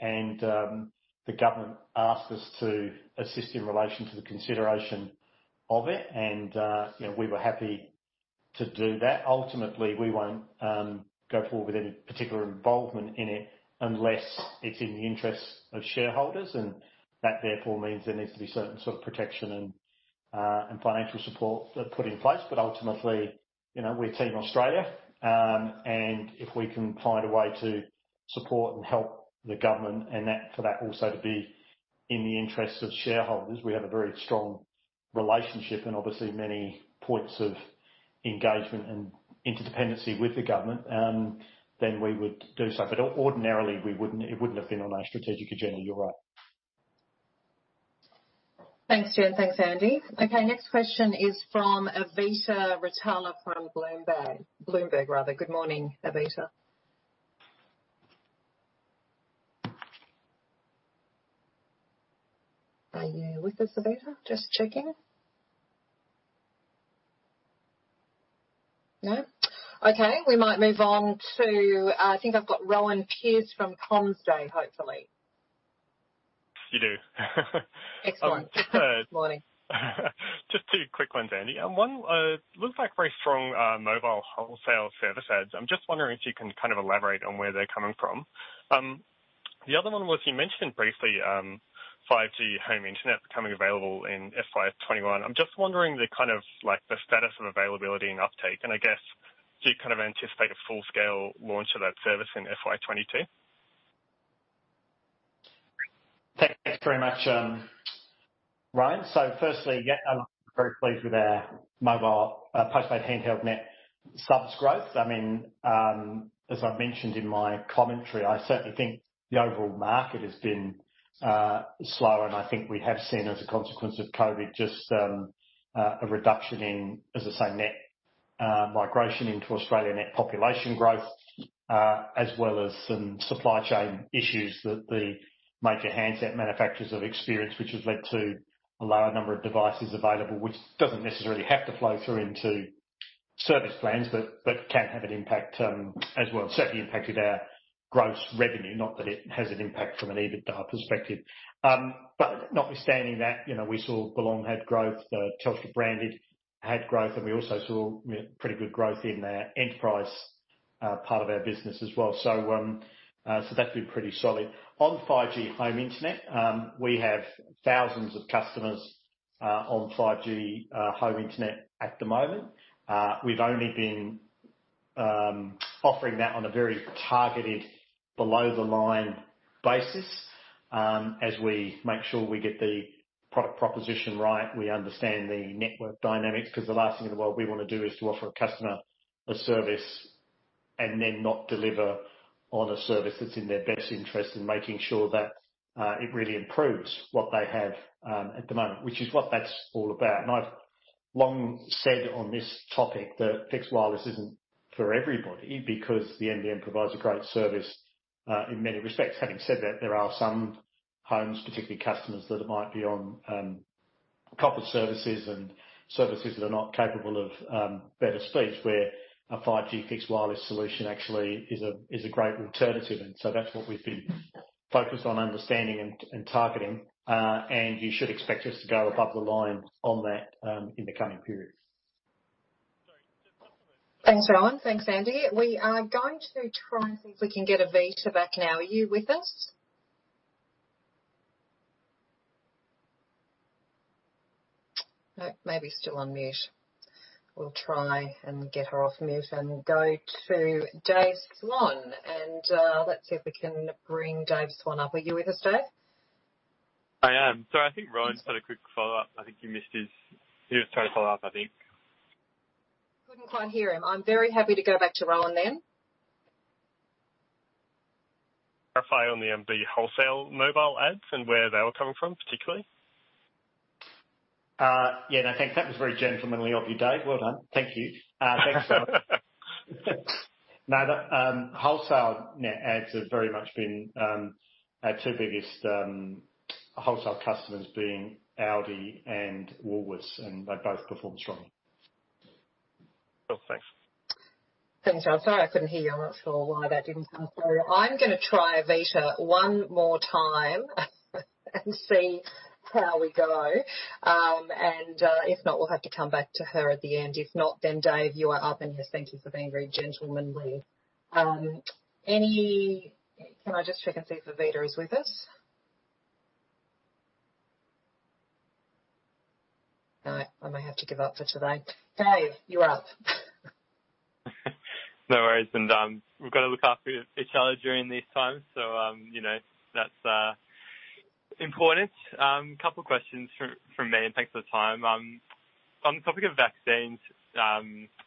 The government asked us to assist in relation to the consideration of it. We were happy to do that. Ultimately, we won't go forward with any particular involvement in it unless it's in the interests of shareholders. That therefore means there needs to be certain sort of protection and financial support put in place. Ultimately, we're Team Australia. If we can find a way to support and help the government and for that also to be in the interests of shareholders, we have a very strong relationship and obviously many points of engagement and interdependency with the government, then we would do so. Ordinarily, it wouldn't have been on our strategic agenda. You're right. Thanks, Jen. Thanks, Andy. Next question is from Avita Retala from Bloomberg. Good morning, Avita. Are you with us, Avita? Just checking. No? We might move on to, I think I've got Rohan Pearce from CommsDay, hopefully. You do. Excellent. Morning. Just two quick ones, Andy. One, looks like very strong mobile wholesale service adds. I'm just wondering if you can kind of elaborate on where they're coming from. The other one was you mentioned briefly 5G home internet becoming available in FY 2021. I'm just wondering the status of availability and uptake. I guess, do you anticipate a full-scale launch of that service in FY 2022? Thanks very much, Rohan. Firstly, yeah, I'm very pleased with our mobile postpaid handheld net subs growth. As I mentioned in my commentary, I certainly think the overall market has been slower, and I think we have seen as a consequence of COVID, just a reduction in, as I say, net migration into Australia, net population growth, as well as some supply chain issues that the major handset manufacturers have experienced, which has led to a lower number of devices available. Which doesn't necessarily have to flow through into service plans, but can have an impact as well. Certainly impacted our gross revenue, not that it has an impact from an EBITDA perspective. Notwithstanding that, we saw Belong had growth, Telstra branded had growth, and we also saw pretty good growth in our Enterprise part of our business as well. That's been pretty solid. On 5G home internet, we have thousands of customers on 5G home internet at the moment. We've only been offering that on a very targeted below-the-line basis as we make sure we get the proposition right, we understand the network dynamics. The last thing in the world we want to do is to offer a customer a service and then not deliver on a service that's in their best interest in making sure that it really improves what they have at the moment. That is what that's all about. I've long said on this topic that fixed wireless isn't for everybody because the NBN provides a great service in many respects. Having said that, there are some homes, particularly customers that might be on copper services and services that are not capable of better speeds, where a 5G fixed wireless solution actually is a great alternative. That's what we've been focused on understanding and targeting. You should expect us to go above the line on that in the coming period. Thanks, Rohan. Thanks, Andy. We are going to try and see if we can get Avita back now. Are you with us? No, maybe still on mute. We'll try and get her off mute and go to Dave Swan. Let's see if we can bring Dave Swan up. Are you with us, Dave? I am. Sorry, I think Rohan's had a quick follow-up. I think you missed his. He was trying to follow up, I think. Couldn't quite hear him. I'm very happy to go back to Rohan then. Clarify on the net wholesale mobile adds and where they were coming from particularly. Yeah, no, thank you. That was very gentlemanly of you, Dave. Well done. Thank you. Thanks. No, the wholesale net adds have very much been our two biggest wholesale customers being ALDI and Woolworths, and they both performed strongly. Cool. Thanks. Thanks. I am sorry I couldn't hear you. I am not sure why that didn't come through. I am going to try Avita one more time. See how we go. If not, we'll have to come back to her at the end. If not, then Dave, you are up. Yes, thank you for being very gentlemanly. Can I just check and see if Avita is with us? No. I may have to give up for today. Dave, you are up. No worries. We've got to look after each other during these times, so that's important. Couple questions from me, and thanks for the time. On the topic of vaccines,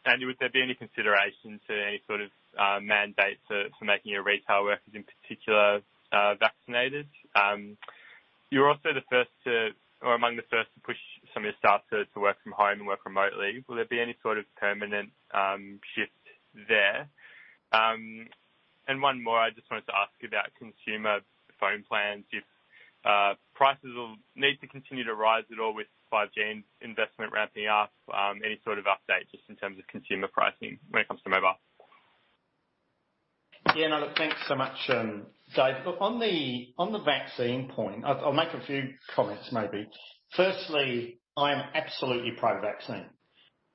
Andy, would there be any consideration to any sort of mandate for making your retail workers, in particular, vaccinated? You're also the first to, or among the first to push some of your staff to work from home and work remotely. Will there be any sort of permanent shift there? One more, I just wanted to ask about consumer phone plans. If prices will need to continue to rise at all with 5G investment ramping up? Any sort of update just in terms of consumer pricing when it comes to mobile? Yeah, no, look, thanks so much, Dave. Look, on the vaccine point, I'll make a few comments maybe. Firstly, I am absolutely pro-vaccine.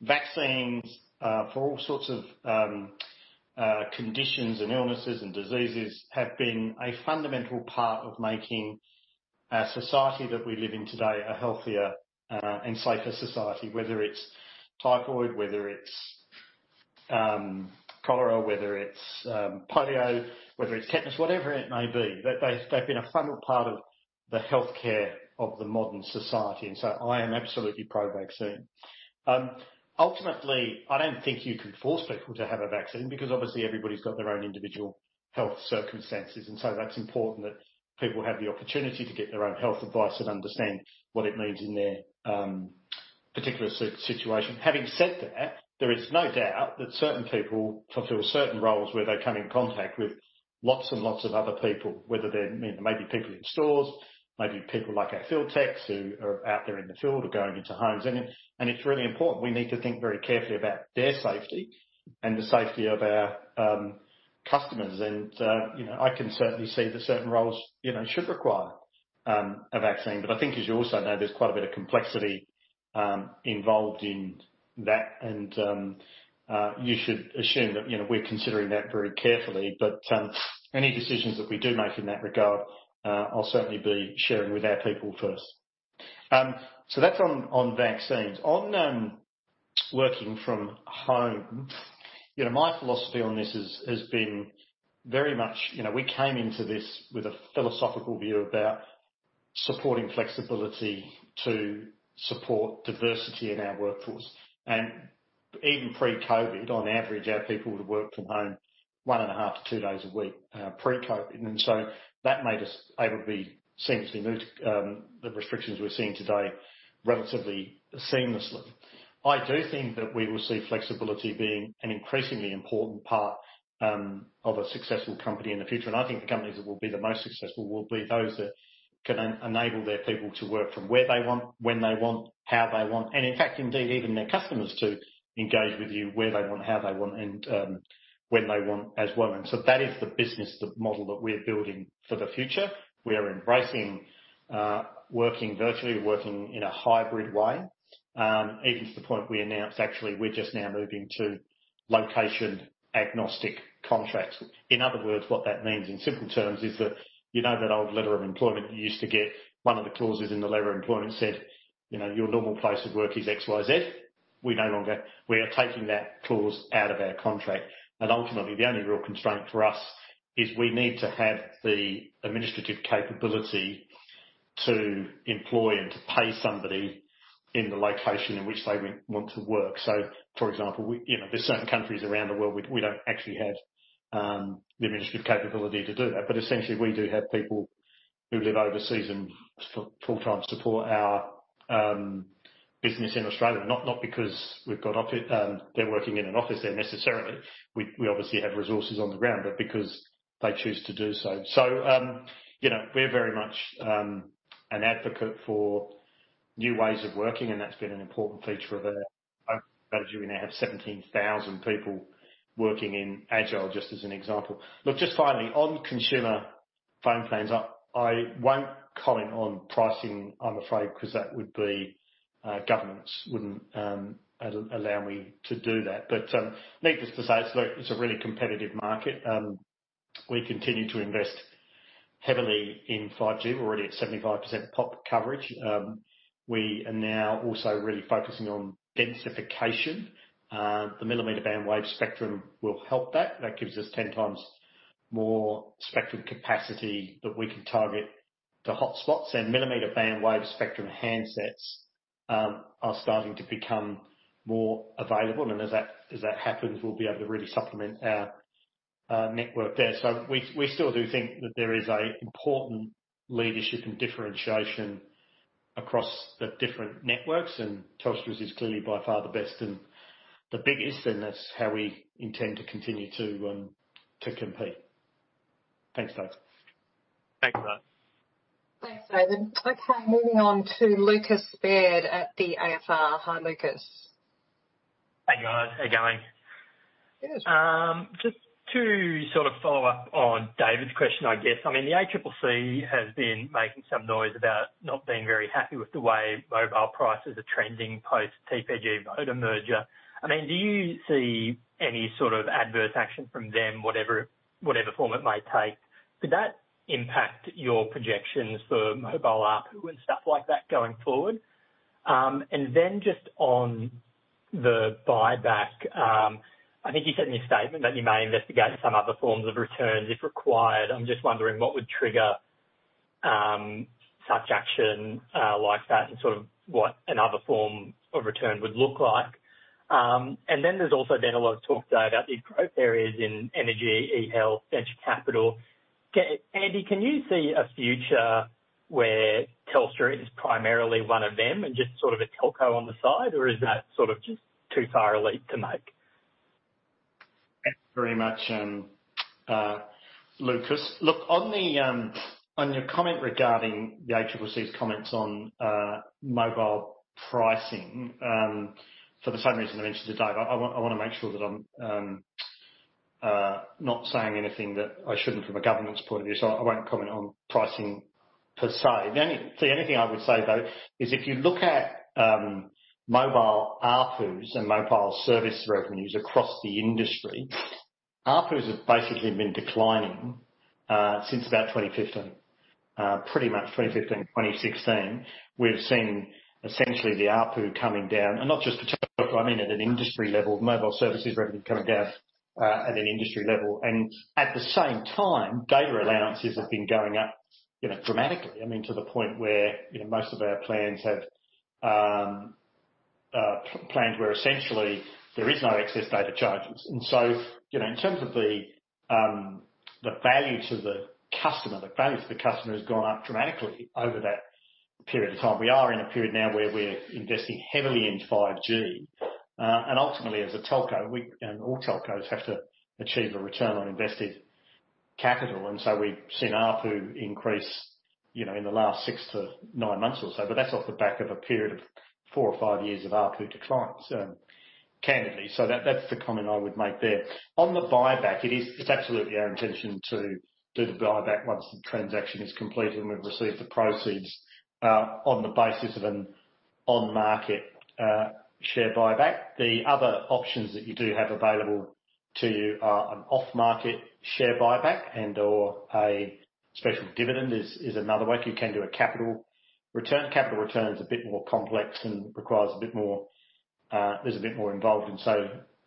Vaccines, for all sorts of conditions and illnesses and diseases, have been a fundamental part of making our society that we live in today a healthier and safer society. Whether it's typhoid, whether it's cholera, whether it's polio, whether it's tetanus, whatever it may be. They've been a fundamental part of the healthcare of the modern society. I am absolutely pro-vaccine. Ultimately, I don't think you can force people to have a vaccine, because obviously everybody's got their own individual health circumstances. That's important that people have the opportunity to get their own health advice and understand what it means in their particular situation. Having said that, there is no doubt that certain people fulfill certain roles where they come in contact with lots and lots of other people, whether they're maybe people in stores, maybe people like our field techs who are out there in the field or going into homes. It's really important. We need to think very carefully about their safety and the safety of our customers. I can certainly see that certain roles should require a vaccine. I think, as you also know, there's quite a bit of complexity involved in that. You should assume that we're considering that very carefully. Any decisions that we do make in that regard, I'll certainly be sharing with our people first. That's on vaccines. On working from home. My philosophy on this has been very much, we came into this with a philosophical view about supporting flexibility to support diversity in our workforce. Even pre-COVID, on average, our people would work from home one and a half to two days a week, pre-COVID. That made us able to seamlessly move the restrictions we're seeing today relatively seamlessly. I do think that we will see flexibility being an increasingly important part of a successful company in the future. I think the companies that will be the most successful will be those that can enable their people to work from where they want, when they want, how they want, and in fact, indeed, even their customers to engage with you where they want, how they want, and when they want as well. That is the business model that we're building for the future. We are embracing working virtually, working in a hybrid way. Even to the point we announced actually, we're just now moving to location-agnostic contracts. In other words, what that means in simple terms is that, you know that old letter of employment you used to get? One of the clauses in the letter of employment said, "Your normal place of work is XYZ." We are taking that clause out of our contract. Ultimately, the only real constraint for us is we need to have the administrative capability to employ and to pay somebody in the location in which they want to work. For example, there's certain countries around the world we don't actually have the administrative capability to do that. Essentially, we do have people who live overseas and full-time support our business in Australia. Not because they're working in an office there necessarily. We obviously have resources on the ground. Because they choose to do so. We're very much an advocate for new ways of working, and that's been an important feature of our. We now have 17,000 people working in Agile, just as an example. Just finally, on consumer phone plans. I won't comment on pricing, I'm afraid, because governments wouldn't allow me to do that. Needless to say, it's a really competitive market. We continue to invest heavily in 5G. We're already at 75% pop coverage. We are now also really focusing on densification. The millimeter-band wave spectrum will help that. That gives us 10x more spectrum capacity that we can target to hotspots. Millimeter-band wave spectrum handsets are starting to become more available. As that happens, we'll be able to really supplement our network there. We still do think that there is an important leadership and differentiation across the different networks. Telstra's is clearly by far the best and the biggest, and that's how we intend to continue to compete. Thanks, Dave. Thanks, Andy. Thanks, David. Okay. Moving on to Lucas Baird at the AFR. Hi, Lucas. Hey, guys. How you going? Yes. Just to follow up on David's question, I guess. The ACCC has been making some noise about not being very happy with the way mobile prices are trending post-TPG, Voda merger. Do you see any sort of adverse action from them, whatever form it may take? Could that impact your projections for mobile ARPU and stuff like that going forward? Just on the buyback, I think you said in your statement that you may investigate some other forms of returns if required. I'm just wondering what would trigger such action like that and sort of what another form of return would look like. There's also been a lot of talk today about these growth areas in energy, eHealth, venture capital. Andy, can you see a future where Telstra is primarily one of them and just sort of a telco on the side, or is that just too far a leap to make? Thanks very much, Lucas. Look, on your comment regarding the ACCC's comments on mobile pricing, for the same reason I mentioned to Dave, I want to make sure that I'm not saying anything that I shouldn't from a governance point of view. I won't comment on pricing per se. The only thing I would say, though, is if you look at mobile ARPUs and mobile service revenues across the industry, ARPUs have basically been declining since about 2015. Pretty much 2015, 2016, we've seen essentially the ARPU coming down, and not just for Telstra, I mean at an industry level. Mobile services revenue coming down at an industry level. At the same time, data allowances have been going up dramatically. To the point where most of our plans have plans where essentially there is no excess data charges. In terms of the value to the customer, the value to the customer has gone up dramatically over that period of time. We are in a period now where we're investing heavily in 5G. Ultimately, as a telco, all telcos have to achieve a return on invested capital. We've seen ARPU increase in the last six to nine months or so. That's off the back of a period of four or five years of ARPU declines, candidly. That's the comment I would make there. On the buyback, it is absolutely our intention to do the buyback once the transaction is complete and we've received the proceeds, on the basis of an on-market share buyback. The other options that you do have available to you are an off-market share buyback and/or a special dividend is another way. You can do a capital return. Capital return's a bit more complex and there's a bit more involved.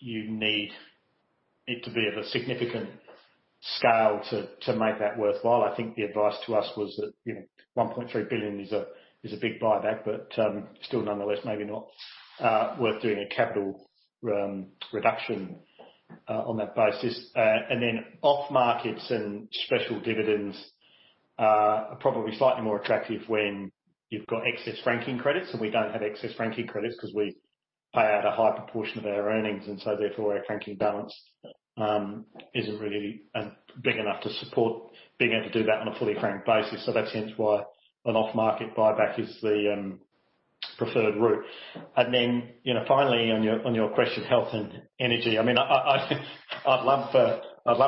You need it to be of a significant scale to make that worthwhile. I think the advice to us was that, 1.3 billion is a big buyback, but still nonetheless, maybe not worth doing a capital reduction on that basis. Off-markets and special dividends are probably slightly more attractive when you've got excess franking credits. We don't have excess franking credits because we pay out a high proportion of our earnings, our franking balance isn't really big enough to support being able to do that on a fully franked basis. That's hence why an off-market buyback is the preferred route. Finally, on your question, health and energy. I'd love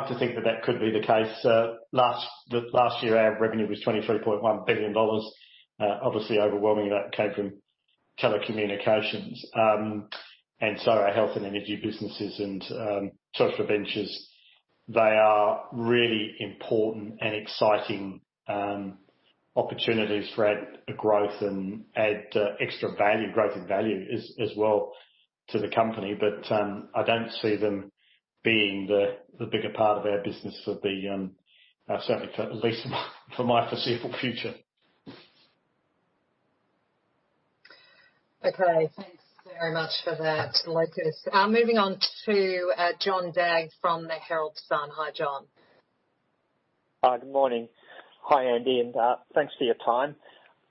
to think that that could be the case. Last year, our revenue was 23.1 billion dollars. Obviously, overwhelmingly that came from telecommunications. Our health and energy businesses and Telstra Ventures, they are really important and exciting opportunities for growth and add extra value, growth, and value as well to the company. I don't see them being the bigger part of our business for certainly at least for my foreseeable future. Okay. Thanks very much for that, Lucas. Moving on to John Dagge from the Herald Sun. Hi, John. Hi. Good morning. Hi, Andy, thanks for your time.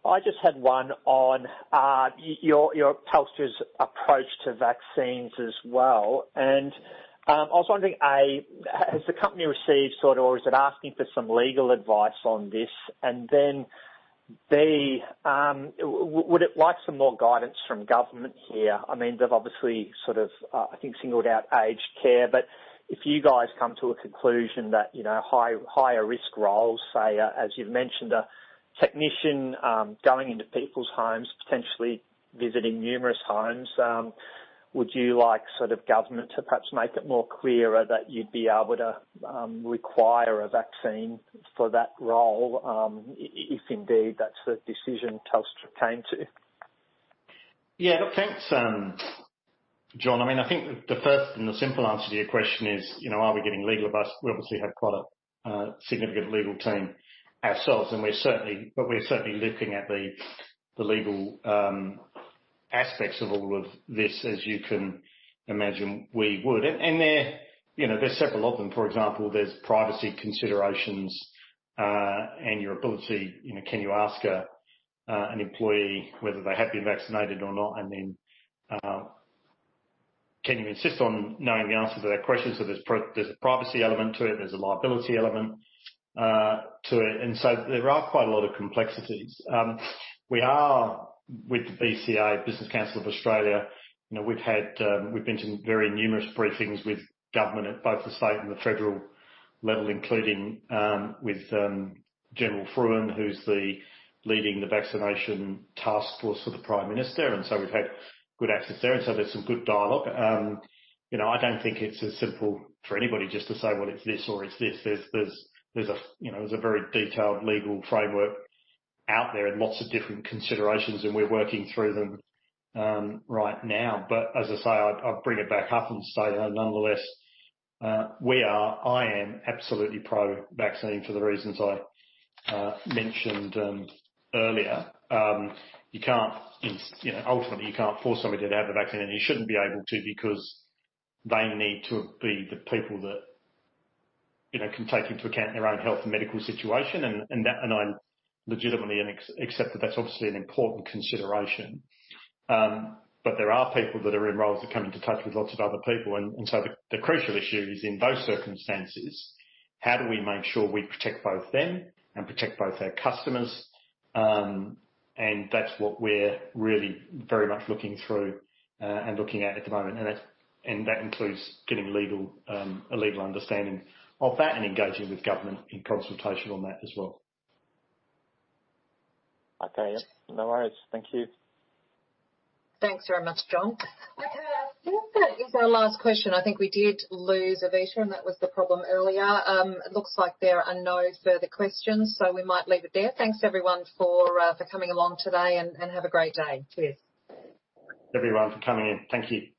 I just had one on Telstra's approach to vaccines as well. I was wondering, A, has the company received sort of, or is it asking for some legal advice on this? B, would it like some more guidance from government here? They've obviously, I think, singled out aged care. If you guys come to a conclusion that higher risk roles, say, as you've mentioned, a technician going into people's homes, potentially visiting numerous homes. Would you like government to perhaps make it more clearer that you'd be able to require a vaccine for that role, if indeed that's the decision Telstra came to? Yeah. Look, thanks, John. I think the first and the simple answer to your question is, are we getting legal advice? We obviously have quite a significant legal team ourselves. We're certainly looking at the legal aspects of all of this, as you can imagine we would. There's several of them. For example, there's privacy considerations, and your ability, can you ask an employee whether they have been vaccinated or not? Can you insist on knowing the answer to that question? There's a privacy element to it. There's a liability element to it. There are quite a lot of complexities. With the BCA, Business Council of Australia, we've been to very numerous briefings with government at both the state and the federal level, including with General Frewen, who's leading the Vaccination Taskforce for the Prime Minister. We've had good access there. There's some good dialogue. I don't think it's as simple for anybody just to say, well, it's this or it's this. There's a very detailed legal framework out there and lots of different considerations, and we're working through them right now. As I say, I'd bring it back up and say, nonetheless, we are, I am absolutely pro-vaccine for the reasons I mentioned earlier. Ultimately, you can't force somebody to have the vaccine, and you shouldn't be able to because they need to be the people that can take into account their own health and medical situation, and I legitimately accept that's obviously an important consideration. There are people that are in roles that come into touch with lots of other people. The crucial issue is in those circumstances, how do we make sure we protect both them and protect both our customers? That's what we're really very much looking through, and looking at the moment. That includes getting a legal understanding of that and engaging with government in consultation on that as well. Okay. No worries. Thank you. Thanks very much, John. Okay, I think that is our last question. I think we did lose Avita, and that was the problem earlier. It looks like there are no further questions, so we might leave it there. Thanks, everyone, for coming along today, and have a great day. Cheers. Everyone for coming in. Thank you.